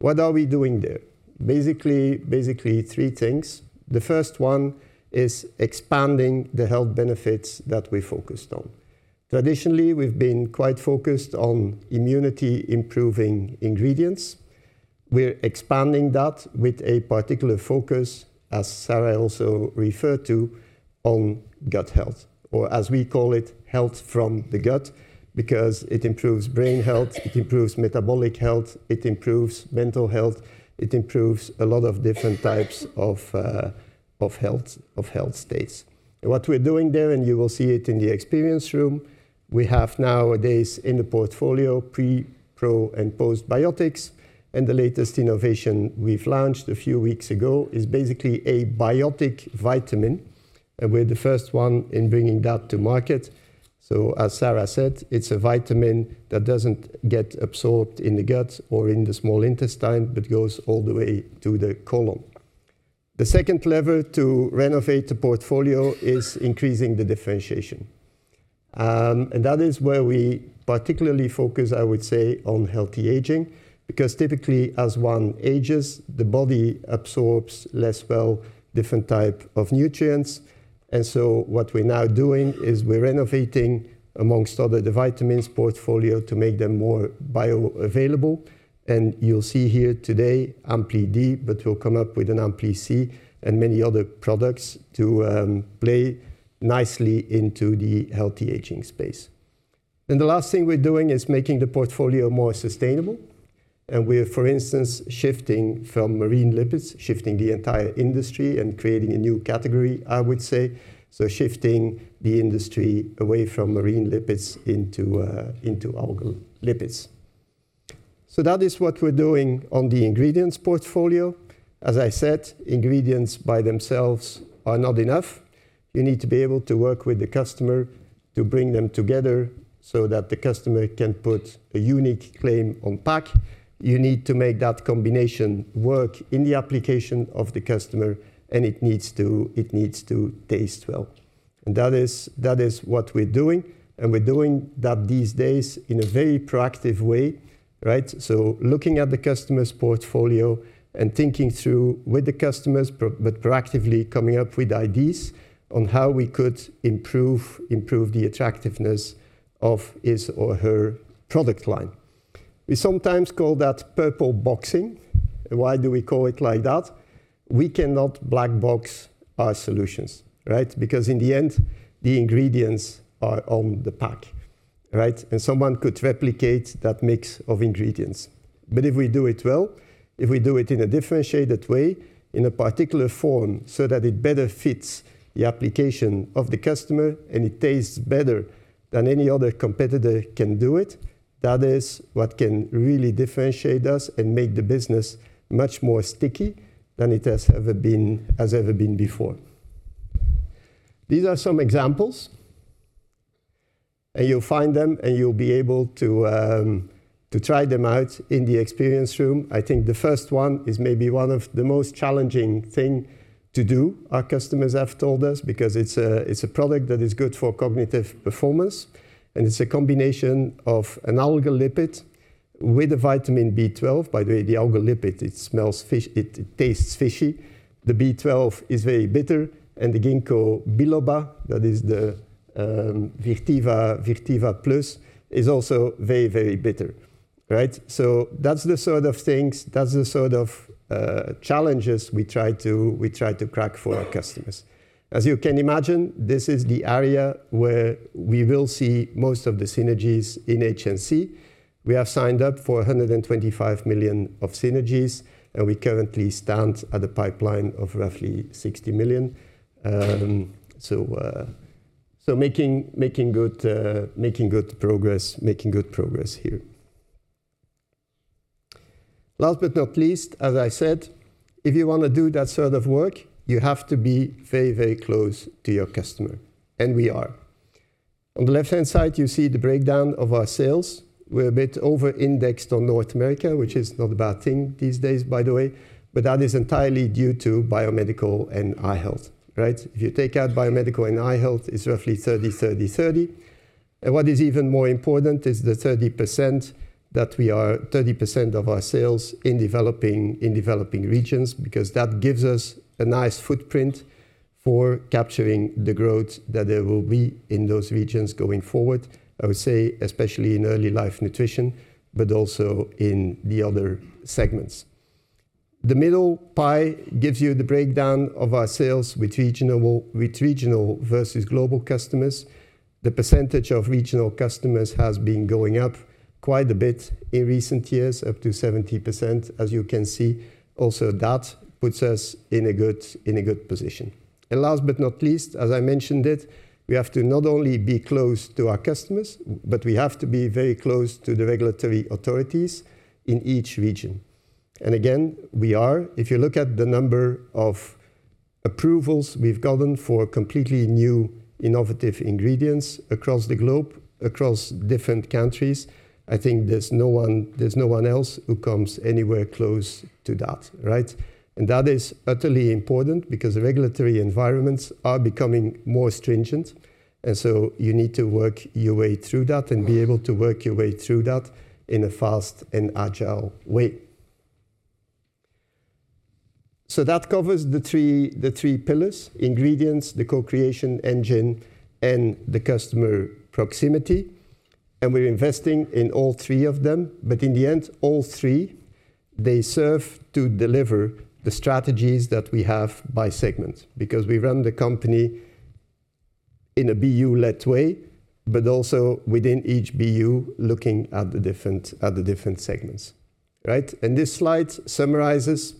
What are we doing there? Basically three things. The first one is expanding the health benefits that we focused on. Traditionally, we've been quite focused on immunity-improving ingredients. We're expanding that with a particular focus, as Sarah also referred to, on gut health, or as we call it, "health from the gut," because it improves brain health, it improves metabolic health, it improves mental health, it improves a lot of different types of, of health, of health states. And what we're doing there, and you will see it in the experience room, we have nowadays in the portfolio, pre, pro, and postbiotics, and the latest innovation we've launched a few weeks ago is basically a biotic vitamin, and we're the first one in bringing that to market. So as Sarah said, it's a vitamin that doesn't get absorbed in the gut or in the small intestine, but goes all the way to the colon. The second lever to renovate the portfolio is increasing the differentiation. And that is where we particularly focus, I would say, on healthy aging, because typically, as one ages, the body absorbs less well different type of nutrients. And so what we're now doing is we're renovating, among other, the vitamins portfolio to make them more bioavailable. And you'll see here today, ampli-D, but we'll come up with an ampli-C and many other products to play nicely into the healthy aging space. Then the last thing we're doing is making the portfolio more sustainable. And we're, for instance, shifting from marine lipids, shifting the entire industry and creating a new category, I would say, so shifting the industry away from marine lipids into into algal lipids. So that is what we're doing on the ingredients portfolio. As I said, ingredients by themselves are not enough. You need to be able to work with the customer to bring them together so that the customer can put a unique claim on pack. You need to make that combination work in the application of the customer, and it needs to, it needs to taste well. And that is, that is what we're doing, and we're doing that these days in a very proactive way, right? So looking at the customer's portfolio and thinking through with the customers, proactively coming up with ideas on how we could improve, improve the attractiveness of his or her product line. We sometimes call that purple boxing. Why do we call it like that? We cannot black box our solutions, right? Because in the end, the ingredients are on the pack, right? And someone could replicate that mix of ingredients. But if we do it well, if we do it in a differentiated way, in a particular form, so that it better fits the application of the customer and it tastes better than any other competitor can do it, that is what can really differentiate us and make the business much more sticky than it has ever been, has ever been before. These are some examples... and you'll find them, and you'll be able to, to try them out in the experience room. I think the first one is maybe one of the most challenging thing to do, our customers have told us, because it's a product that is good for cognitive performance, and it's a combination of an algal lipid with a vitamin B12. By the way, the algal lipid, it smells fishy. It tastes fishy. The B12 is very bitter, and the ginkgo biloba, that is the Virtiva, Virtiva Plus, is also very, very bitter, right? So that's the sort of things, that's the sort of challenges we try to crack for our customers. As you can imagine, this is the area where we will see most of the synergies in HNC. We have signed up for 125 million of synergies, and we currently stand at a pipeline of roughly 60 million. So making good progress here. Last but not least, as I said, if you wanna do that sort of work, you have to be very, very close to your customer, and we are. On the left-hand side, you see the breakdown of our sales. We're a bit over-indexed on North America, which is not a bad thing these days, by the way, but that is entirely due to biomedical and eye health, right? If you take out biomedical and eye health, it's roughly 30, 30, 30. And what is even more important is the 30% that we are... 30% of our sales in developing regions, because that gives us a nice footprint for capturing the growth that there will be in those regions going forward, I would say, especially in early life nutrition, but also in the other segments. The middle pie gives you the breakdown of our sales with regional versus global customers. The percentage of regional customers has been going up quite a bit in recent years, up to 70%, as you can see. Also, that puts us in a good position. Last but not least, as I mentioned it, we have to not only be close to our customers, but we have to be very close to the regulatory authorities in each region. Again, we are. If you look at the number of approvals we've gotten for completely new, innovative ingredients across the globe, across different countries, I think there's no one, there's no one else who comes anywhere close to that, right? That is utterly important, because regulatory environments are becoming more stringent, and so you need to work your way through that and be able to work your way through that in a fast and agile way. That covers the three, the three pillars: ingredients, the co-creation engine, and the customer proximity. We're investing in all three of them, but in the end, all three, they serve to deliver the strategies that we have by segment, because we run the company in a BU-led way, but also within each BU, looking at the different, at the different segments, right? This slide summarizes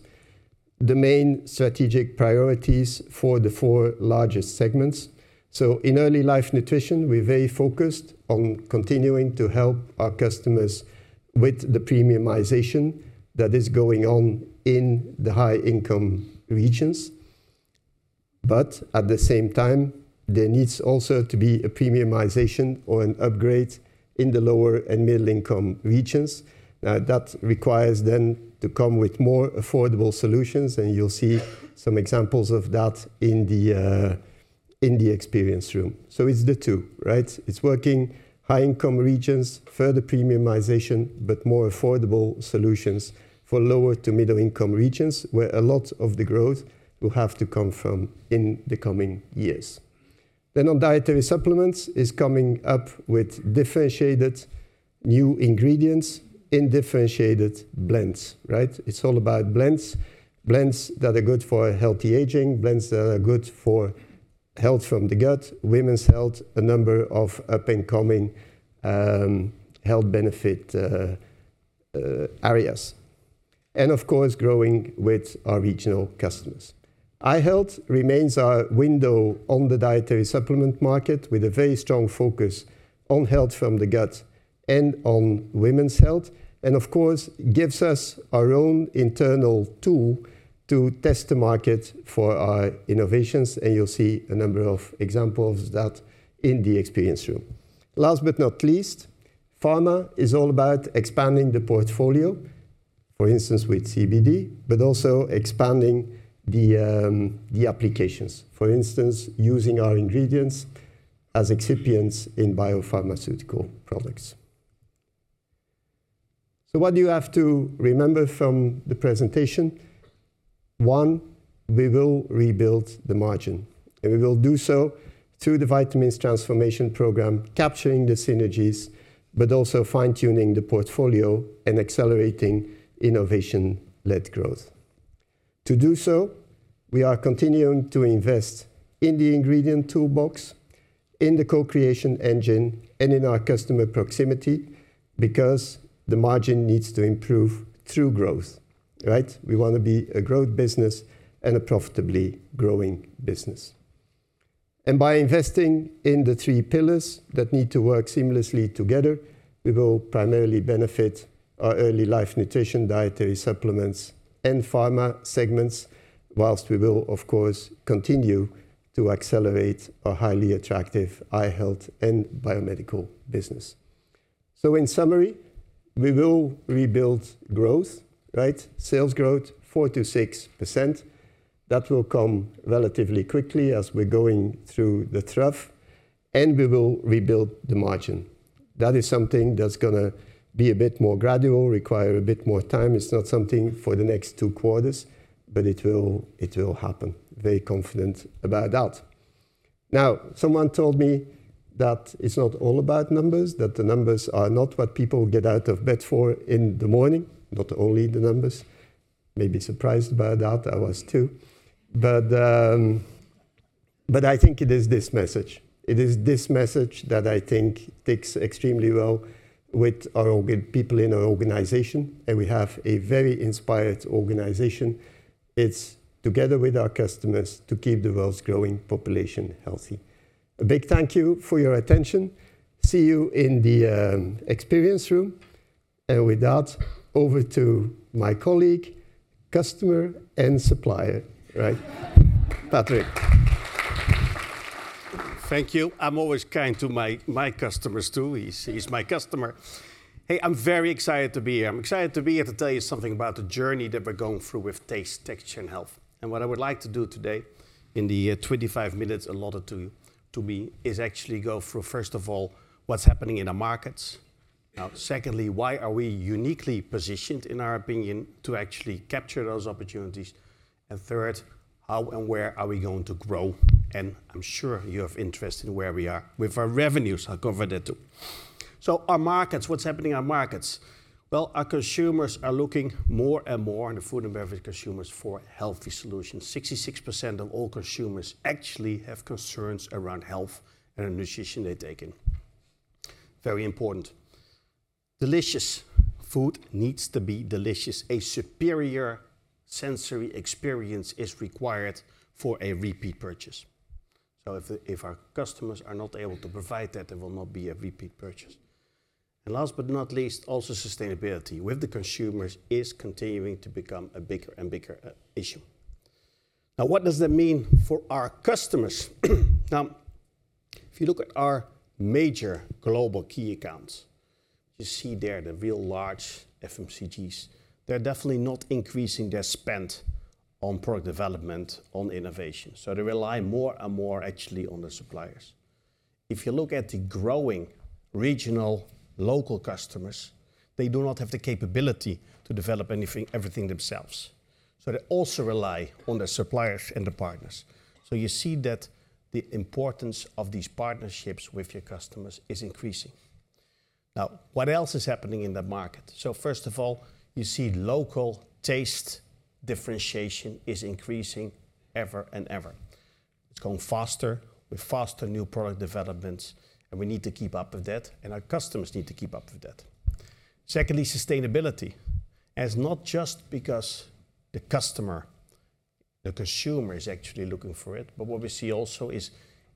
the main strategic priorities for the four largest segments. So in early life nutrition, we're very focused on continuing to help our customers with the premiumization that is going on in the high-income regions. But at the same time, there needs also to be a premiumization or an upgrade in the lower and middle-income regions. That requires then to come with more affordable solutions, and you'll see some examples of that in the experience room. So it's the two, right? It's working high-income regions, further premiumization, but more affordable solutions for lower to middle-income regions, where a lot of the growth will have to come from in the coming years. Then on dietary supplements is coming up with differentiated new ingredients in differentiated blends, right? It's all about blends. Blends that are good for healthy aging, blends that are good for health from the gut, women's health, a number of up-and-coming health benefit areas, and of course, growing with our regional customers. Eye health remains our window on the dietary supplement market, with a very strong focus on health from the gut and on women's health, and of course, gives us our own internal tool to test the market for our innovations, and you'll see a number of examples of that in the experience room. Last but not least, pharma is all about expanding the portfolio, for instance, with CBD, but also expanding the applications. For instance, using our ingredients as excipients in biopharmaceutical products. So what do you have to remember from the presentation? One, we will rebuild the margin, and we will do so through the vitamins transformation program, capturing the synergies, but also fine-tuning the portfolio and accelerating innovation-led growth. To do so, we are continuing to invest in the ingredient toolbox, in the co-creation engine, and in our customer proximity, because the margin needs to improve through growth, right? We want to be a growth business and a profitably growing business. By investing in the three pillars that need to work seamlessly together, we will primarily benefit our early life nutrition, dietary supplements, and pharma segments, while we will, of course, continue to accelerate our highly attractive eye health and biomedical business... In summary, we will rebuild growth, right? Sales growth, 4%-6%. That will come relatively quickly as we're going through the trough, and we will rebuild the margin. That is something that's gonna be a bit more gradual, require a bit more time. It's not something for the next two quarters, but it will, it will happen. Very confident about that. Now, someone told me that it's not all about numbers, that the numbers are not what people get out of bed for in the morning, not only the numbers. Maybe surprised by that, I was, too. But, but I think it is this message, it is this message that I think takes extremely well with our organization people in our organization, and we have a very inspired organization. It's together with our customers to keep the world's growing population healthy. A big thank you for your attention. See you in the experience room, and with that, over to my colleague, customer, and supplier, right? Patrick. Thank you. I'm always kind to my, my customers, too. He's, he's my customer. Hey, I'm very excited to be here. I'm excited to be here to tell you something about the journey that we're going through with Taste, Texture & Health. And what I would like to do today, in the 25 minutes allotted to, to me, is actually go through, first of all, what's happening in the markets. Now, secondly, why are we uniquely positioned, in our opinion, to actually capture those opportunities? And third, how and where are we going to grow? And I'm sure you have interest in where we are with our revenues. I'll cover that, too. So our markets, what's happening in our markets? Well, our consumers are looking more and more, in the food and beverage consumers, for healthy solutions. 66% of all consumers actually have concerns around health and the nutrition they're taking. Very important. Delicious food needs to be delicious. A superior sensory experience is required for a repeat purchase, so if our customers are not able to provide that, there will not be a repeat purchase. And last but not least, also sustainability with the consumers is continuing to become a bigger and bigger issue. Now, what does that mean for our customers? Now, if you look at our major global key accounts, you see there the real large FMCGs. They're definitely not increasing their spend on product development, on innovation, so they rely more and more actually on the suppliers. If you look at the growing regional local customers, they do not have the capability to develop anything, everything themselves, so they also rely on the suppliers and the partners. So you see that the importance of these partnerships with your customers is increasing. Now, what else is happening in the market? So first of all, you see local taste differentiation is increasing ever and ever. It's going faster with faster new product developments, and we need to keep up with that, and our customers need to keep up with that. Secondly, sustainability, as not just because the customer, the consumer, is actually looking for it, but what we see also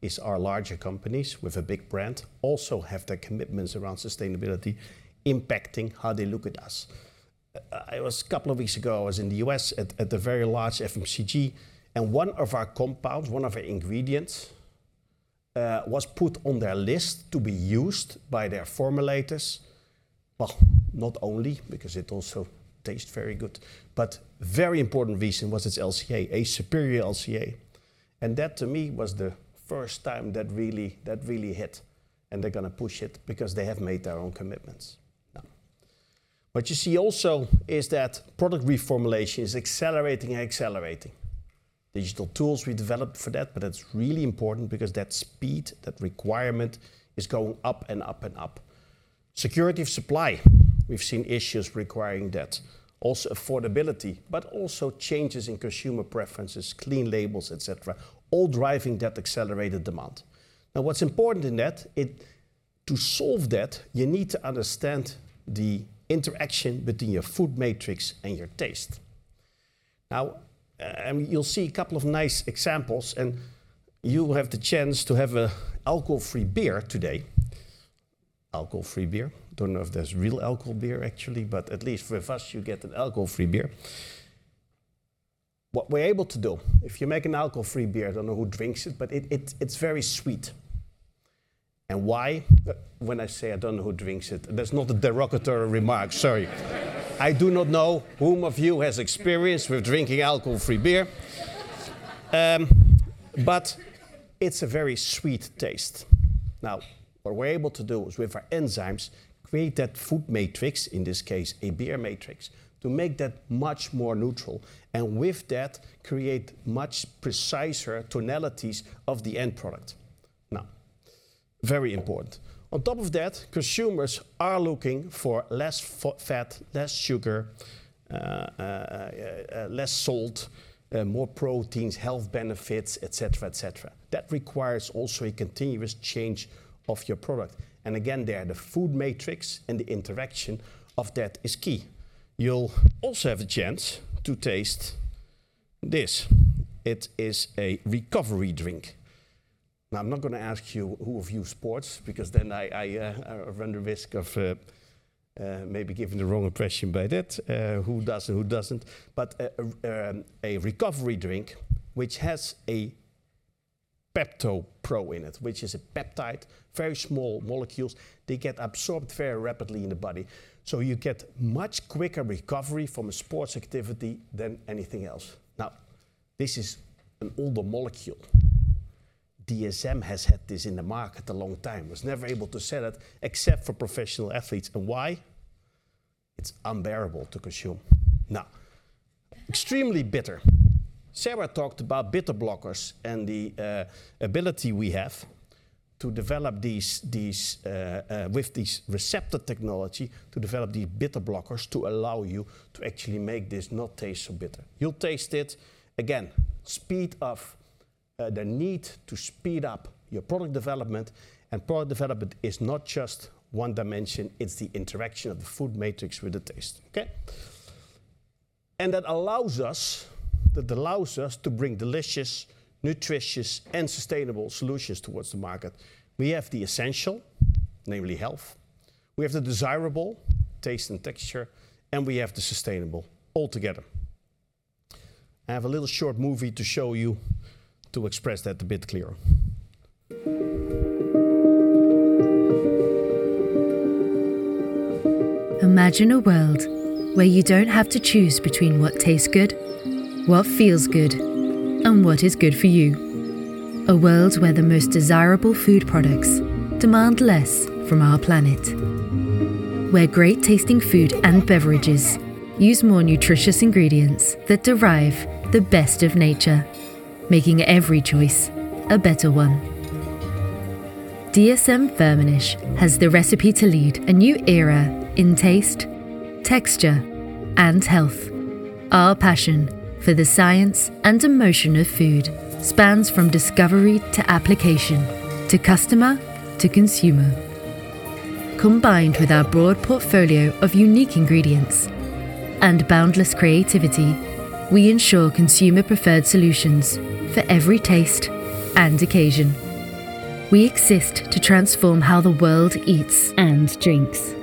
is our larger companies with a big brand also have their commitments around sustainability impacting how they look at us. Couple of weeks ago, I was in the U.S. at a very large FMCG, and one of our compounds, one of our ingredients was put on their list to be used by their formulators. Well, not only because it also tastes very good, but very important reason was its LCA, a superior LCA, and that, to me, was the first time that really, that really hit, and they're gonna push it because they have made their own commitments. Now, what you see also is that product reformulation is accelerating and accelerating. Digital tools we developed for that, but that's really important because that speed, that requirement, is going up and up and up. Security of supply, we've seen issues requiring that. Also affordability, but also changes in consumer preferences, clean labels, et cetera, all driving that accelerated demand. Now, what's important in that, to solve that, you need to understand the interaction between your food matrix and your taste. Now, you'll see a couple of nice examples, and you will have the chance to have a alcohol-free beer today. Alcohol-free beer. Don't know if there's real alcohol beer, actually, but at least with us, you get an alcohol-free beer. What we're able to do, if you make an alcohol-free beer, I don't know who drinks it, but it's very sweet. And why? When I say I don't know who drinks it, that's not a derogatory remark, sorry. I do not know whom of you has experience with drinking alcohol-free beer. But it's a very sweet taste. Now, what we're able to do is, with our enzymes, create that food matrix, in this case, a beer matrix, to make that much more neutral, and with that, create much preciser tonalities of the end product. Now, very important. On top of that, consumers are looking for less fat, less sugar, less salt, more proteins, health benefits, et cetera, et cetera. That requires also a continuous change of your product, and again, there, the food matrix and the interaction of that is key. You'll also have a chance to taste this. It is a recovery drink. Now, I'm not gonna ask you who of you sports, because then I run the risk of maybe giving the wrong impression by that, who does and who doesn't. But a recovery drink, which has PeptoPro in it, which is a peptide, very small molecules. They get absorbed very rapidly in the body, so you get much quicker recovery from a sports activity than anything else. Now, this is an older molecule. DSM has had this in the market a long time, was never able to sell it except for professional athletes, and why? It's unbearable to consume. Now, extremely bitter. Sarah talked about bitter blockers and the ability we have to develop these, these with this receptor technology, to develop these bitter blockers to allow you to actually make this not taste so bitter. You'll taste it. Again, speed of the need to speed up your product development, and product development is not just one dimension, it's the interaction of the food matrix with the taste, okay? And that allows us, that allows us to bring delicious, nutritious, and sustainable solutions towards the market. We have the essential, namely health, we have the desirable, taste and texture, and we have the sustainable all together. I have a little short movie to show you to express that a bit clearer. Imagine a world where you don't have to choose between what tastes good, what feels good, and what is good for you. A world where the most desirable food products demand less from our planet, where great-tasting food and beverages use more nutritious ingredients that derive the best of nature, making every choice a better one. DSM-Firmenich has the recipe to lead a Taste, Texture, and Health. our passion for the science and emotion of food spans from discovery to application, to customer, to consumer. Combined with our broad portfolio of unique ingredients and boundless creativity, we ensure consumer-preferred solutions for every taste and occasion. We exist to transform how the world eats and drinks,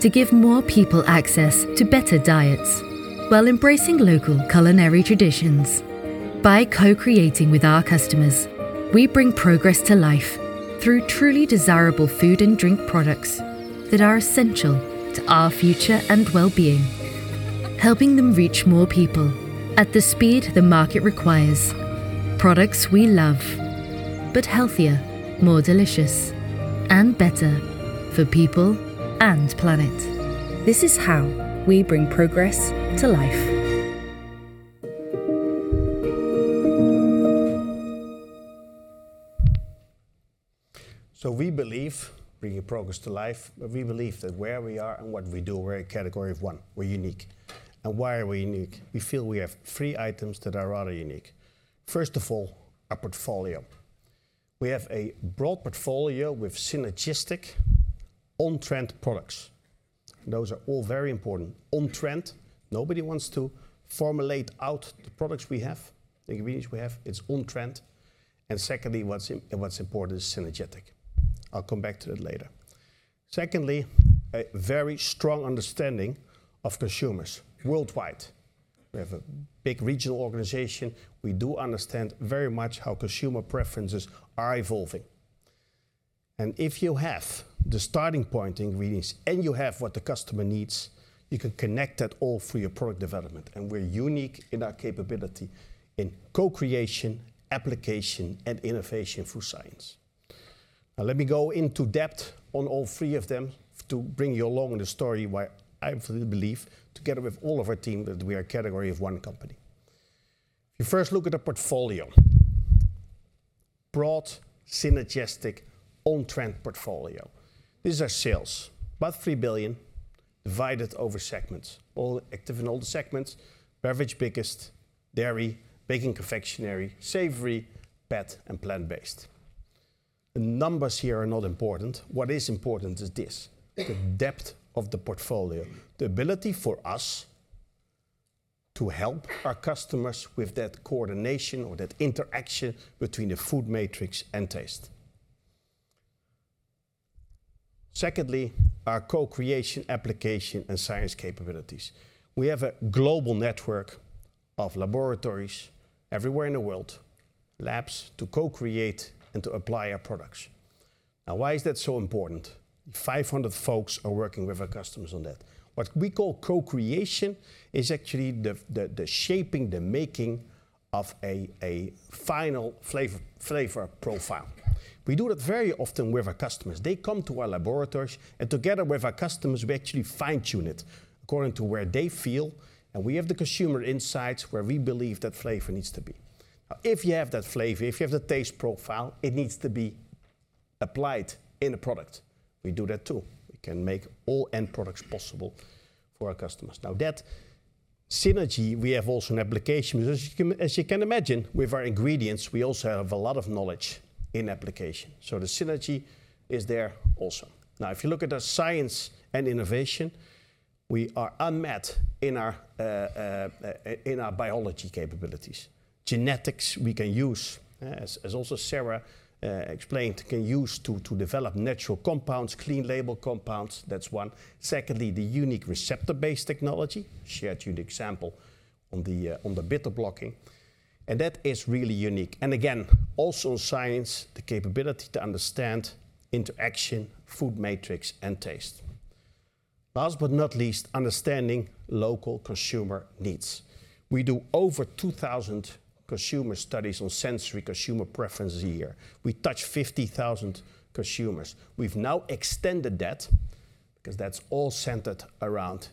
to give more people access to better diets while embracing local culinary traditions. By co-creating with our customers, we bring progress to life through truly desirable food and drink products that are essential to our future and well-being, helping them reach more people at the speed the market requires. Products we love, but healthier, more delicious, and better for people and planet. This is how we bring progress to life. So we believe, bringing progress to life, we believe that where we are and what we do, we're a category of one. We're unique. And why are we unique? We feel we have three items that are rather unique. First of all, our portfolio. We have a broad portfolio with synergistic on-trend products. Those are all very important. On-trend, nobody wants to formulate out the products we have, the ingredients we have. It's on-trend, and secondly, what's important and what's important is synergistic. I'll come back to that later. Secondly, a very strong understanding of consumers worldwide. We have a big regional organization. We do understand very much how consumer preferences are evolving. And if you have the starting point ingredients and you have what the customer needs, you can connect that all through your product development, and we're unique in our capability in co-creation, application, and innovation through science. Now, let me go into depth on all three of them to bring you along in the story why I fully believe, together with all of our team, that we are a category of one company. If you first look at the portfolio, broad, synergistic, on-trend portfolio. These are sales, about 3 billion, divided over segments, all active in all the segments. Beverage biggest, dairy, baking & confectionery, savory, pet, and plant-based. The numbers here are not important. What is important is this: the depth of the portfolio, the ability for us to help our customers with that coordination or that interaction between the food matrix and taste. Secondly, our co-creation, application, and science capabilities. We have a global network of laboratories everywhere in the world, labs to co-create and to apply our products. Now, why is that so important? 500 folks are working with our customers on that. What we call co-creation is actually the shaping, the making of a final flavor profile. We do that very often with our customers. They come to our laboratories, and together with our customers, we actually fine-tune it according to where they feel, and we have the consumer insights where we believe that flavor needs to be. Now, if you have that flavor, if you have the taste profile, it needs to be applied in a product. We do that, too. We can make all end products possible for our customers. Now, that synergy, we have also an application. As you can imagine, with our ingredients, we also have a lot of knowledge in application, so the synergy is there also. Now, if you look at the science and innovation, we are unmet in our biology capabilities. Genetics we can use, as also Sarah explained, can use to develop natural compounds, clean label compounds. That's one. Secondly, the unique receptor-based technology. Shared to you the example on the, on the bitter blocking, and that is really unique. And again, also science, the capability to understand interaction, food matrix, and taste. Last but not least, understanding local consumer needs. We do over 2,000 consumer studies on sensory consumer preferences a year. We touch 50,000 consumers. We've now extended that, because that's all centered around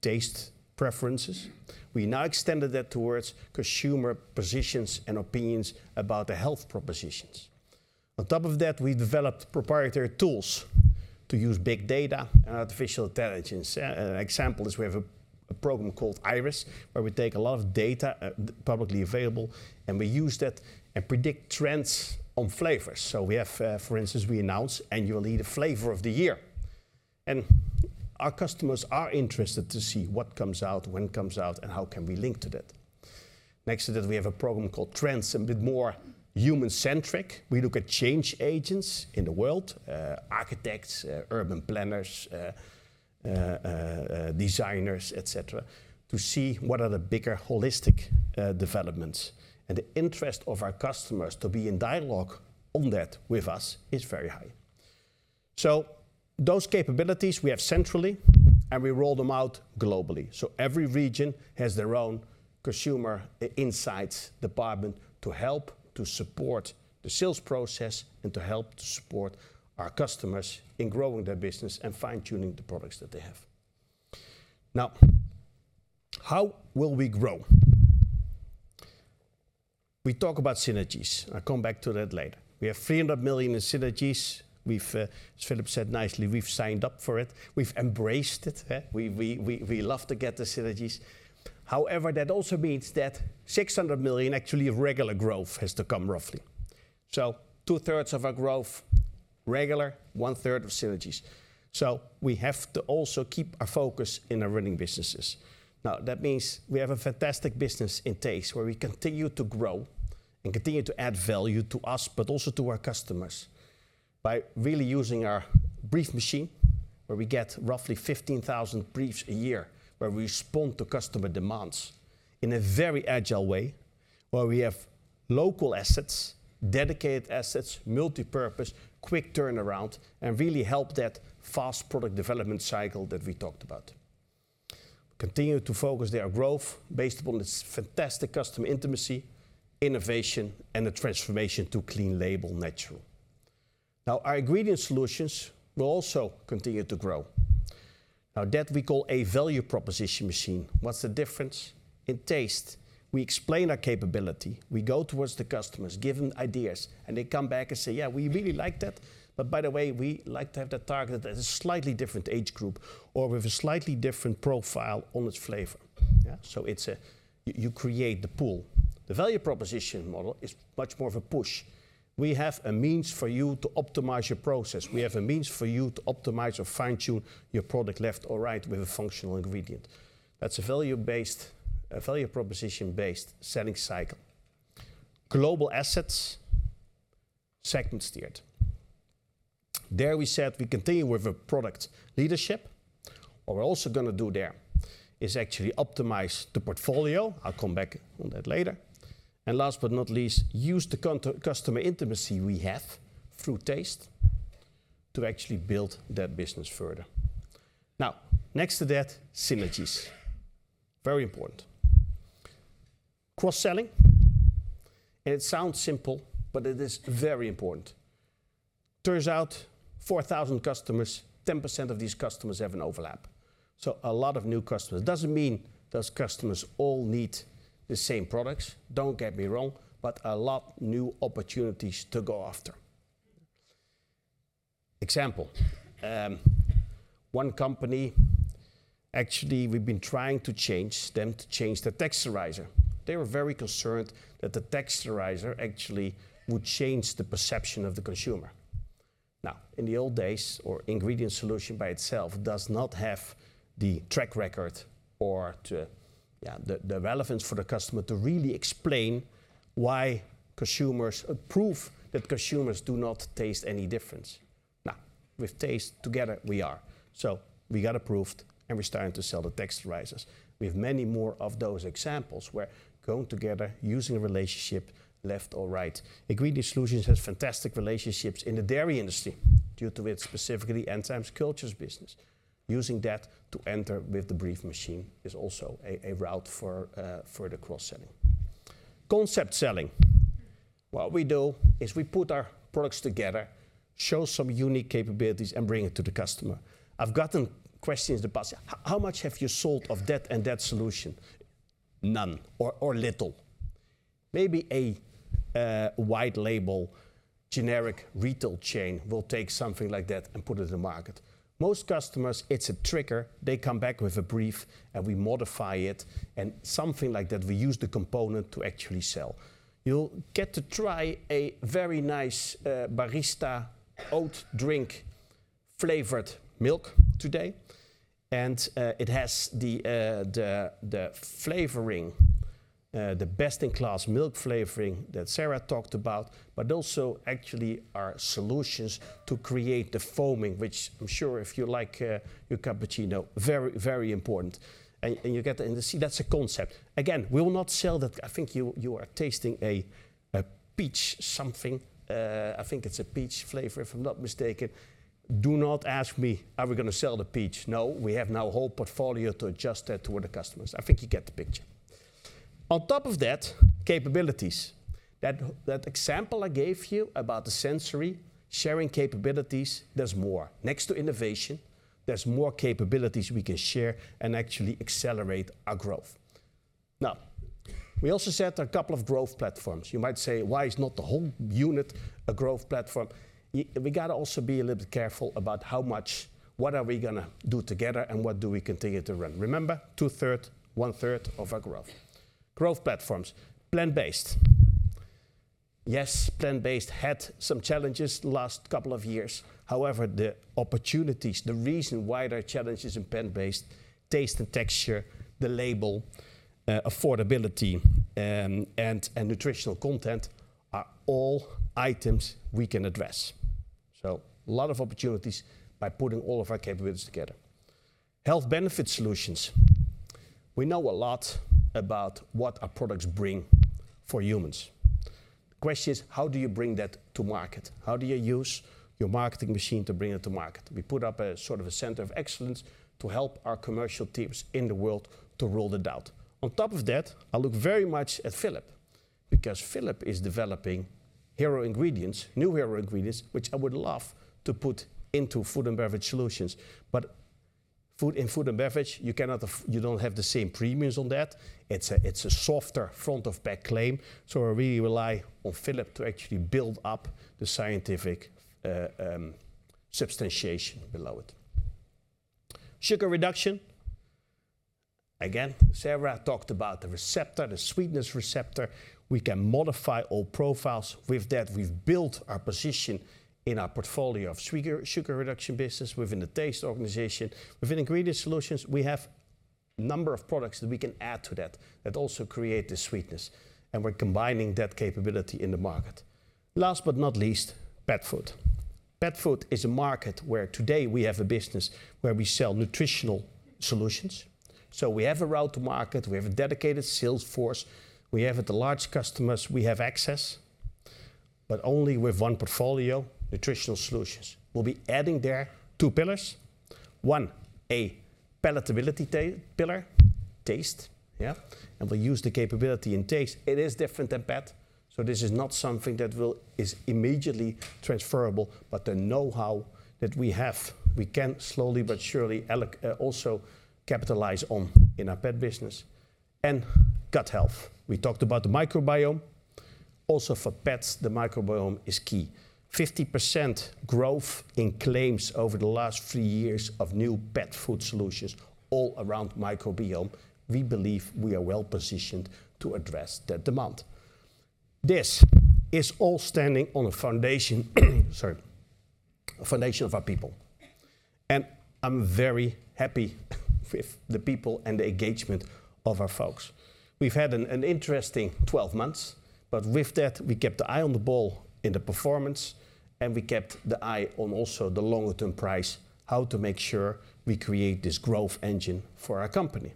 taste preferences. We now extended that towards consumer positions and opinions about the health propositions. On top of that, we've developed proprietary tools to use big data and artificial intelligence. An example is we have a program called IRIS, where we take a lot of data, publicly available, and we use that and predict trends on flavors. So we have, for instance, we announce annually the flavor of the year, and our customers are interested to see what comes out, when it comes out, and how can we link to that? Next to that, we have a program called Trends, a bit more human-centric. We look at change agents in the world, architects, urban planners, designers, et cetera, to see what are the bigger holistic developments. And the interest of our customers to be in dialogue on that with us is very high. So those capabilities we have centrally, and we roll them out globally. Every region has their own consumer insights department to help to support the sales process and to help to support our customers in growing their business and fine-tuning the products that they have. Now, how will we grow? We talk about synergies. I'll come back to that later. We have 300 million in synergies. We've, as Philip said nicely, we've signed up for it. We've embraced it, we love to get the synergies. However, that also means that 600 million actually of regular growth has to come, roughly. So two-thirds of our growth, regular, one-third of synergies. So we have to also keep our focus in our running businesses. Now, that means we have a fantastic business in taste, where we continue to grow and continue to add value to us, but also to our customers, by really using our brief machine, where we get roughly 15,000 briefs a year, where we respond to customer demands in a very agile way, where we have local assets, dedicated assets, multipurpose, quick turnaround, and really help that fast product development cycle that we talked about. Continue to focus their growth based upon this fantastic customer intimacy, innovation, and the transformation to clean label natural. Now, our ingredient solutions will also continue to grow. Now, that we call a value proposition machine. What's the difference? In taste, we explain our capability, we go towards the customers, give them ideas, and they come back and say, "Yeah, we really like that, but by the way, we like to have that target at a slightly different age group or with a slightly different profile on its flavor." Yeah, so it's a. You, you create the pull. The value proposition model is much more of a push. We have a means for you to optimize your process. We have a means for you to optimize or fine-tune your product left or right with a functional ingredient. That's a value-based, a value proposition-based selling cycle. Global assets, segment steered. There we said we continue with a product leadership. What we're also gonna do there is actually optimize the portfolio. I'll come back on that later. Last but not least, use the customer intimacy we have through taste to actually build that business further. Now, next to that, synergies. Very important. Cross-selling, and it sounds simple, but it is very important. Turns out 4,000 customers, 10% of these customers have an overlap, so a lot of new customers. It doesn't mean those customers all need the same products, don't get me wrong, but a lot new opportunities to go after. Example, one company, actually, we've been trying to change them to change their texturizer. They were very concerned that the texturizer actually would change the perception of the consumer. Now, in the old days, our ingredient solution by itself does not have the track record or the relevance for the customer to really explain why consumers approve that consumers do not taste any difference. Now, with Taste, together we are. So we got approved, and we're starting to sell the texturizers. We have many more of those examples, where going together, using a relationship left or right. Ingredient solutions has fantastic relationships in the dairy industry, due to its specifically enzymes cultures business. Using that to enter with the Bovaer is also a route for the cross-selling. Concept selling. What we do is we put our products together, show some unique capabilities, and bring it to the customer. I've gotten questions in the past, "How much have you sold of that and that solution?" None or little. Maybe a white label, generic retail chain will take something like that and put it in the market. Most customers, it's a trigger. They come back with a brief, and we modify it, and something like that, we use the component to actually sell. You'll get to try a very nice barista oat drink-flavored milk today, and it has the flavoring, the best-in-class milk flavoring that Sarah talked about, but also actually our solutions to create the foaming, which I'm sure if you like your cappuccino, very, very important. And see, that's a concept. Again, we will not sell that. I think you are tasting a peach something. I think it's a peach flavor, if I'm not mistaken. Do not ask me, are we gonna sell the peach? No. We have now a whole portfolio to adjust that to other customers. I think you get the picture. On top of that, capabilities. That example I gave you about the sensory sharing capabilities, there's more. Next to innovation, there's more capabilities we can share and actually accelerate our growth. Now, we also set a couple of growth platforms. You might say, "Why is not the whole unit a growth platform?" We gotta also be a little bit careful about how much—what are we gonna do together, and what do we continue to run? Remember, two-thirds, one-third of our growth. Growth platforms, plant-based. Yes, plant-based had some challenges the last couple of years. However, the opportunities, the reason why there are challenges in plant-based, taste and texture, the label, affordability, and nutritional content, are all items we can address. So a lot of opportunities by putting all of our capabilities together. Health benefit solutions. We know a lot about what our products bring for humans. The question is: how do you bring that to market? How do you use your marketing machine to bring it to market? We put up a sort of a center of excellence to help our commercial teams in the world to roll it out. On top of that, I look very much at Philip, because Philip is developing hero ingredients, new hero ingredients, which I would love to put into food and beverage solutions. But food, in food and beverage, you cannot - you don't have the same premiums on that. It's a, it's a softer front-of-pack claim, so I really rely on Philip to actually build up the scientific substantiation below it. Sugar reduction. Again, Sarah talked about the receptor, the sweetness receptor. We can modify all profiles. With that, we've built our position in our portfolio of sugar reduction business within the taste organization. Within Ingredient Solutions, we have a number of products that we can add to that, that also create the sweetness, and we're combining that capability in the market. Last but not least, pet food. Pet food is a market where today we have a business where we sell nutritional solutions. So we have a route to market, we have a dedicated sales force, we have the large customers, we have access, but only with one portfolio, nutritional solutions. We'll be adding there two pillars. One, a palatability pillar, taste, yeah? And we'll use the capability in taste. It is different than pet, so this is not something that will... is immediately transferable, but the know-how that we have, we can slowly but surely also capitalize on in our pet business. And gut health. We talked about the microbiome. Also, for pets, the microbiome is key. 50% growth in claims over the last three years of new pet food solutions all around microbiome. We believe we are well-positioned to address that demand. This is all standing on a foundation, sorry, a foundation of our people, and I'm very happy with the people and the engagement of our folks. We've had an interesting 12 months, but with that, we kept our eye on the ball in the performance, and we kept the eye on also the longer-term price, how to make sure we create this growth engine for our company.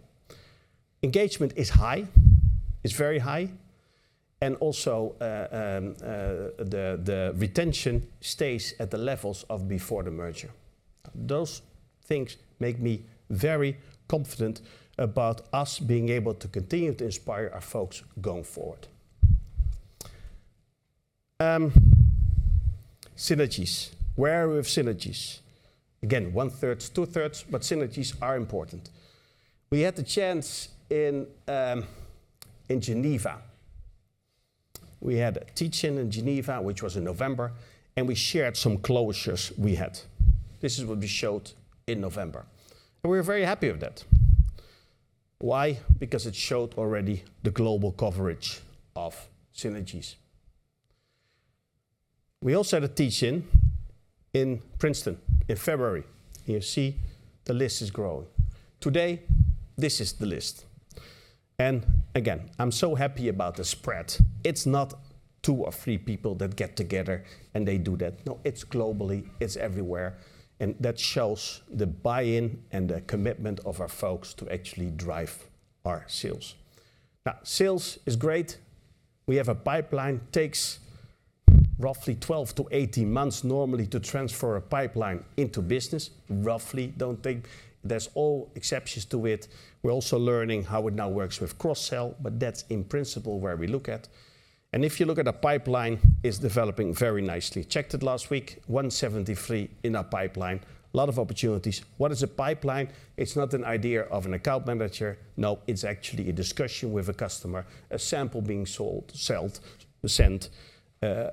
Engagement is high. It's very high, and also, the, the retention stays at the levels of before the merger. Those things make me very confident about us being able to continue to inspire our folks going forward. Synergies. Where are we with synergies? Again, one third, two thirds, but synergies are important. We had the chance in Geneva, we had a teach-in in Geneva, which was in November, and we shared some closures we had. This is what we showed in November, and we were very happy with that. Why? Because it showed already the global coverage of synergies. We also had a teach-in in Princeton in February. You see the list is growing. Today, this is the list. And again, I'm so happy about the spread. It's not two or three people that get together, and they do that. No, it's globally, it's everywhere, and that shows the buy-in and the commitment of our folks to actually drive our sales. Now, sales is great. We have a pipeline. Takes roughly 12-18 months normally to transfer a pipeline into business, roughly. Don't take... There's all exceptions to it. We're also learning how it now works with cross-sell, but that's in principle where we look at. And if you look at the pipeline, it's developing very nicely. Checked it last week, 173 in our pipeline. Lot of opportunities. What is a pipeline? It's not an idea of an account manager. No, it's actually a discussion with a customer, a sample being sold, sold, sent,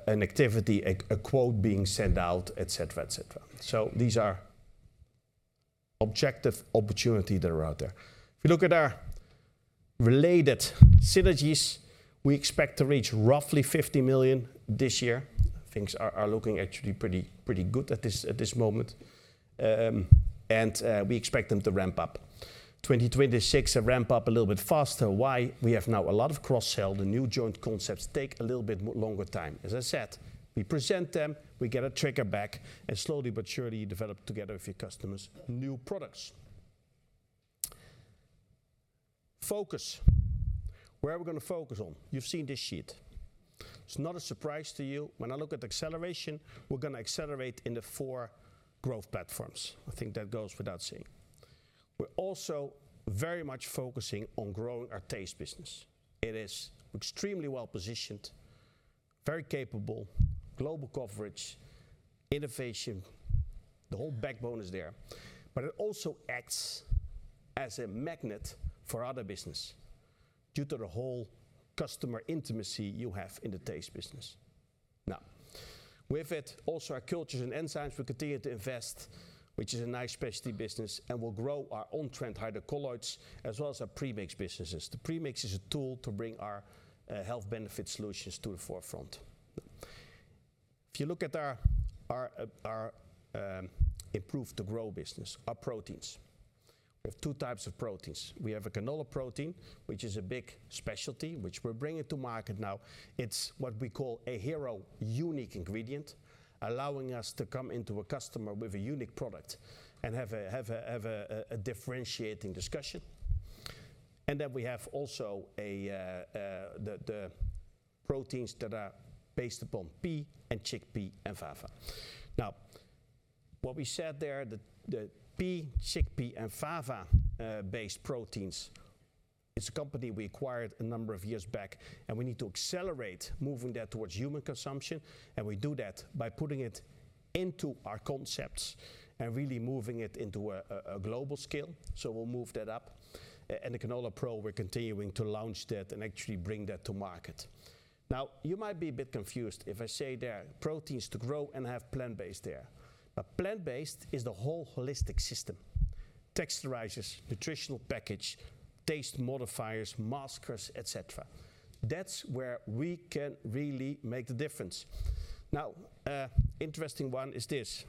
an activity, a quote being sent out, et cetera, et cetera. So these are objective opportunities that are out there. If you look at our related synergies, we expect to reach roughly 50 million this year. Things are looking actually pretty good at this moment. And we expect them to ramp up. 2026, ramp up a little bit faster. Why? We have now a lot of cross-sell. The new joint concepts take a little bit longer time. As I said, we present them, we get a trigger back, and slowly but surely you develop together with your customers, new products. Focus. Where are we gonna focus on? You've seen this sheet. It's not a surprise to you. When I look at acceleration, we're gonna accelerate in the four growth platforms. I think that goes without saying. We're also very much focusing on growing our taste business. It is extremely well positioned, very capable, global coverage, innovation, the whole backbone is there. But it also acts as a magnet for other business due to the whole customer intimacy you have in the taste business. Now, with it also our cultures and enzymes, we continue to invest, which is a nice specialty business, and we'll grow our on-trend hydrocolloids as well as our premix businesses. The premix is a tool to bring our health benefit solutions to the forefront. If you look at our improve to grow business, our proteins. We have two types of proteins. We have a canola protein, which is a big specialty, which we're bringing to market now. It's what we call a hero unique ingredient, allowing us to come into a customer with a unique product and have a differentiating discussion. And then we have also the proteins that are based upon pea and chickpea and fava. Now, what we said there, the pea, chickpea, and fava based proteins, it's a company we acquired a number of years back, and we need to accelerate moving that towards human consumption, and we do that by putting it into our concepts and really moving it into a global scale. So we'll move that up. And the CanolaPRO, we're continuing to launch that and actually bring that to market. Now, you might be a bit confused if I say there are proteins to grow and have plant-based there. But plant-based is the whole holistic system. Texturizers, nutritional package, taste modifiers, maskers, et cetera. That's where we can really make the difference. Now, an interesting one is this.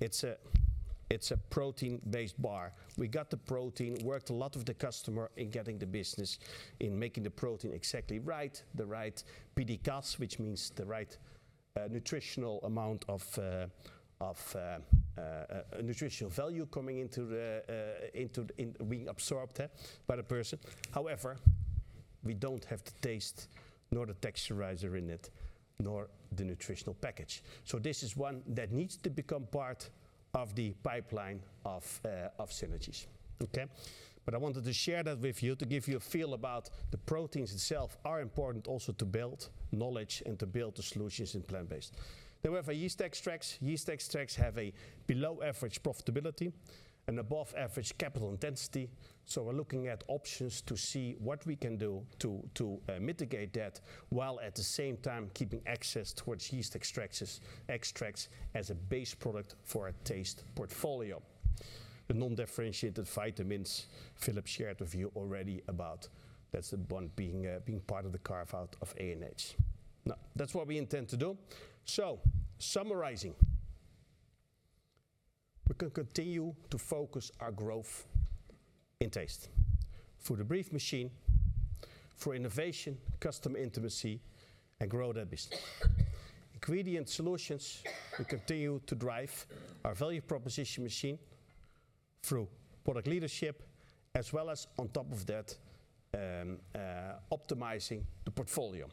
It's a protein-based bar. We got the protein, worked a lot with the customer in getting the business, in making the protein exactly right, the right PDCAAS, which means the right, nutritional amount of, of, nutritional value coming into the, into the being absorbed there by the person. However, we don't have the taste, nor the texturizer in it, nor the nutritional package. So this is one that needs to become part of the pipeline of, of synergies. Okay? But I wanted to share that with you to give you a feel about the proteins itself are important also to build knowledge and to build the solutions in plant-based. Then we have our yeast extracts. Yeast extracts have a below average profitability and above average capital intensity, so we're looking at options to see what we can do to mitigate that, while at the same time keeping access towards yeast extracts, extracts as a base product for our taste portfolio. The non-differentiated vitamins, Philip shared with you already about that's the one being part of the carve out of ANH. Now, that's what we intend to do. So summarizing, we can continue to focus our growth in taste through the value machine, through innovation, customer intimacy, and grow that business. Ingredient solutions, we continue to drive our value proposition machine through product leadership, as well as on top of that, optimizing the portfolio.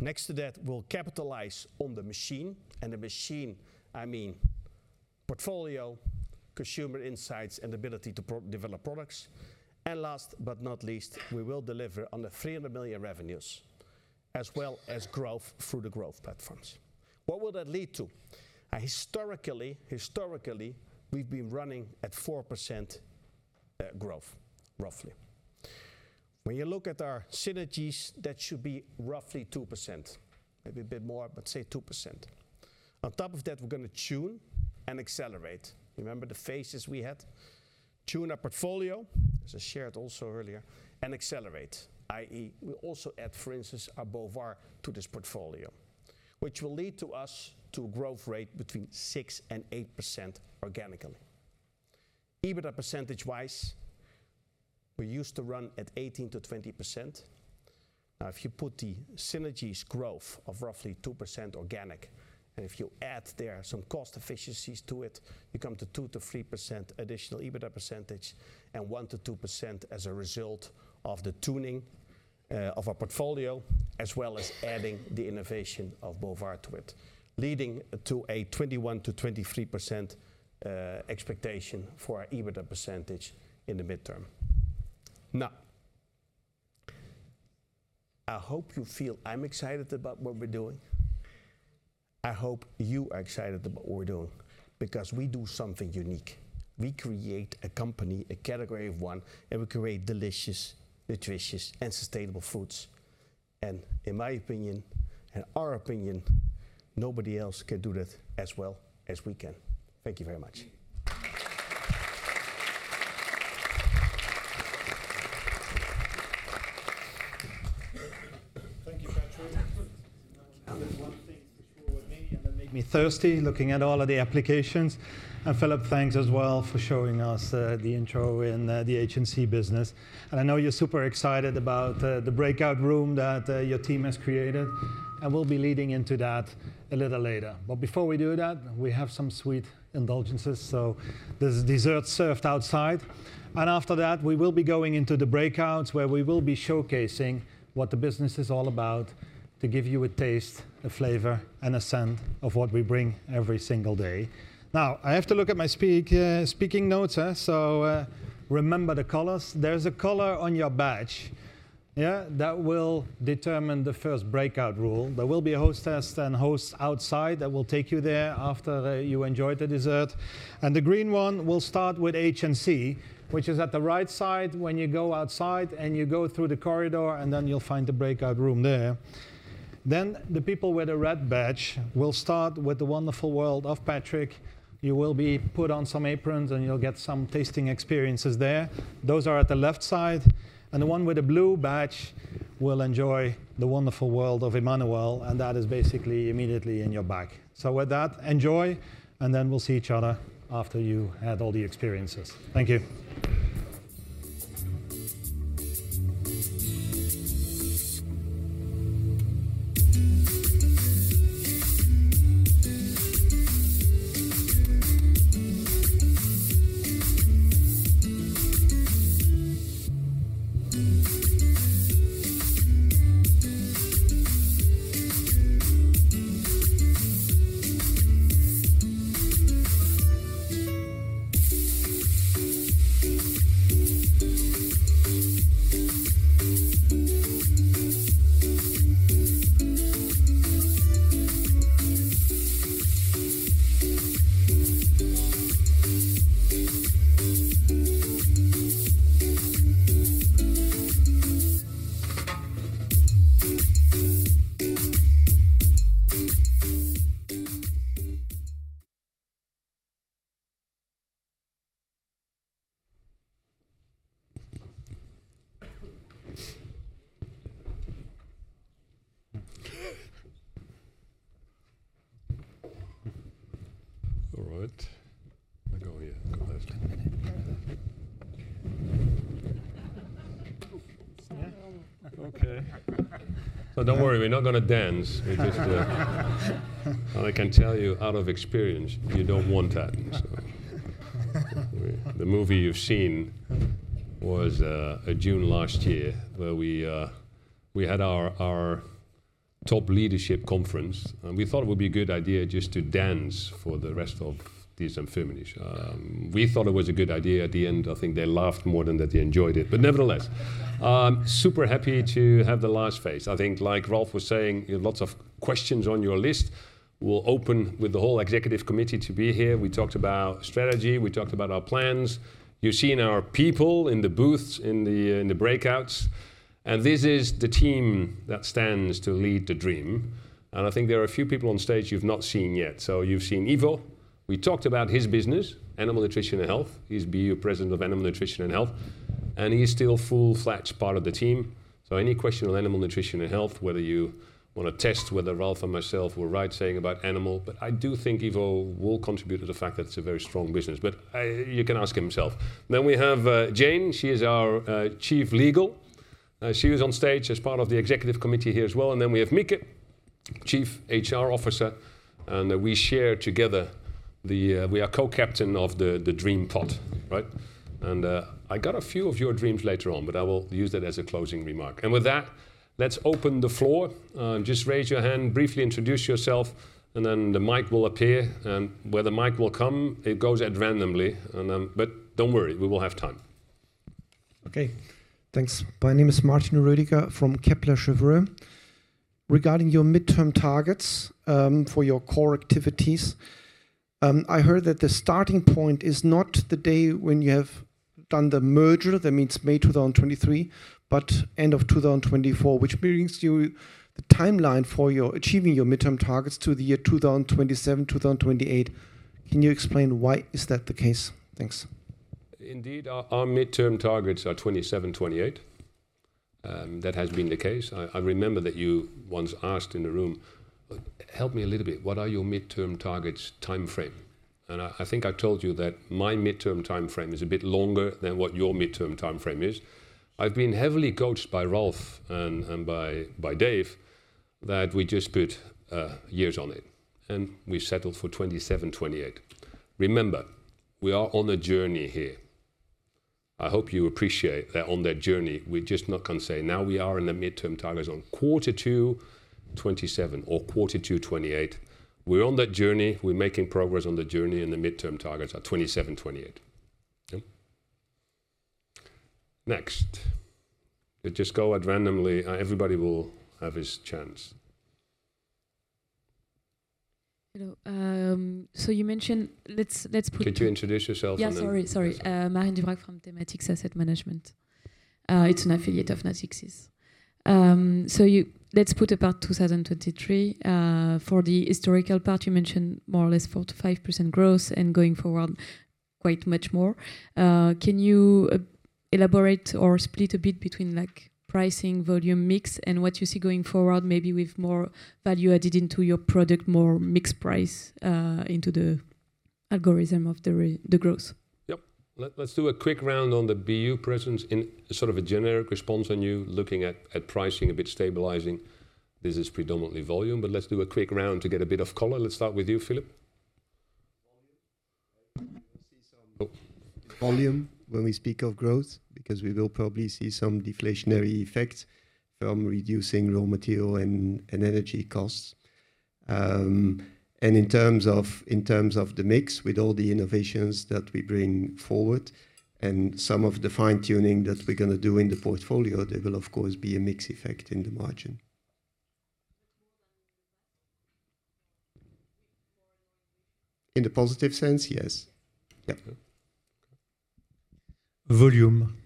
Next to that, we'll capitalize on the machine, and the machine, I mean, portfolio, consumer insights, and ability to develop products. And last but not least, we will deliver on the 300 million revenues, as well as growth through the growth platforms. What will that lead to? Historically, we've been running at 4% growth, roughly. When you look at our synergies, that should be roughly 2%, maybe a bit more, but say 2%. On top of that, we're gonna tune and accelerate. Remember the phases we had? Tune our portfolio, as I shared also earlier, and accelerate, i.e., we also add, for instance, Bovaer to this portfolio, which will lead to us to a growth rate between 6% and 8% organically. EBITDA percentage-wise, we used to run at 18%-20%. Now, if you put the synergies growth of roughly 2% organic, and if you add there some cost efficiencies to it, you come to 2%-3% additional EBITDA percentage and 1%-2% as a result of the tuning, of our portfolio, as well as adding the innovation of Bovaer to it, leading to a 21%-23% expectation for our EBITDA percentage in the midterm. Now, I hope you feel I'm excited about what we're doing. I hope you are excited about what we're doing, because we do something unique. We create a company, a category of one, and we create delicious, nutritious, and sustainable foods.... and in my opinion, in our opinion, nobody else can do that as well as we can. Thank you very much. Thank you, Patrick. There's one thing for sure with me, and that make me thirsty looking at all of the applications. And Philip, thanks as well for showing us the intro in the HNC business. And I know you're super excited about the breakout room that your team has created, and we'll be leading into that a little later. But before we do that, we have some sweet indulgences, so there's dessert served outside. And after that, we will be going into the breakouts, where we will be showcasing what the business is all about, to give you a taste, a flavor, and a scent of what we bring every single day. Now, I have to look at my speaking notes, eh? So, remember the colors. There's a color on your badge, yeah, that will determine the first breakout rule. There will be a hostess and hosts outside that will take you there after you enjoyed the dessert. The green one will start with HNC, which is at the right side when you go outside, and you go through the corridor, and then you'll find the breakout room there. Then, the people with a red badge will start with the Wonderful World of Patrick. You will be put on some aprons, and you'll get some tasting experiences there. Those are at the left side. The one with the blue badge will enjoy the Wonderful World of Emmanuel, and that is basically immediately in your back. So with that, enjoy, and then we'll see each other after you had all the experiences. Thank you. All right. I go here, go left. Yeah. Okay. So don't worry, we're not gonna dance. We just. I can tell you out of experience, you don't want that, so. The movie you've seen was June last year, where we had our top leadership conference, and we thought it would be a good idea just to dance for the rest of this Firmenich. We thought it was a good idea. At the end, I think they laughed more than that they enjoyed it. But nevertheless, super happy to have the last phase. I think like Ralf was saying, you have lots of questions on your list. We'll open with the whole executive committee to be here. We talked about strategy, we talked about our plans. You've seen our people in the booths, in the breakouts, and this is the team that stands to lead the dream. I think there are a few people on stage you've not seen yet. You've seen Ivo. We talked about his business, Animal Nutrition and Health. He's BU president of Animal Nutrition and Health, and he's still full, flat part of the team. Any question on Animal Nutrition and Health, whether you wanna test whether Ralf or myself were right saying about animal, but I do think Ivo will contribute to the fact that it's a very strong business. But you can ask himself. Then we have Jane. She is our Chief Legal. She was on stage as part of the executive committee here as well. We have Mieke, Chief HR Officer, and we share together the... we are co-captain of the dream pod, right? I got a few of your dreams later on, but I will use that as a closing remark. With that, let's open the floor. Just raise your hand, briefly introduce yourself, and then the mic will appear. And where the mic will come, it goes at randomly, and but don't worry, we will have time. Okay, thanks. My name is Martin Roediger from Kepler Cheuvreux. Regarding your midterm targets, for your core activities, I heard that the starting point is not the day when you have done the merger, that means May 2023, but end of 2024, which brings you the timeline for your achieving your midterm targets to the year 2027, 2028. Can you explain why is that the case? Thanks. Indeed, our midterm targets are 2027, 2028. That has been the case. I remember that you once asked in the room, "Help me a little bit. What are your midterm targets timeframe?" And I think I told you that my midterm timeframe is a bit longer than what your midterm timeframe is. I've been heavily coached by Ralf and by Dave, that we just put years on it, and we settled for 2027, 2028. Remember, we are on a journey here. I hope you appreciate that on that journey, we're just not gonna say, "Now we are in the midterm targets on quarter two, 2027 or quarter two, 2028." We're on that journey. We're making progress on the journey, and the midterm targets are 2027, 2028. Okay? Next. It just go at randomly, everybody will have his chance.... Hello. So you mentioned, let's put- Could you introduce yourself, and then- Yeah, sorry, sorry... from Thematics Asset Management. It's an affiliate of Natixis. So you—let's put about 2023. For the historical part, you mentioned more or less 4%-5% growth, and going forward, quite much more. Can you elaborate or split a bit between, like, pricing, volume, mix, and what you see going forward, maybe with more value added into your product, more mixed price, into the algorithm of the growth? Yep. Let's do a quick round on the BU presence in sort of a generic response on you looking at pricing, a bit stabilizing. This is predominantly volume, but let's do a quick round to get a bit of color. Let's start with you, Philip. Volume, right? We will see some- Oh. -volume when we speak of growth, because we will probably see some deflationary effect from reducing raw material and energy costs. And in terms of the mix, with all the innovations that we bring forward and some of the fine-tuning that we're gonna do in the portfolio, there will, of course, be a mix effect in the margin. More than less? Or more and more- In the positive sense, yes. Yeah. Yeah. Okay. Volume.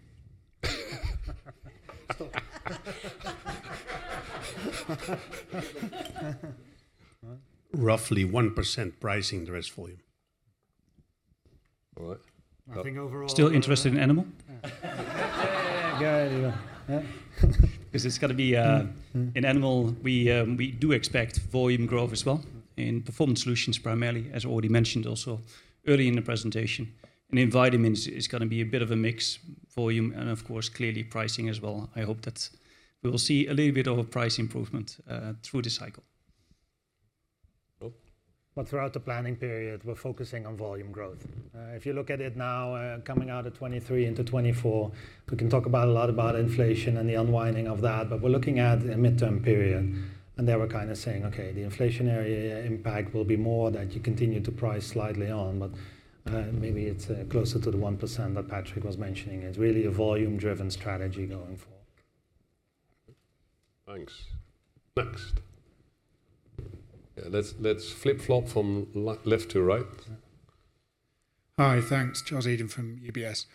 All right. I think overall— Still interested in animal? Yeah, go ahead, yeah. 'Cause it's gonna be- Mm, mm. In animal, we, we do expect volume growth as well, in performance solutions primarily, as already mentioned also early in the presentation. In vitamins, it's gonna be a bit of a mix, volume, and of course, clearly pricing as well. I hope that we will see a little bit of a price improvement, through the cycle. Well- Well, throughout the planning period, we're focusing on volume growth. If you look at it now, coming out of 2023 into 2024, we can talk about a lot about inflation and the unwinding of that, but we're looking at a midterm period, and there we're kind of saying, "Okay, the inflationary impact will be more that you continue to price slightly on, but, maybe it's, closer to the 1% that Patrick was mentioning." It's really a volume-driven strategy going forward. Thanks. Next. Yeah, let's, let's flip-flop from left to right. Yeah. Hi, thanks. Charles Eden from UBS.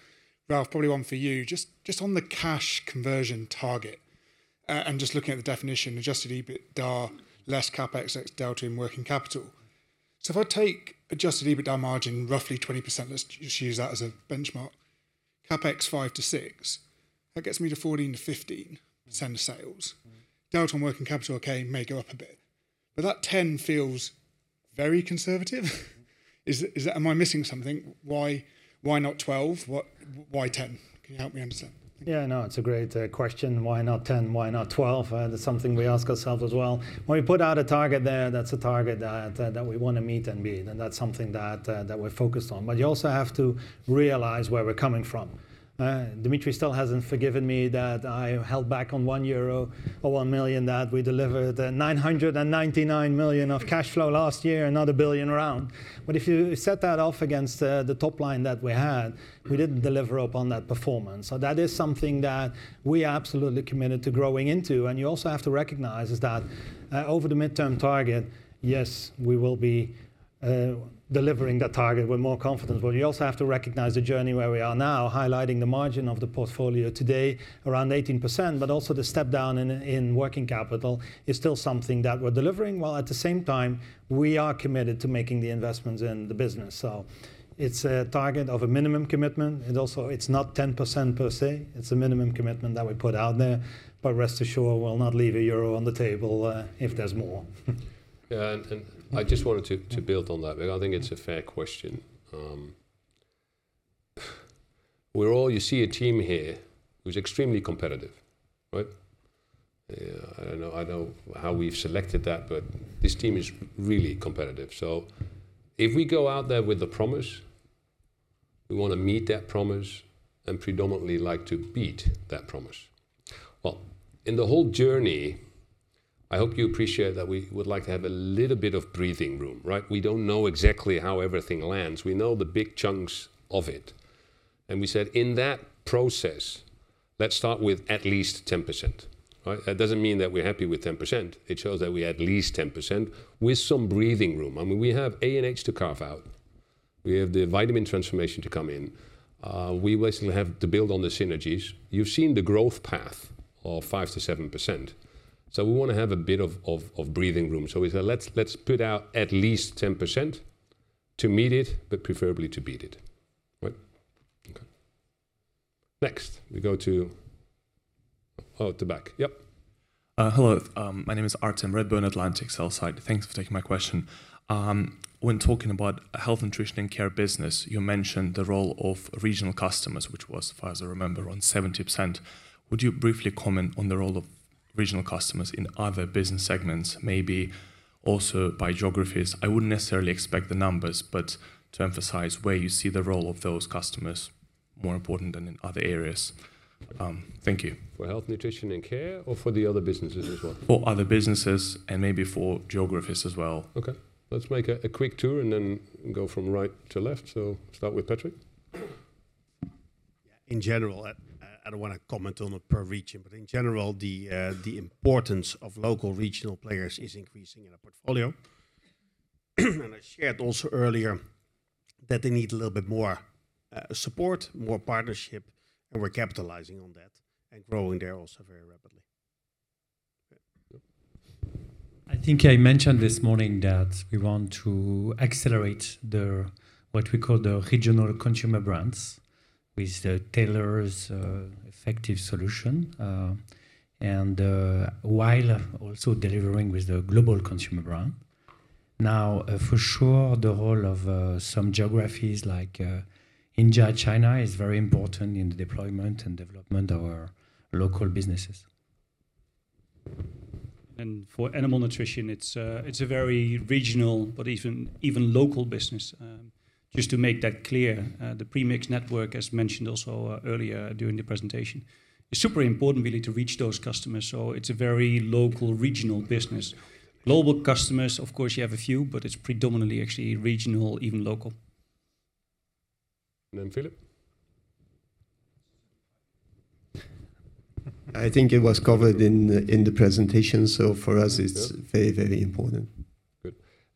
Ralf, probably one for you. Just, just on the cash conversion target, I'm just looking at the definition, adjusted EBITDA less CapEx ex delta in working capital. So if I take adjusted EBITDA margin, roughly 20%, let's just use that as a benchmark, CapEx 5-6, that gets me to 14%-15% of sales. Mm. Delta on working capital, okay, may go up a bit. But that 10 feels very conservative. Is, is it... Am I missing something? Why, why not 12? What... Why 10? Can you help me understand? Yeah, no, it's a great question. Why not 10? Why not 12? That's something we ask ourselves as well. When we put out a target there, that's a target that we wanna meet and beat, and that's something that we're focused on. But you also have to realize where we're coming from. Dimitri still hasn't forgiven me that I held back on 1 euro or 1 million, that we delivered 999 million of cash flow last year and not a billion round. But if you set that off against the top line that we had, we didn't deliver upon that performance. So that is something that we are absolutely committed to growing into. And you also have to recognize is that, over the midterm target, yes, we will be delivering that target with more confidence. But you also have to recognise the journey where we are now, highlighting the margin of the portfolio today, around 18%, but also the step down in working capital is still something that we're delivering, while at the same time, we are committed to making the investments in the business. So it's a target of a minimum commitment. It also... It's not 10% per se, it's a minimum commitment that we put out there, but rest assured, we'll not leave a euro on the table, if there's more. Yeah, and I just wanted to build on that, because I think it's a fair question. We're all you see a team here who's extremely competitive, right? Yeah, I don't know, I don't know how we've selected that, but this team is really competitive. So if we go out there with a promise, we wanna meet that promise, and predominantly like to beat that promise. Well, in the whole journey, I hope you appreciate that we would like to have a little bit of breathing room, right? We don't know exactly how everything lands. We know the big chunks of it. And we said, "In that process, let's start with at least 10%." Right? That doesn't mean that we're happy with 10%. It shows that we have at least 10% with some breathing room. I mean, we have ANH to carve out. We have the vitamin transformation to come in. We basically have to build on the synergies. You've seen the growth path of 5%-7%, so we wanna have a bit of breathing room. So we said, "Let's put out at least 10% to meet it, but preferably to beat it." Right? Okay. Next, we go to... Oh, at the back. Yep. Hello. My name is Artem, Redburn Atlantic, sell side. Thanks for taking my question. When talking about Health, Nutrition, and Care business, you mentioned the role of regional customers, which was, as far as I remember, around 70%. Would you briefly comment on the role of regional customers in other business segments, maybe also by geographies? I wouldn't necessarily expect the numbers, but to emphasize where you see the role of those customers more important than in other areas. Thank you. For Health, Nutrition, and Care, or for the other businesses as well? For other businesses, and maybe for geographies as well. Okay. Let's make a quick tour and then go from right to left, so start with Patrick.... in general, I don't wanna comment on it per region, but in general, the importance of local regional players is increasing in our portfolio. And I shared also earlier that they need a little bit more support, more partnership, and we're capitalizing on that and growing there also very rapidly. I think I mentioned this morning that we want to accelerate the, what we call the regional consumer brands, with the tailored, effective solution. And, while also delivering with the global consumer brand. Now, for sure, the role of, some geographies like, India, China, is very important in the deployment and development of our local businesses. For animal nutrition, it's a very regional, but even local business. Just to make that clear, the premix network, as mentioned also earlier during the presentation, is super important really to reach those customers. So it's a very local, regional business. Global customers, of course, you have a few, but it's predominantly actually regional, even local. And then Philip? I think it was covered in the, in the presentation, so for us, it's very, very important.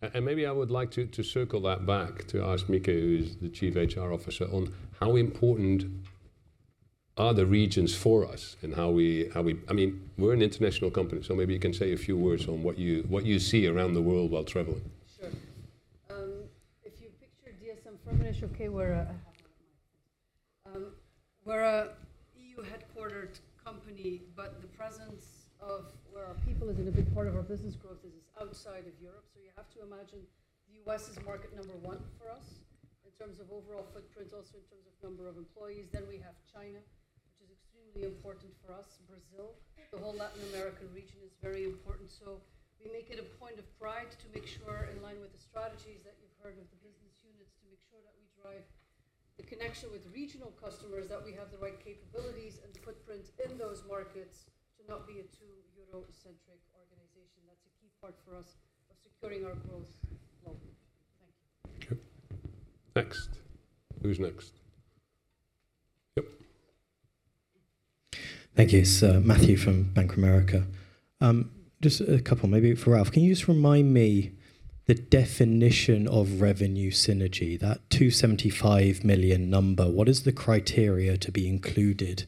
Good. And maybe I would like to circle that back to ask Mieke, who is the Chief HR Officer, on how important are the regions for us and how we... I mean, we're an international company, so maybe you can say a few words on what you see around the world while traveling. Sure. If you picture DSM-Firmenich, okay, we're a EU-headquartered company, but the presence of where our people is, and a big part of our business growth, is outside of Europe. So you have to imagine the U.S. is market number one for us in terms of overall footprint, also in terms of number of employees. Then we have China, which is extremely important for us. Brazil, the whole Latin American region is very important. So we make it a point of pride to make sure, in line with the strategies that you've heard of the business units, to make sure that we drive the connection with regional customers, that we have the right capabilities and footprint in those markets to not be a too Euro-centric organization. That's a key part for us of securing our growth globally. Thank you. Okay. Next. Who's next? Yep. Thank you, sir. Matthew from Bank of America. Just a couple, maybe for Ralf. Can you just remind me the definition of revenue synergy, that 275 million number? What is the criteria to be included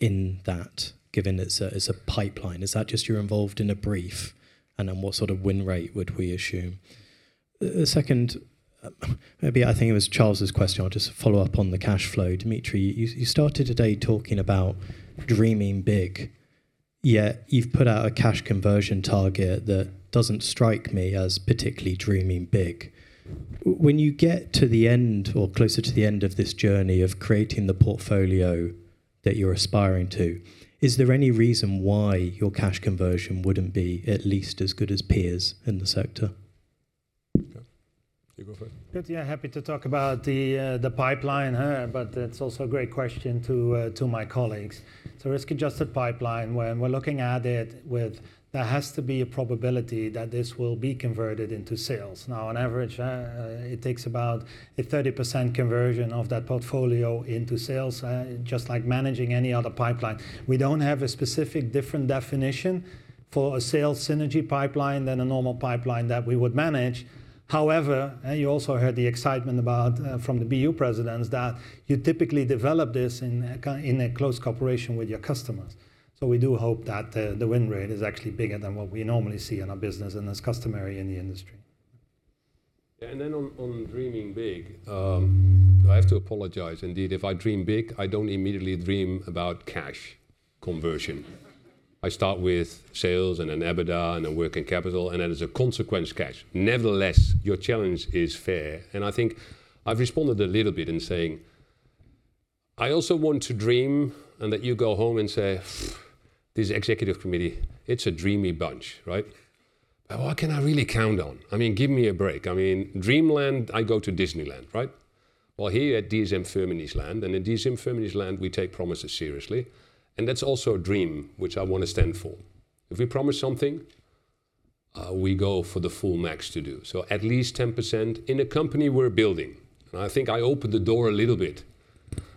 in that, given it's a, it's a pipeline? Is that just you're involved in a brief, and then what sort of win rate would we assume? The second, maybe I think it was Charles's question. I'll just follow up on the cash flow. Dimitri, you, you started today talking about dreaming big, yet you've put out a cash conversion target that doesn't strike me as particularly dreaming big. When you get to the end or closer to the end of this journey of creating the portfolio that you're aspiring to, is there any reason why your cash conversion wouldn't be at least as good as peers in the sector? Okay. You go first. Good. Yeah, happy to talk about the pipeline, huh? But that's also a great question to my colleagues. So risk-adjusted pipeline, when we're looking at it with... There has to be a probability that this will be converted into sales. Now, on average, it takes about a 30% conversion of that portfolio into sales, just like managing any other pipeline. We don't have a specific different definition for a sales synergy pipeline than a normal pipeline that we would manage. However, and you also heard the excitement about from the BU presidents, that you typically develop this in a close cooperation with your customers. So we do hope that the win rate is actually bigger than what we normally see in our business and as customary in the industry. Yeah, and then on, on dreaming big, I have to apologize indeed. If I dream big, I don't immediately dream about cash conversion. I start with sales and an EBITDA and a working capital, and as a consequence, cash. Nevertheless, your challenge is fair, and I think I've responded a little bit in saying I also want to dream and that you go home and say, "Phew, this executive committee, it's a dreamy bunch," right? "But what can I really count on? I mean, give me a break. I mean, dreamland, I go to Disneyland, right?" Well, here at DSM-Firmenich land, and in DSM-Firmenich land, we take promises seriously, and that's also a dream which I want to stand for. If we promise something, we go for the full max to do. So at least 10% in a company we're building, and I think I opened the door a little bit.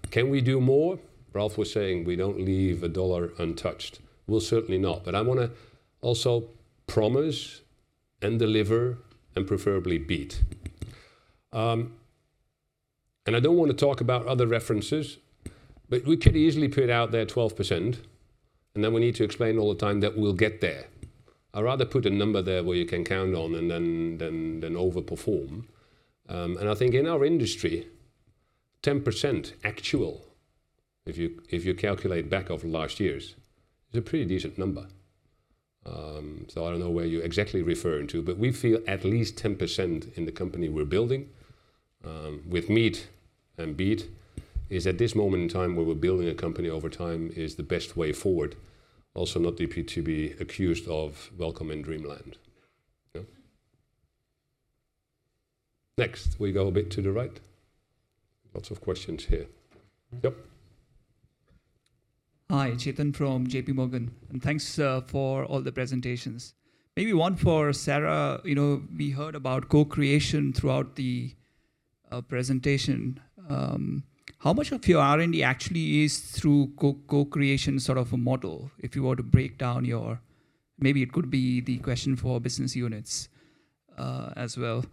Can we do more? Ralf was saying we don't leave a dollar untouched. We'll certainly not. But I wanna also promise and deliver and preferably beat. And I don't want to talk about other references, but we could easily put out there 12%, and then we need to explain all the time that we'll get there. I'd rather put a number there where you can count on and then overperform. And I think in our industry, 10% actual, if you calculate back over last years, is a pretty decent number. So I don't know where you're exactly referring to, but we feel at least 10% in the company we're building, with meet and beat, is at this moment in time, where we're building a company over time, is the best way forward. Also, not to be, to be accused of welcome in dreamland. Yeah. Next, we go a bit to the right. Lots of questions here. Yep. Hi, Chetan from JPMorgan, and thanks for all the presentations. Maybe one for Sarah. You know, we heard about co-creation throughout the presentation. How much of your R&D actually is through co-creation sort of a model, if you were to break down your—maybe it could be the question for business units, as well?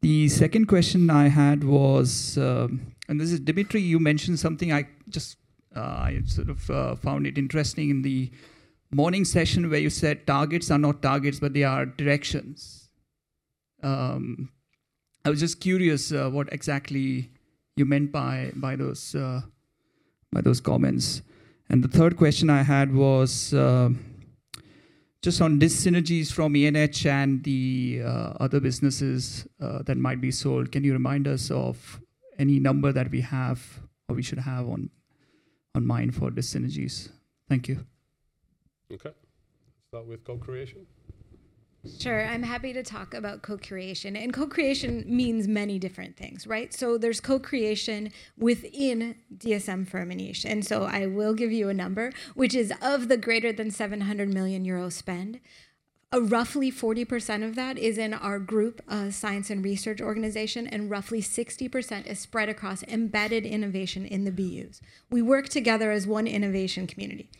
The second question I had was, and this is, Dimitri, you mentioned something I just, I sort of found it interesting in the morning session where you said targets are not targets, but they are directions. I was just curious, what exactly you meant by those comments. And the third question I had was, just on these synergies from ANH and the other businesses that might be sold. Can you remind us of any number that we have or we should have on mind for the synergies? Thank you. Okay. Start with co-creation. Sure. I'm happy to talk about co-creation, and co-creation means many different things, right? So there's co-creation within DSM-Firmenich. And so I will give you a number, which is of the greater than 700 million euro spend, roughly 40% of that is in our group science and research organization, and roughly 60% is spread across embedded innovation in the BUs. We work together as one innovation community,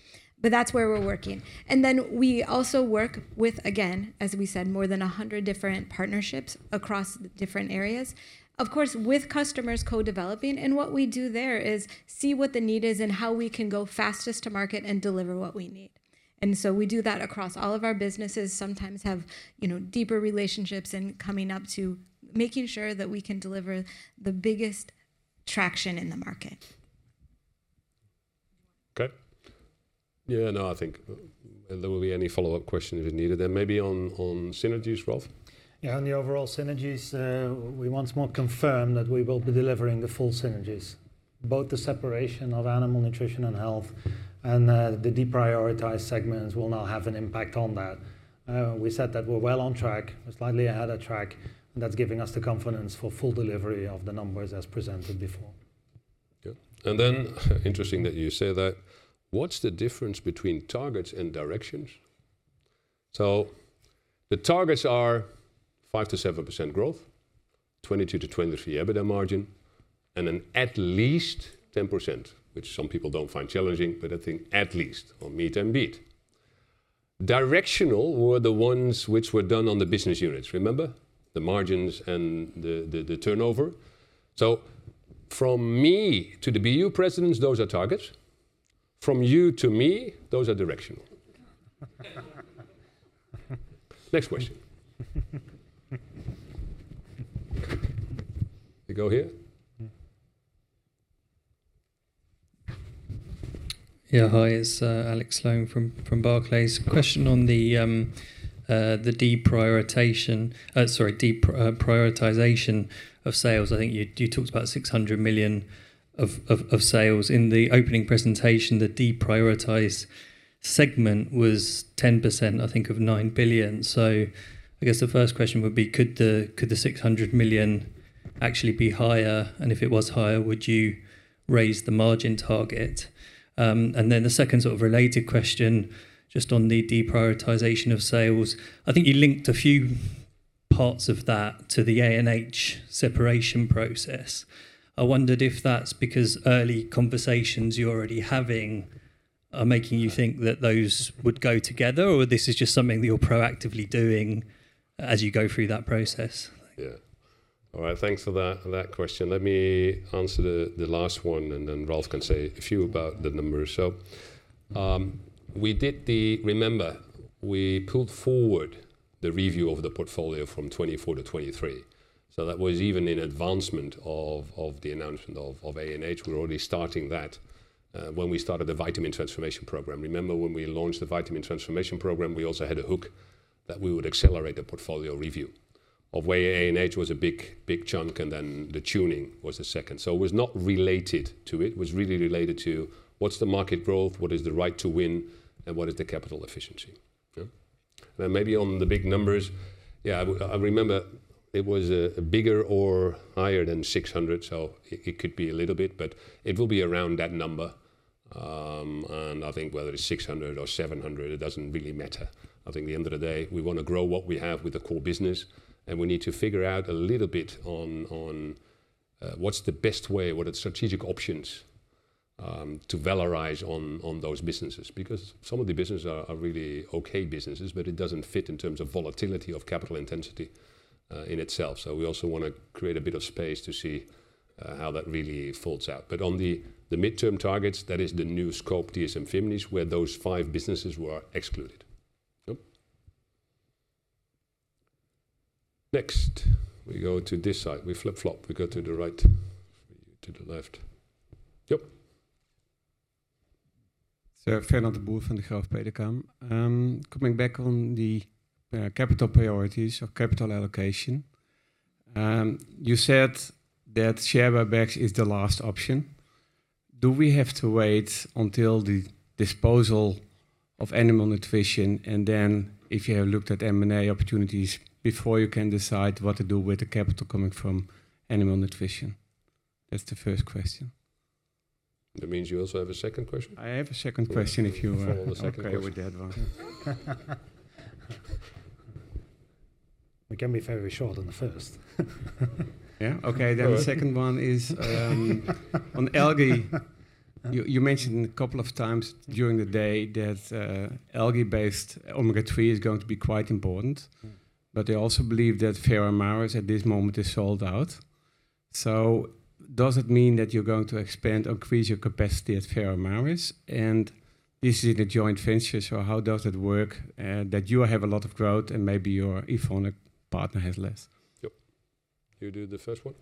but that's where we're working. And then we also work with, again, as we said, more than 100 different partnerships across different areas. Of course, with customers co-developing, and what we do there is see what the need is and how we can go fastest to market and deliver what we need. And so we do that across all of our businesses. Sometimes have, you know, deeper relationships and coming up to making sure that we can deliver the biggest traction in the market. Okay. Yeah, no, I think there will be any follow-up question if you need it, then maybe on synergies, Ralf? Yeah, on the overall synergies, we once more confirm that we will be delivering the full synergies, both the separation of Animal Nutrition and Health, and the deprioritized segments will now have an impact on that. We said that we're well on track, slightly ahead of track, and that's giving us the confidence for full delivery of the numbers as presented before. Yeah. And then, interesting that you say that. What's the difference between targets and directions? So the targets are 5%-7% growth, 22%-23% EBITDA margin, and then at least 10%, which some people don't find challenging, but I think at least or meet and beat. Directional were the ones which were done on the business units, remember? The margins and the turnover. So from me to the BU presidents, those are targets. From you to me, those are directional. Next question. We go here? Mm-hmm. Yeah, hi, it's Alex Sloan from Barclays. Question on the deprioritization of sales. I think you talked about 600 million of sales. In the opening presentation, the deprioritized segment was 10%, I think, of 9 billion. So I guess the first question would be, could the 600 million actually be higher? And if it was higher, would you raise the margin target? And then the second sort of related question, just on the deprioritization of sales, I think you linked a few parts of that to the ANH separation process. I wondered if that's because early conversations you're already having are making you think that those would go together, or this is just something that you're proactively doing as you go through that process? Yeah. All right, thanks for that, for that question. Let me answer the, the last one, and then Ralf can say a few about the numbers. So, we did the... Remember, we pulled forward the review of the portfolio from 2024 to 2023. So that was even in advancement of, of the announcement of, of ANH. We're already starting that, when we started the vitamin transformation program. Remember, when we launched the vitamin transformation program, we also had a hook that we would accelerate the portfolio review, of where ANH was a big, big chunk, and then the tuning was the second. So it was not related to it. It was really related to what's the market growth, what is the right to win, and what is the capital efficiency? Yeah. Then maybe on the big numbers, yeah, I remember it was bigger or higher than 600, so it could be a little bit, but it will be around that number. And I think whether it's 600 or 700, it doesn't really matter. I think at the end of the day, we want to grow what we have with the core business, and we need to figure out a little bit on what's the best way, what are the strategic options, to valorize on those businesses. Because some of the businesses are really okay businesses, but it doesn't fit in terms of volatility of capital intensity, in itself. So we also want to create a bit of space to see how that really folds out. But on the midterm targets, that is the new scope, DSM-Firmenich, where those five businesses were excluded. So, next, we go to this side. We flip-flop. We go to the right, to the left. Yep. Sir, Fernand de Boer from Degroof Petercam. Coming back on the capital priorities or capital allocation, you said that share buybacks is the last option. Do we have to wait until the disposal of animal nutrition, and then if you have looked at M&A opportunities before you can decide what to do with the capital coming from animal nutrition? That's the first question. That means you also have a second question? I have a second question if you, Follow the second question. Okay, with that one. It can be very shorter than the first. Yeah? Okay, then the second one is, on algae, you mentioned a couple of times during the day that algae-based omega-3 is going to be quite important. Mm. But I also believe that Veramaris at this moment is sold out. So does it mean that you're going to expand or increase your capacity at Veramaris? And this is a joint venture, so how does it work that you have a lot of growth and maybe your Evonik partner has less? Yep. You do the first one?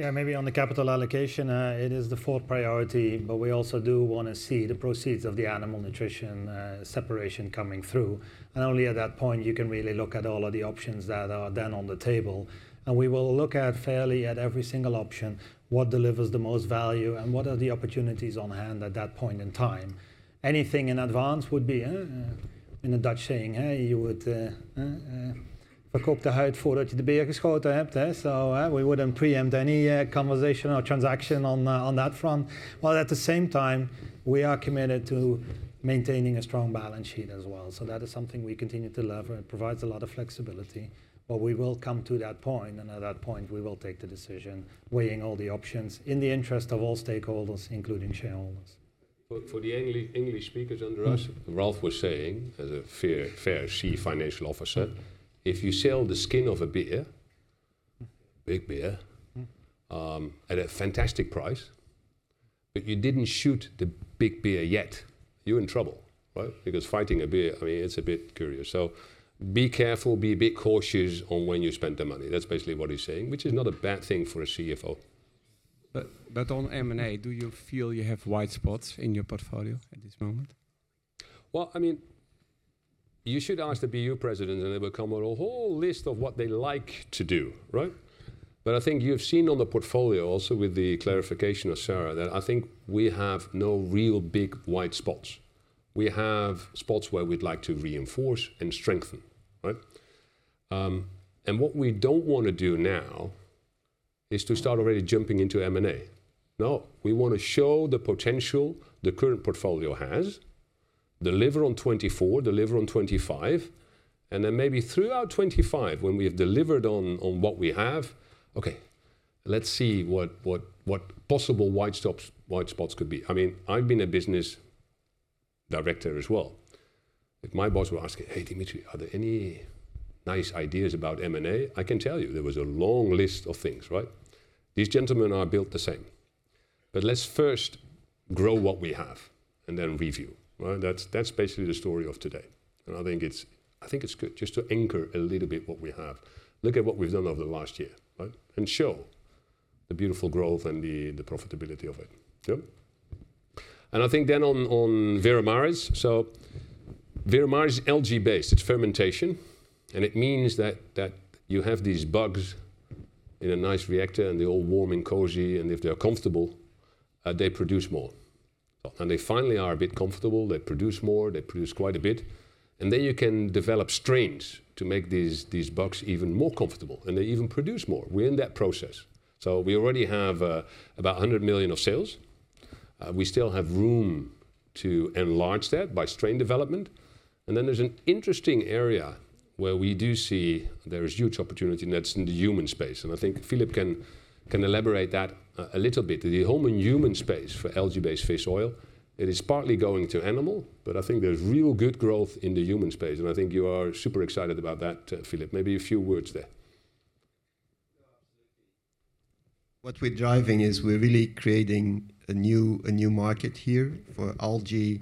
Yeah, maybe on the capital allocation, it is the fourth priority, but we also do wanna see the proceeds of the animal nutrition separation coming through. And only at that point you can really look at all of the options that are then on the table. And we will look at fairly at every single option, what delivers the most value, and what are the opportunities on hand at that point in time. Anything in advance would be, in a Dutch saying, "Hey, you would verkook de huid voordat je de beer geschoten hebt," so, we wouldn't preempt any conversation or transaction on that front. While at the same time, we are committed to maintaining a strong balance sheet as well, so that is something we continue to lever. It provides a lot of flexibility. We will come to that point, and at that point, we will take the decision, weighing all the options in the interest of all stakeholders, including shareholders. For the English speakers among us, Ralf was saying, as a fair Chief Financial Officer, "If you sell the skin of a bear, big bear- Mm... "at a fantastic price, but you didn't shoot the big bear yet, you're in trouble," right? Because fighting a bear, I mean, it's a bit curious. So be careful, be a bit cautious on when you spend the money. That's basically what he's saying, which is not a bad thing for a CFO. But on M&A, do you feel you have wide spots in your portfolio at this moment? Well, I mean, you should ask the BU president, and they will come with a whole list of what they like to do, right? But I think you've seen on the portfolio also with the clarification of Sarah, that I think we have no real big, wide spots. We have spots where we'd like to reinforce and strengthen, right? And what we don't wanna do now is to start already jumping into M&A. No, we wanna show the potential the current portfolio has, deliver on 2024, deliver on 2025, and then maybe throughout 2025, when we have delivered on what we have, okay, let's see what possible wide spots could be. I mean, I've been a business director as well. If my boss were asking: "Hey, Dimitri, are there any nice ideas about M&A?" I can tell you, there was a long list of things, right? These gentlemen are built the same, but let's first grow what we have and then review. Well, that's, that's basically the story of today, and I think it's, I think it's good just to anchor a little bit what we have. Look at what we've done over the last year, right? And show the beautiful growth and the profitability of it. Yep. And I think then on Veramaris, so Veramaris is algae-based. It's fermentation, and it means that you have these bugs in a nice reactor, and they're all warm and cozy, and if they are comfortable, they produce more. And they finally are a bit comfortable, they produce more, they produce quite a bit. Then you can develop strains to make these, these bugs even more comfortable, and they even produce more. We're in that process. So we already have about 100 million of sales. We still have room to enlarge that by strain development. And then there's an interesting area where we do see there is huge opportunity, and that's in the human space, and I think Philip can, can elaborate that a, a little bit. The whole human space for algae-based fish oil, it is partly going to animal, but I think there's real good growth in the human space, and I think you are super excited about that, Philip. Maybe a few words there. Yeah, absolutely. What we're driving is we're really creating a new, a new market here for algae,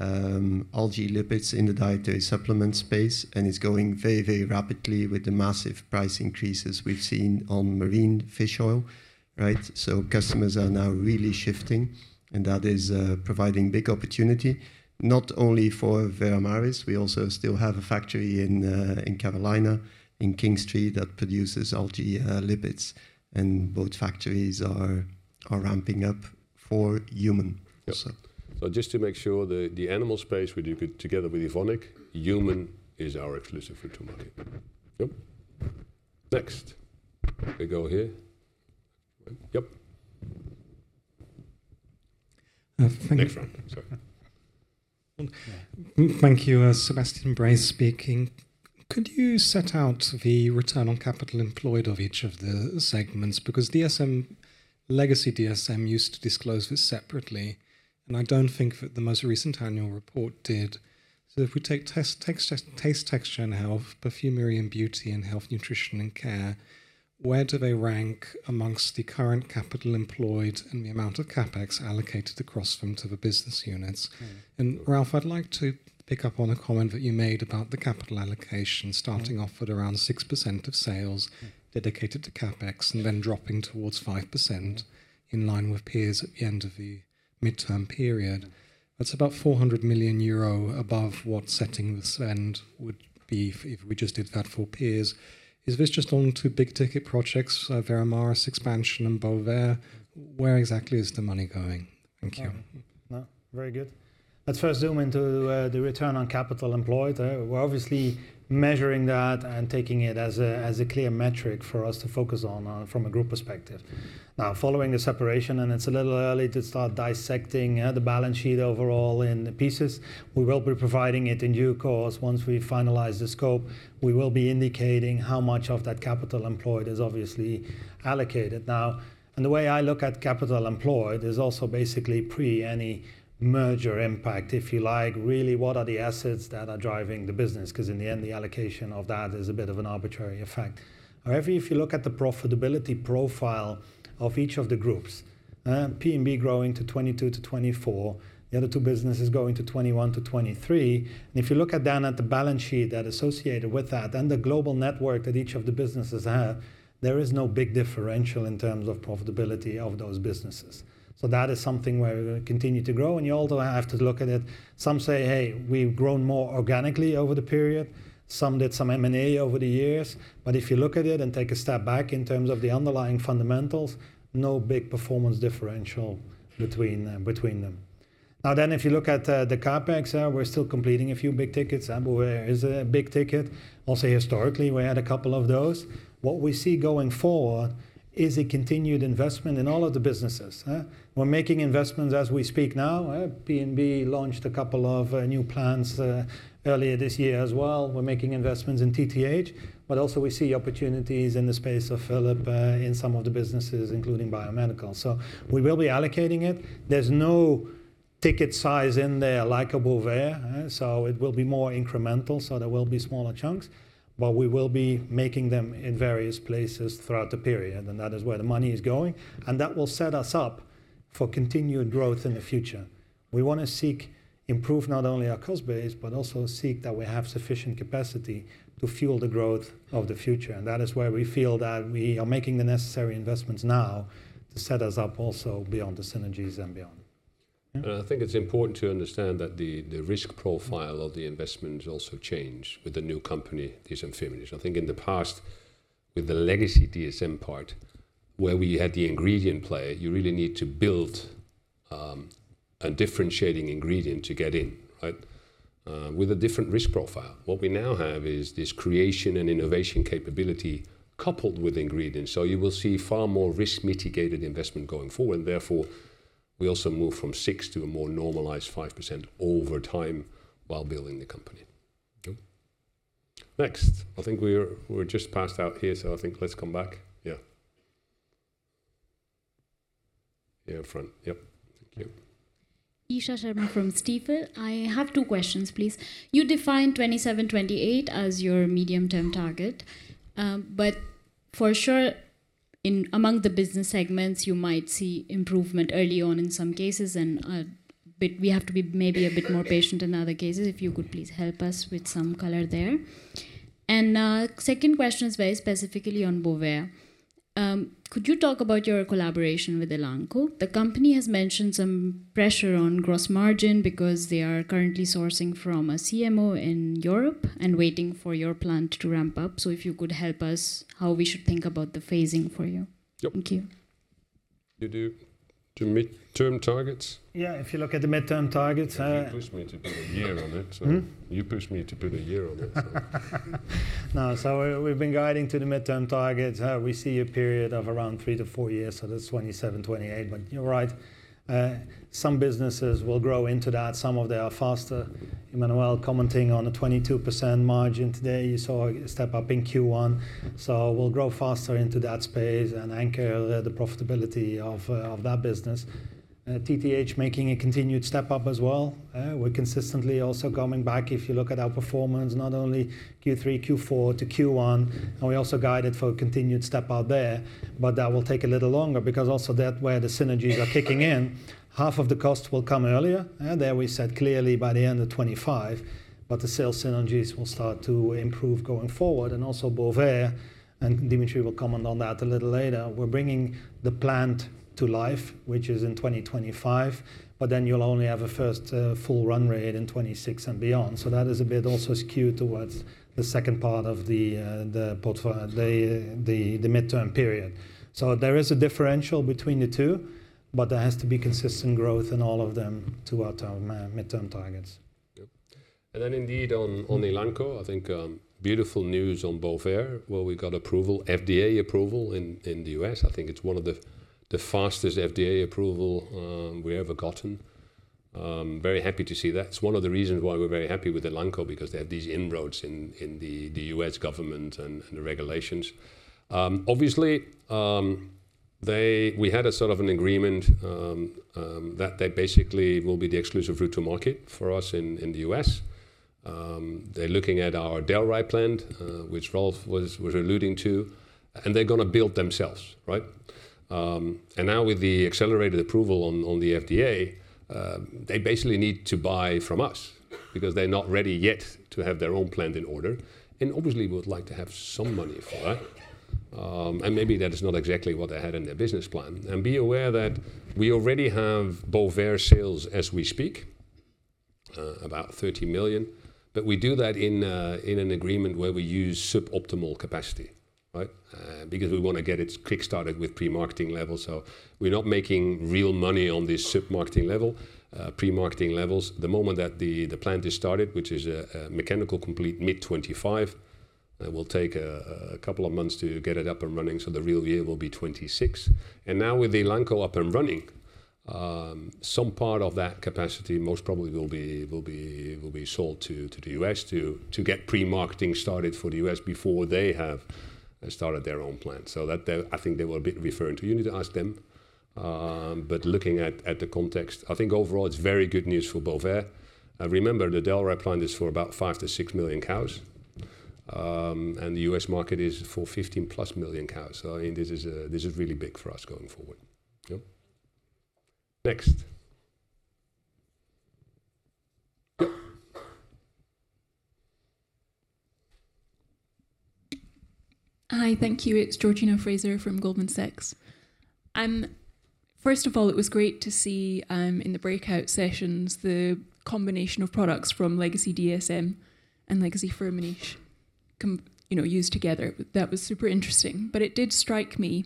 algae lipids in the dietary supplement space, and it's going very, very rapidly with the massive price increases we've seen on marine fish oil, right? So customers are now really shifting, and that is providing big opportunity, not only for Veramaris, we also still have a factory in, in South Carolina, in Kingstree, that produces algae, lipids. And both factories are, are ramping up for human also. Yep. So just to make sure, the animal space we do together with Evonik, human is our exclusive for tomorrow. Yep. Next, we go here. Yep. Uh, thank- Next one, sorry. Thank you. Sebastian Bray speaking. Could you set out the return on capital employed of each of the segments? Because DSM, legacy DSM, used to disclose this separately, and I don't think that the most recent annual report did. So if we take Taste, Texture and Health, Perfumery and Beauty, and Health, Nutrition and Care, where do they rank amongst the current capital employed and the amount of CapEx allocated across them to the business units? Mm. Ralf, I'd like to pick up on a comment that you made about the capital allocation- Mm... starting off at around 6% of sales dedicated to CapEx- Mm... and then dropping towards 5%, in line with peers at the end of the midterm period. That's about 400 million euro above what setting this end would be if we just did that for peers. Is this just on two big-ticket projects, Veramaris expansion and Bovaer? Where exactly is the money going?... Thank you. No, very good. Let's first zoom into the return on capital employed. We're obviously measuring that and taking it as a clear metric for us to focus on from a group perspective. Now, following the separation, and it's a little early to start dissecting the balance sheet overall in pieces, we will be providing it in due course. Once we finalize the scope, we will be indicating how much of that capital employed is obviously allocated. Now, and the way I look at capital employed is also basically pre any merger impact. If you like, really, what are the assets that are driving the business? 'Cause in the end, the allocation of that is a bit of an arbitrary effect. However, if you look at the profitability profile of each of the groups, P&B growing to 22%-24%, the other two businesses going to 21%-23%. And if you look down at the balance sheet that associated with that, and the global network that each of the businesses have, there is no big differential in terms of profitability of those businesses. So that is something where we continue to grow, and you also have to look at it... Some say, "Hey, we've grown more organically over the period." Some did some M&A over the years. But if you look at it and take a step back in terms of the underlying fundamentals, no big performance differential between them, between them. Now, then, if you look at the CapEx, we're still completing a few big tickets, and Bovaer is a big ticket. Also, historically, we had a couple of those. What we see going forward is a continued investment in all of the businesses. We're making investments as we speak now. P&B launched a couple of new plants earlier this year as well. We're making investments in TTH, but also we see opportunities in the space of Philip in some of the businesses, including biotech. So we will be allocating it. There's no ticket size in there like a Bovaer, so it will be more incremental, so there will be smaller chunks. But we will be making them in various places throughout the period, and that is where the money is going, and that will set us up for continued growth in the future. We want to seek improve not only our cost base, but also seek that we have sufficient capacity to fuel the growth of the future, and that is where we feel that we are making the necessary investments now to set us up also beyond the synergies and beyond. I think it's important to understand that the risk profile of the investment also changes with the new company, this Firmenich. I think in the past, with the legacy DSM part, where we had the ingredient play, you really need to build a differentiating ingredient to get in, right? With a different risk profile. What we now have is this creation and innovation capability coupled with ingredients. So you will see far more risk-mitigated investment going forward, and therefore, we also move from 6 to a more normalized 5% over time while building the company. Okay. Next. I think we were just passed out here, so I think let's come back. Yeah. Here in front. Yep. Thank you. Isha Sharma from Stifel. I have two questions, please. You defined 2027, 2028 as your medium-term target, but for sure, in among the business segments, you might see improvement early on in some cases, and, but we have to be maybe a bit more patient in other cases. If you could please help us with some color there. And, second question is very specifically on Bovaer. Could you talk about your collaboration with Elanco? The company has mentioned some pressure on gross margin because they are currently sourcing from a CMO in Europe and waiting for your plant to ramp up. So if you could help us, how we should think about the phasing for you? Yep. Thank you. You do to mid-term targets? Yeah, if you look at the mid-term targets. You pushed me to put a year on it, so- Hmm? You pushed me to put a year on it, so... No, so we've been guiding to the mid-term targets. We see a period of around 3-4 years, so that's 2027, 2028. But you're right. Some businesses will grow into that. Some of they are faster. Emmanuel commenting on a 22% margin today, you saw a step up in Q1, so we'll grow faster into that space and anchor the profitability of, of that business. TTH making a continued step up as well. We're consistently also coming back, if you look at our performance, not only Q3, Q4 to Q1, and we also guided for a continued step up there. But that will take a little longer because also that where the synergies are kicking in, half of the cost will come earlier. And there we said clearly by the end of 2025, but the sales synergies will start to improve going forward. Also, Bovaer, and Dimitri will comment on that a little later. We're bringing the plant to life, which is in 2025, but then you'll only have a first full run rate in 2026 and beyond. So that is a bit also skewed towards the second part of the portfolio, the midterm period. So there is a differential between the two, but there has to be consistent growth in all of them to our term midterm targets. Yep. And then indeed, on Elanco, I think, beautiful news on Bovaer, where we got approval, FDA approval in the U.S. I think it's one of the fastest FDA approvals we ever gotten. Very happy to see that. It's one of the reasons why we're very happy with Elanco, because they have these inroads in the U.S. government and the regulations. Obviously, they... We had a sort of an agreement that they basically will be the exclusive route to market for us in the U.S. They're looking at our Dalry plant, which Ralf was alluding to, and they're gonna build themselves, right? And now with the accelerated approval on the FDA, they basically need to buy from us because they're not ready yet to have their own plant in order, and obviously, we would like to have some money for that. And maybe that is not exactly what they had in their business plan. And be aware that we already have Bovaer sales as we speak... about 30 million. But we do that in an agreement where we use suboptimal capacity, right? Because we wanna get it kickstarted with pre-marketing levels, so we're not making real money on this sub-marketing level, pre-marketing levels. The moment that the plant is started, which is a mechanical complete mid-2025, it will take a couple of months to get it up and running, so the real year will be 2026. And now with the Elanco up and running, some part of that capacity most probably will be sold to the US to get pre-marketing started for the US before they have started their own plant. So that there... I think they were a bit referring to, you need to ask them. But looking at the context, I think overall it's very good news for Bovaer. And remember, the Dalry plant is for about 5-6 million cows, and the US market is for 15+ million cows. So, I mean, this is really big for us going forward. Yep. Next. Hi, thank you. It's Georgina Fraser from Goldman Sachs. First of all, it was great to see, in the breakout sessions, the combination of products from Legacy DSM and Legacy Firmenich, you know, used together. That was super interesting. But it did strike me,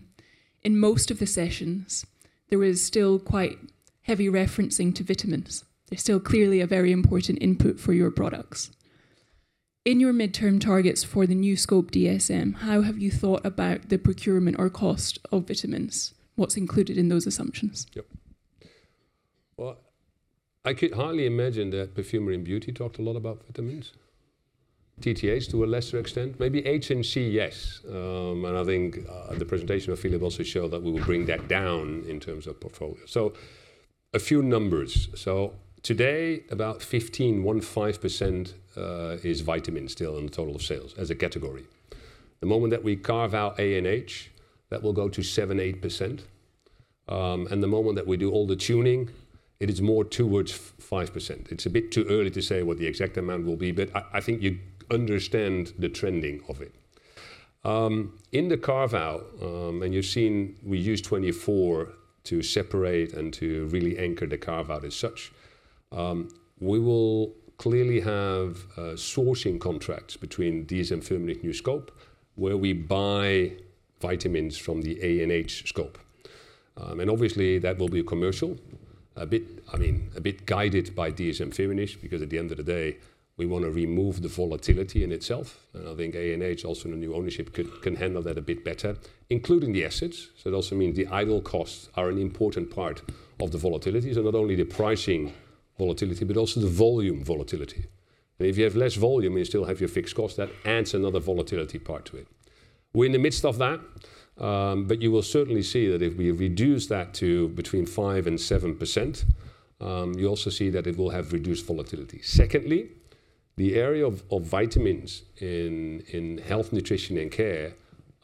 in most of the sessions, there was still quite heavy referencing to vitamins. They're still clearly a very important input for your products. In your midterm targets for the new scope DSM, how have you thought about the procurement or cost of vitamins? What's included in those assumptions? Yep. Well, I could hardly imagine that Perfumery & Beauty talked a lot about vitamins. TTH, to a lesser extent, maybe HNC yes. And I think the presentation of Philip also showed that we will bring that down in terms of portfolio. So a few numbers. So today, about 15.15%, vitamins still in the total sales as a category. The moment that we carve out ANH, that will go to 7%-8%. And the moment that we do all the tuning, it is more towards 5%. It's a bit too early to say what the exact amount will be, but I think you understand the trending of it. In the carve-out, and you've seen we use 2024 to separate and to really anchor the carve-out as such, we will clearly have sourcing contracts between these and Firmenich new scope, where we buy vitamins from the ANH scope. And obviously, that will be commercial, a bit, I mean, a bit guided by DSM-Firmenich, because at the end of the day, we wanna remove the volatility in itself. And I think ANH, also in the new ownership, can handle that a bit better, including the assets. So it also means the idle costs are an important part of the volatility. So not only the pricing volatility, but also the volume volatility. And if you have less volume, you still have your fixed cost, that adds another volatility part to it. We're in the midst of that, but you will certainly see that if we reduce that to between 5%-7%, you also see that it will have reduced volatility. Secondly, the area of vitamins in Health, Nutrition, and Care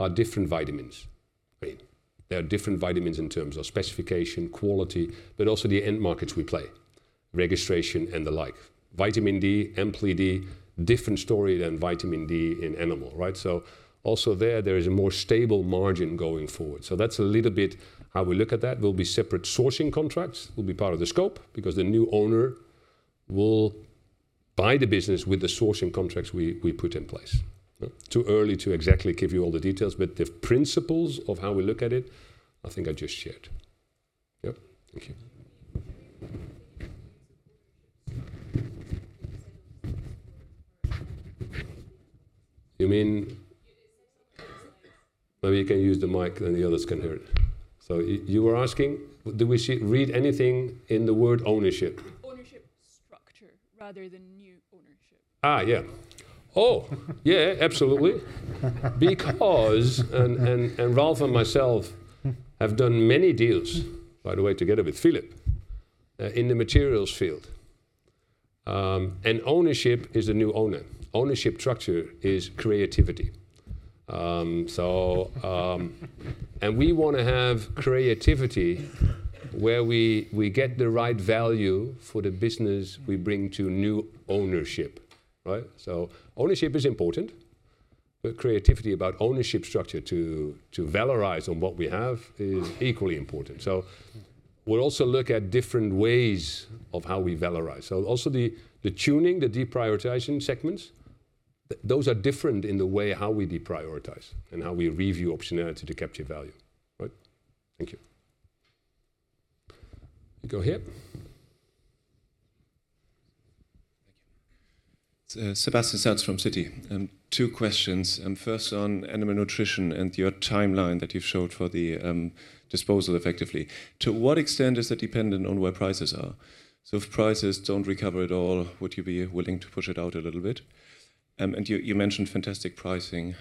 are different vitamins. I mean, they are different vitamins in terms of specification, quality, but also the end markets we play, registration and the like. Vitamin D, Vitamin E, different story than vitamin D in animal, right? So also there is a more stable margin going forward. So that's a little bit how we look at that. There'll be separate sourcing contracts, will be part of the scope because the new owner will buy the business with the sourcing contracts we put in place. Too early to exactly give you all the details, but the principles of how we look at it, I think I just shared. Yep. Thank you. You mean... Maybe you can use the mic, then the others can hear it. So you were asking, do we see read anything in the word ownership? Ownership structure, rather than new ownership. Ah, yeah. Oh! Yeah, absolutely. Because and Ralf and myself have done many deals, by the way, together with Philip in the materials field. And ownership is a new owner. Ownership structure is creativity. So we wanna have creativity where we get the right value for the business we bring to new ownership, right? So ownership is important, but creativity about ownership structure to valorize on what we have is equally important. So we'll also look at different ways of how we valorize. So also the tuning, the deprioritizing segments, those are different in the way how we deprioritize and how we review optionality to capture value. Right. Thank you. Go here. Thank you. Sebastian Satz from Citi. Two questions, and first on animal nutrition and your timeline that you've showed for the disposal, effectively. To what extent is that dependent on where prices are? So if prices don't recover at all, would you be willing to push it out a little bit? And you mentioned fantastic pricing.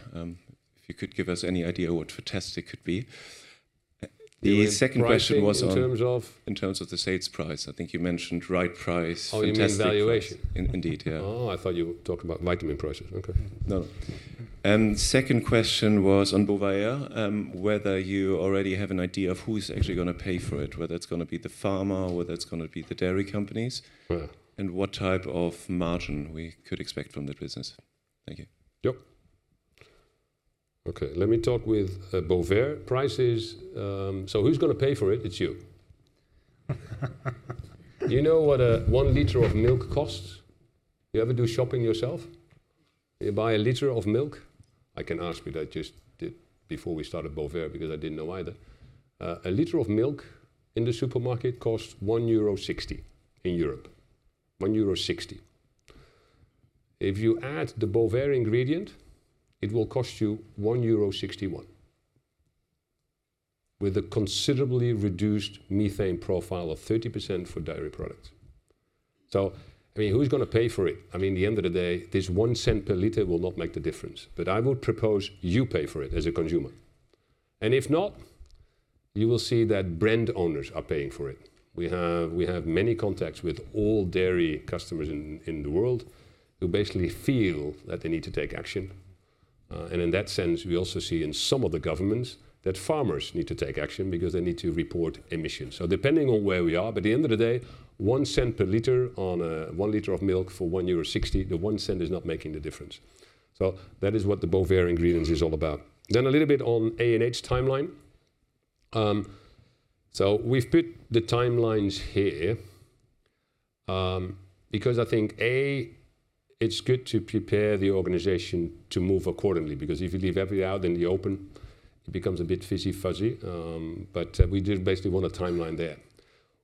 If you could give us any idea what fantastic could be? The second question was on- In terms of? In terms of the sales price. I think you mentioned right price- Oh, you mean valuation? Indeed, yeah. Oh, I thought you were talking about vitamin prices. Okay. No. And second question was on Bovaer, whether you already have an idea of who is actually gonna pay for it, whether it's gonna be the farmer, or whether it's gonna be the dairy companies- Yeah... and what type of margin we could expect from that business? Thank you. Yep. Okay, let me talk with Bovaer prices. So who's gonna pay for it? It's you. Do you know what a 1 liter of milk costs? You ever do shopping yourself? You buy a liter of milk? I can ask, but I just did before we started Bovaer, because I didn't know either. A liter of milk in the supermarket costs 1.60 euro in Europe, 1.60 euro. If you add the Bovaer ingredient, it will cost you 1.61 euro, with a considerably reduced methane profile of 30% for dairy products. So, I mean, who's gonna pay for it? I mean, at the end of the day, this 0.01 per liter will not make the difference, but I would propose you pay for it as a consumer. And if not, you will see that brand owners are paying for it. We have, we have many contacts with all dairy customers in, in the world, who basically feel that they need to take action. And in that sense, we also see in some of the governments, that farmers need to take action because they need to report emissions. So depending on where we are, but at the end of the day, 0.01 per liter on 1 liter of milk for 1.60 euro, the 0.01 is not making the difference. So that is what the Bovaer ingredient is all about. Then a little bit on ANH timeline. So we've put the timelines here, because I think, it's good to prepare the organization to move accordingly, because if you leave everything out in the open, it becomes a bit fizzy fuzzy. But, we did basically want a timeline there.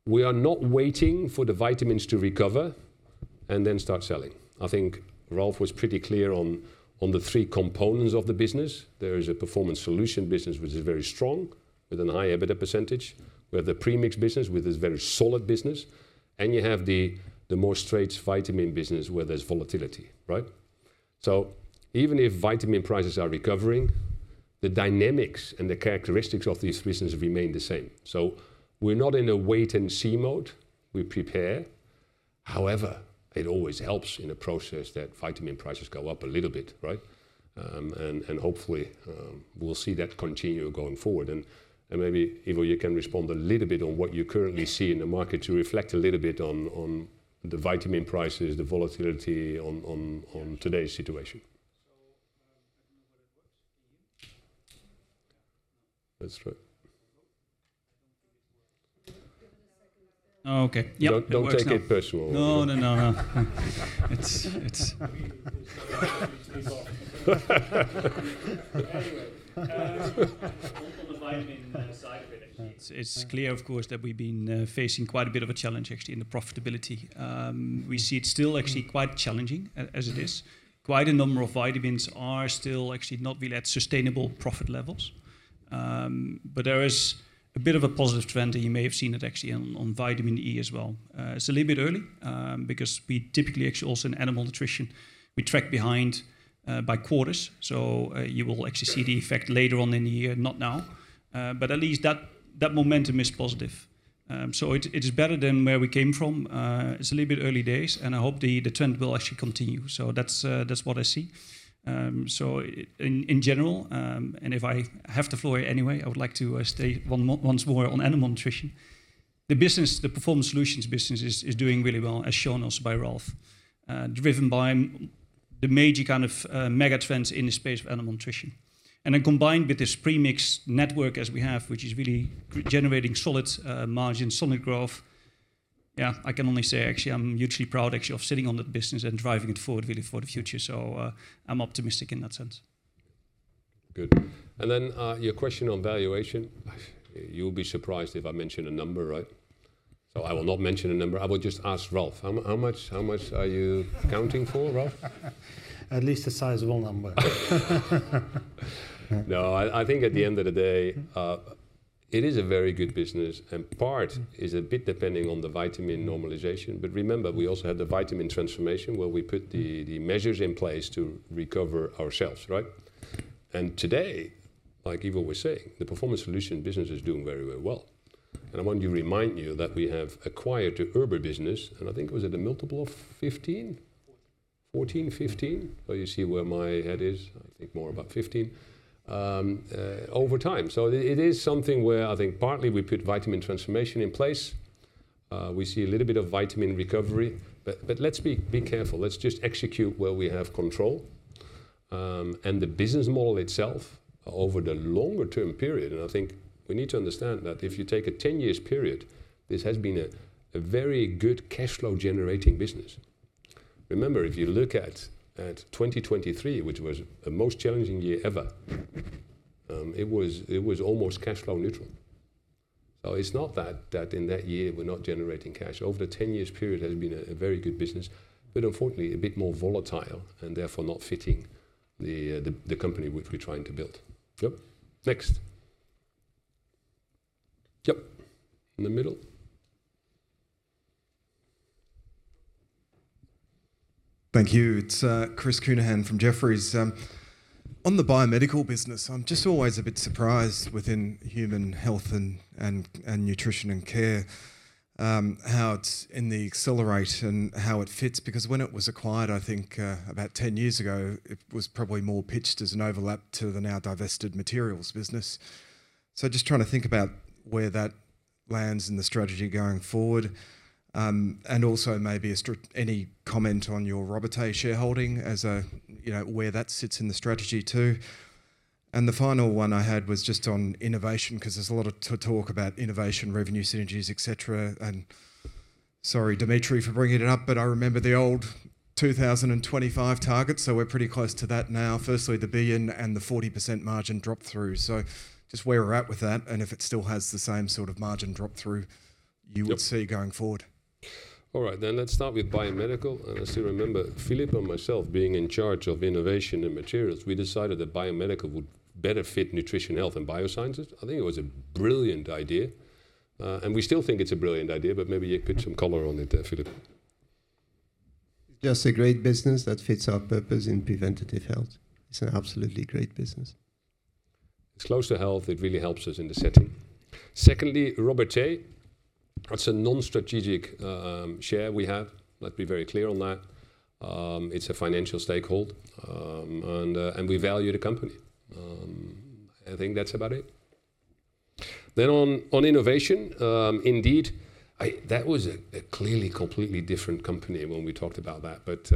We are not waiting for the vitamins to recover and then start selling. I think Ralf was pretty clear on the three components of the business. There is a performance solution business, which is very strong, with a high EBITDA percentage. We have the premix business, which is very solid business, and you have the more straight vitamin business, where there's volatility, right? So even if vitamin prices are recovering, the dynamics and the characteristics of these businesses remain the same. So we're not in a wait and see mode. We prepare. However, it always helps in a process that vitamin prices go up a little bit, right? And hopefully, we'll see that continue going forward. And maybe Ivo, you can respond a little bit on what you currently see in the market to reflect a little bit on today's situation. I don't know what it works for you. That's right. I don't think it works. Oh, okay. Yep, it works now. Don't, don't take it personal. No, no, no, no. It's. Anyway, on the vitamin side of it, it's clear, of course, that we've been facing quite a bit of a challenge, actually, in the profitability. We see it's still actually quite challenging as it is. Quite a number of vitamins are still actually not really at sustainable profit levels. But there is a bit of a positive trend, and you may have seen it actually on vitamin E as well. It's a little bit early, because we typically, actually, also in animal nutrition, we track behind by quarters. So, you will actually see the effect later on in the year, not now. But at least that momentum is positive. So it's better than where we came from. It's a little bit early days, and I hope the trend will actually continue. So that's what I see. So in general, and if I have the floor anyway, I would like to stay once more on animal nutrition. The business, the Performance Solutions business is doing really well, as shown also by Ralf. Driven by the major kind of mega trends in the space of animal nutrition. And then combined with this premix network as we have, which is really generating solid margin, solid growth. Yeah, I can only say actually, I'm hugely proud actually of sitting on that business and driving it forward, really for the future. So I'm optimistic in that sense. Good. And then, your question on valuation, you'll be surprised if I mention a number, right? So I will not mention a number. I will just ask Ralf, how much, how much are you accounting for, Ralf? At least a sizable number. No, I think at the end of the day, it is a very good business, and part is a bit depending on the vitamin normalization. But remember, we also had the vitamin transformation, where we put the measures in place to recover ourselves, right? And today, like Ivo was saying, the Performance Solution business is doing very, very well. And I want to remind you that we have acquired the Erber business, and I think it was at a multiple of 15? 14, 15. Well, you see where my head is. I think more about 15 over time. So it is something where I think partly we put vitamin transformation in place. We see a little bit of vitamin recovery, but let's be careful. Let's just execute where we have control. And the business model itself, over the longer term period, and I think we need to understand that if you take a 10 years period, this has been a very good cash flow generating business. Remember, if you look at 2023, which was the most challenging year ever, it was almost cash flow neutral. So it's not that in that year we're not generating cash. Over the 10-year period, it has been a very good business, but unfortunately, a bit more volatile and therefore not fitting the company which we're trying to build. Yep. Next. Yep, in the middle. Thank you. It's Chris Counihan from Jefferies. On the biomedical business, I'm just always a bit surprised within human health and nutrition and care, how it's in the accelerate and how it fits, because when it was acquired, I think, about 10 years ago, it was probably more pitched as an overlap to the now divested materials business. So just trying to think about where that lands and the strategy going forward, and also maybe any comment on your Robertet shareholding as a, you know, where that sits in the strategy, too? And the final one I had was just on innovation, 'cause there's a lot of talk about innovation, revenue, synergies, et cetera. And sorry, Dimitri, for bringing it up, but I remember the old 2025 target, so we're pretty close to that now. Firstly, the 1 billion and the 40% margin drop through. So just where we're at with that, and if it still has the same sort of margin drop through you will see going forward. All right, then let's start with biomedical. I still remember Philip and myself being in charge of innovation and materials. We decided that biomedical would better fit nutrition, health, and biosciences. I think it was a brilliant idea, and we still think it's a brilliant idea, but maybe you put some color on it there, Philip. Just a great business that fits our purpose in preventative health. It's an absolutely great business. It's close to health. It really helps us in the setting. Secondly, Robertet. That's a non-strategic share we have. Let's be very clear on that. It's a financial stakeholding, and we value the company. I think that's about it. Then on innovation, indeed, that was a clearly completely different company when we talked about that, but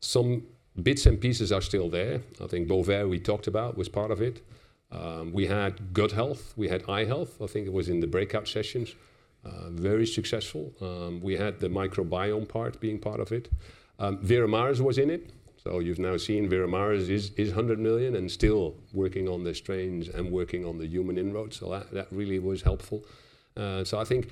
some bits and pieces are still there. I think Bovaer, we talked about, was part of it. We had gut health, we had eye health, I think it was in the breakout sessions, very successful. We had the microbiome part being part of it. Veramaris was in it, so you've now seen Veramaris is 100 million and still working on the strains and working on the human inroads. So that really was helpful. So I think,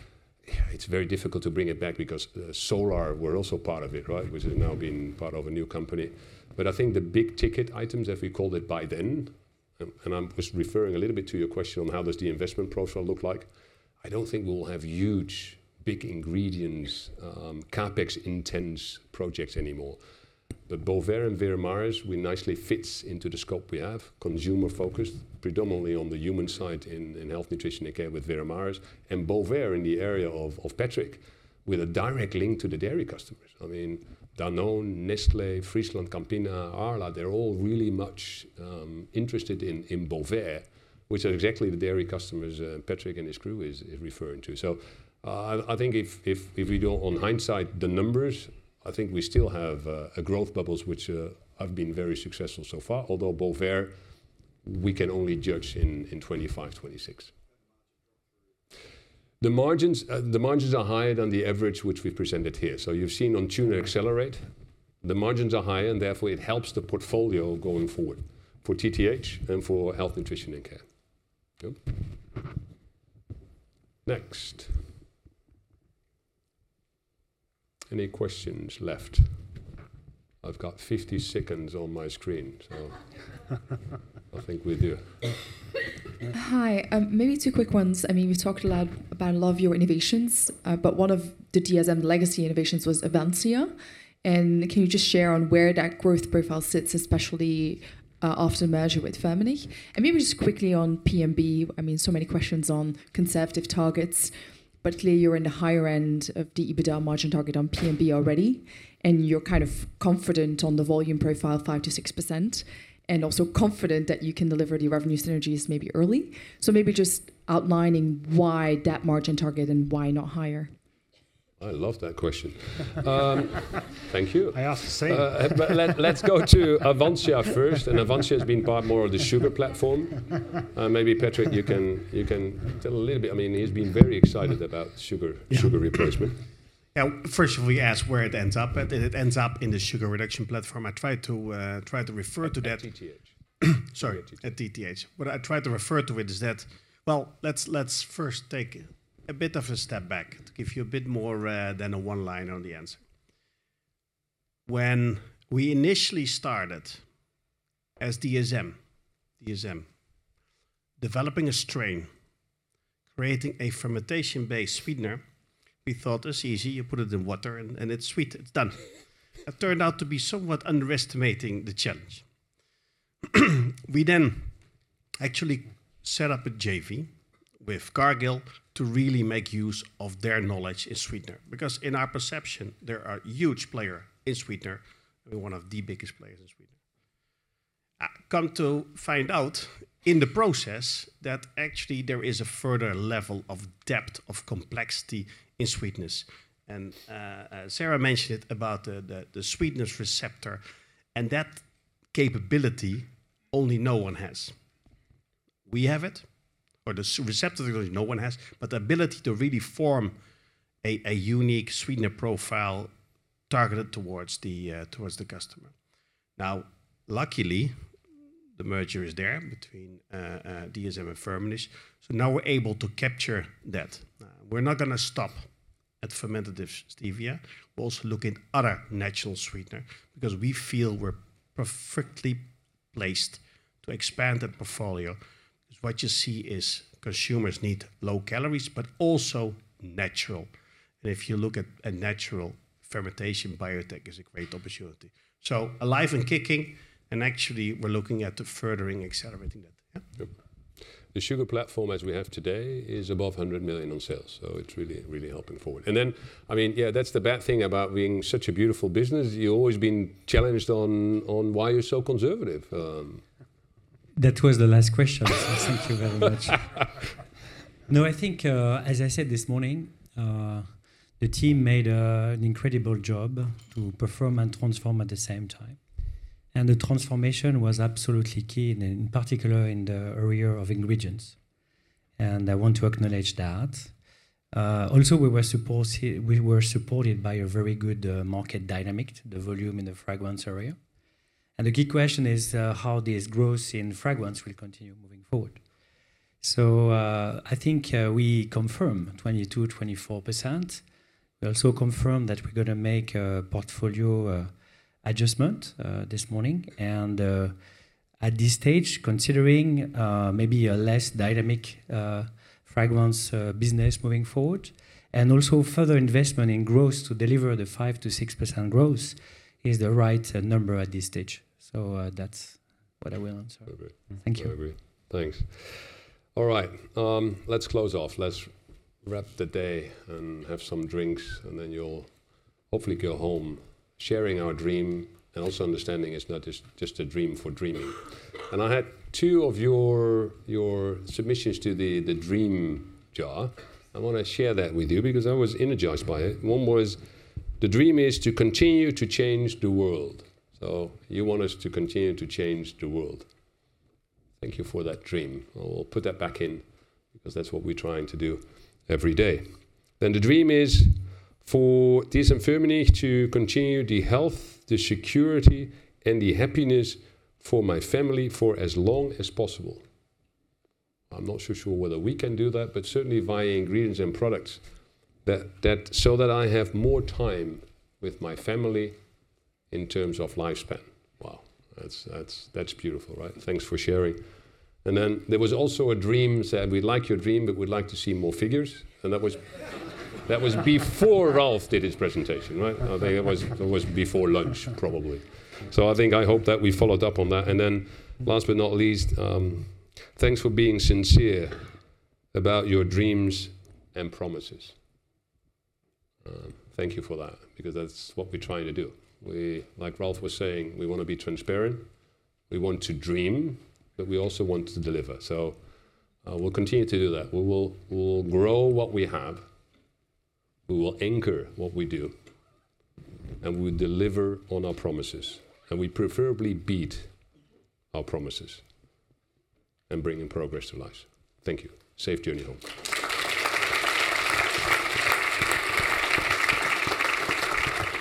yeah, it's very difficult to bring it back because Solar were also part of it, right? Yeah. Which has now been part of a new company. But I think the big ticket items, as we called it by then, and I'm just referring a little bit to your question on how does the investment profile look like, I don't think we'll have huge, big ingredients, CapEx intense projects anymore. But Bovaer and Veramaris, we nicely fits into the scope we have. Consumer focused, predominantly on the human side in Health, Nutrition, and Care with Veramaris, and Bovaer in the area of Patrick, with a direct link to the dairy customers. I mean, Danone, Nestlé, FrieslandCampina, Arla, they're all really much interested in Bovaer, which are exactly the dairy customers, Patrick and his crew is referring to. So, I think if we do on hindsight, the numbers, I think we still have a growth bubbles which have been very successful so far. Although Bovaer, we can only judge in 2025, 2026. The margins, the margins are higher than the average which we've presented here. So you've seen on tune and accelerate, the margins are higher, and therefore, it helps the portfolio going forward, for TTH and for Health, Nutrition, and Care. Good. Next. Any questions left? I've got 50 seconds on my screen, so I think we're good. Hi, maybe two quick ones. I mean, we've talked a lot about a lot of your innovations, but one of the DSM legacy innovations was Avansya. And can you just share on where that growth profile sits, especially, after the merger with Firmenich? And maybe just quickly on P&B, I mean, so many questions on conservative targets, but clearly, you're in the higher end of the EBITDA margin target on P&B already, and you're kind of confident on the volume profile, 5%-6%, and also confident that you can deliver the revenue synergies maybe early. So maybe just outlining why that margin target and why not higher? I love that question. Thank you. I asked the same. But let's go to Avansya first, and Avansya has been part more of the sugar platform. Maybe, Patrick, you can tell a little bit. I mean, he's been very excited about sugar- Yeah... sugar replacement. Yeah. First, we asked where it ends up, and it ends up in the sugar reduction platform. I tried to refer to that- At TTH. Sorry, at TTH. What I tried to refer to it is that... Well, let's first take a bit of a step back to give you a bit more than a one liner on the answer. When we initially started as DSM, DSM, developing a strain, creating a fermentation-based sweetener, we thought, "It's easy. You put it in water and it's sweet. It's done." It turned out to be somewhat underestimating the challenge. We then actually set up a JV with Cargill to really make use of their knowledge in sweetener, because in our perception, they're a huge player in sweetener, and one of the biggest players in sweetener. I come to find out in the process, that actually there is a further level of depth of complexity in sweetness. Sarah mentioned about the sweetness receptor, and that capability only no one has. We have it, or the receptor no one has, but the ability to really form a, a unique sweetener profile targeted towards the, towards the customer. Now, luckily, the merger is there between, DSM and Firmenich. So now we're able to capture that. We're not gonna stop at fermentative stevia. We're also looking at other natural sweetener, because we feel we're perfectly placed to expand the portfolio. Because what you see is consumers need low calories, but also natural. And if you look at a natural fermentation, biotech is a great opportunity. So alive and kicking, and actually, we're looking at furthering accelerating it. Yeah. Yep. The sugar platform as we have today is above 100 million in sales, so it's really, really helping forward. And then, I mean, yeah, that's the bad thing about being such a beautiful business, you're always being challenged on why you're so conservative. ... That was the last question, so thank you very much. No, I think, as I said this morning, the team made an incredible job to perform and transform at the same time, and the transformation was absolutely key, and in particular, in the area of ingredients, and I want to acknowledge that. Also, we were supported by a very good market dynamic, the volume in the fragrance area. And the key question is, how this growth in fragrance will continue moving forward. So, I think, we confirm 22%-24%. We also confirm that we're gonna make a portfolio adjustment this morning. At this stage, considering maybe a less dynamic fragrance business moving forward, and also further investment in growth to deliver the 5%-6% growth, is the right number at this stage. So, that's what I will answer. Perfect. Thank you. I agree. Thanks. All right, let's close off. Let's wrap the day and have some drinks, and then you'll hopefully go home sharing our dream and also understanding it's not just, just a dream for dreaming. And I had two of your, your submissions to the, the dream jar. I wanna share that with you because I was energized by it. One was, "The dream is to continue to change the world." So you want us to continue to change the world. Thank you for that dream. I'll put that back in because that's what we're trying to do every day. The dream is for peace and family to continue the health, the security, and the happiness for my family for as long as possible." I'm not so sure whether we can do that, but certainly via ingredients and products that-- "So that I have more time with my family in terms of lifespan." Wow! That's beautiful, right? Thanks for sharing. Then there was also a dream said, "We like your dream, but we'd like to see more figures." And that was before Ralf did his presentation, right? I think it was before lunch, probably. So I think I hope that we followed up on that. And then last but not least, "Thanks for being sincere about your dreams and promises." Thank you for that, because that's what we're trying to do. Like Ralf was saying, we wanna be transparent, we want to dream, but we also want to deliver. So, we'll continue to do that. We will, we will grow what we have, we will anchor what we do, and we'll deliver on our promises, and we preferably beat our promises and bringing progress to life. Thank you. Safe journey home.